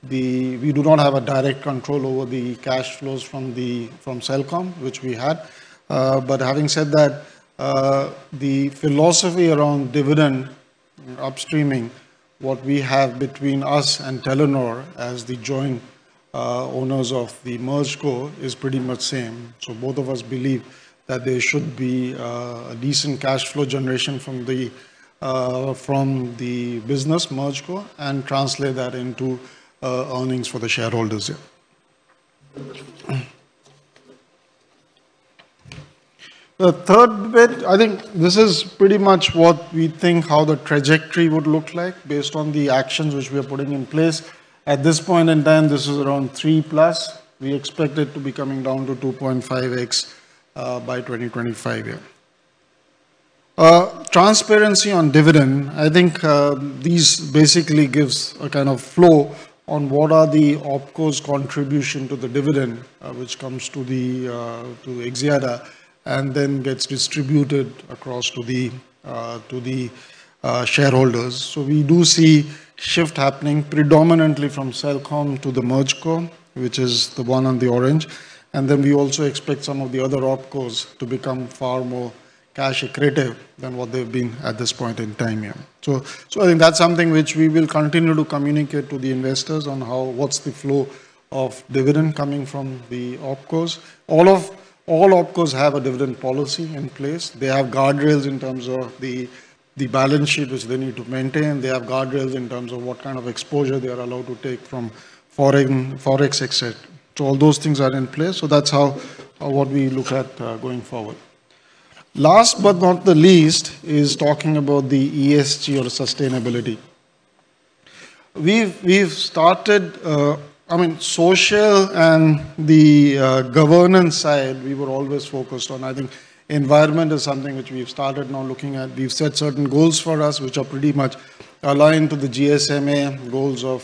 we do not have a direct control over the cash flows from Celcom, which we had. But having said that, the philosophy around dividend upstreaming, what we have between us and Telenor as the joint owners of the MergeCo is pretty much same. So both of us believe that there should be a decent cash flow generation from the business MergeCo and translate that into earnings for the shareholders. The third bit, I think this is pretty much what we think how the trajectory would look like based on the actions which we are putting in place. At this point in time, this is around three plus. We expect it to be coming down to 2.5x by 2025. Transparency on dividend. I think these basically give a kind of flow on what are the OpCo's contribution to the dividend which comes to Axiata and then gets distributed across to the shareholders. So we do see a shift happening predominantly from Celcom to the MergeCo, which is the one on the orange. And then we also expect some of the other OpCos to become far more cash accretive than what they've been at this point in time. So I think that's something which we will continue to communicate to the investors on what's the flow of dividend coming from the OpCos. All OpCos have a dividend policy in place. They have guardrails in terms of the balance sheet which they need to maintain. They have guardrails in terms of what kind of exposure they are allowed to take from forex, et cetera. So all those things are in place. So that's how what we look at going forward. Last but not the least is talking about the ESG or sustainability. We've started, I mean, social and the governance side, we were always focused on. I think environment is something which we've started now looking at. We've set certain goals for us which are pretty much aligned to the GSMA goals of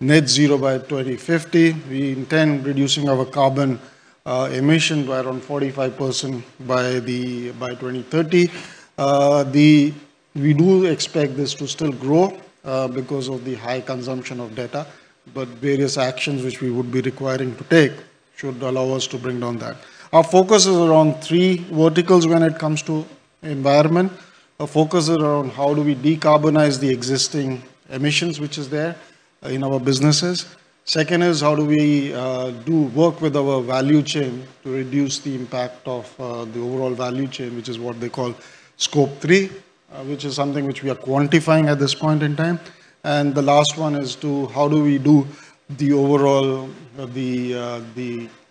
Net Zero by 2050. We intend reducing our carbon emissions by around 45% by 2030. We do expect this to still grow because of the high consumption of data, but various actions which we would be requiring to take should allow us to bring down that. Our focus is around three verticals when it comes to environment. Our focus is around how do we decarbonize the existing emissions which is there in our businesses. Second is how do we work with our value chain to reduce the impact of the overall value chain, which is what they call Scope 3, which is something which we are quantifying at this point in time. And the last one is how do we do the overall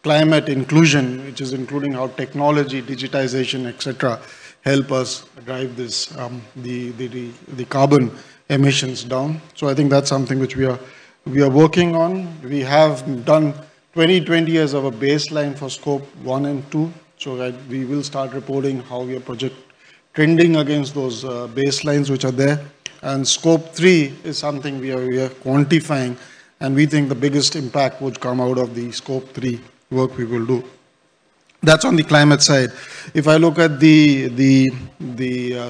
climate inclusion, which is including how technology, digitization, et cetera, help us drive the carbon emissions down. So I think that's something which we are working on. We have done 2020 as our baseline for Scope 1 and Scope 2. So we will start reporting how we are project trending against those baselines which are there. And Scope 3 is something we are quantifying, and we think the biggest impact would come out of the Scope 3 work we will do. That's on the climate side. If I look at the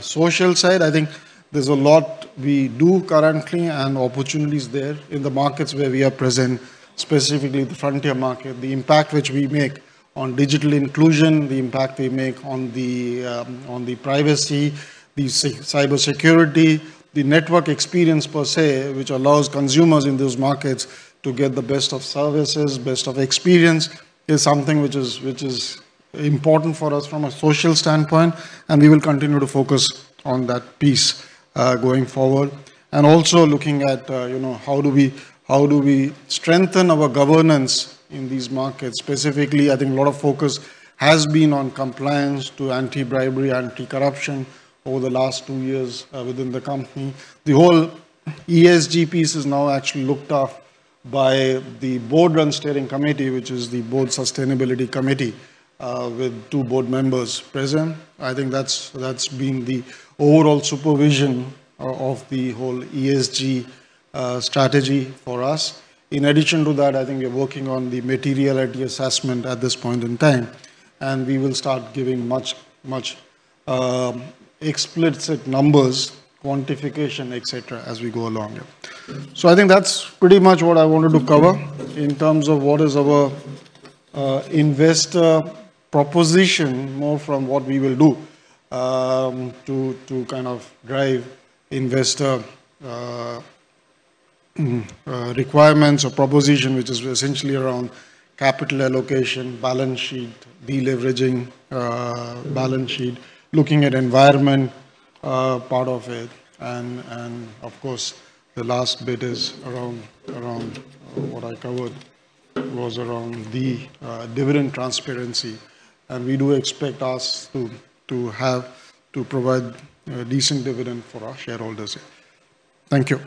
social side, I think there's a lot we do currently and opportunities there in the markets where we are present, specifically the frontier market, the impact which we make on digital inclusion, the impact we make on the privacy, the cybersecurity, the network experience per se, which allows consumers in those markets to get the best of services, best of experience is something which is important for us from a social standpoint, and we will continue to focus on that piece going forward, and also looking at how do we strengthen our governance in these markets. Specifically, I think a lot of focus has been on compliance to anti-bribery, anti-corruption over the last two years within the company. The whole ESG piece is now actually looked at by the board-run steering committee, which is the Board Sustainability Committee with two board members present. I think that's been the overall supervision of the whole ESG strategy for us. In addition to that, I think we're working on the materiality assessment at this point in time, and we will start giving much explicit numbers, quantification, et cetera, as we go along, so I think that's pretty much what I wanted to cover in terms of what is our investor proposition more from what we will do to kind of drive investor requirements or proposition, which is essentially around capital allocation, balance sheet, deleveraging balance sheet, looking at environment part of it, and of course, the last bit is around what I covered was around the dividend transparency, and we do expect us to provide decent dividend for our shareholders. Thank you.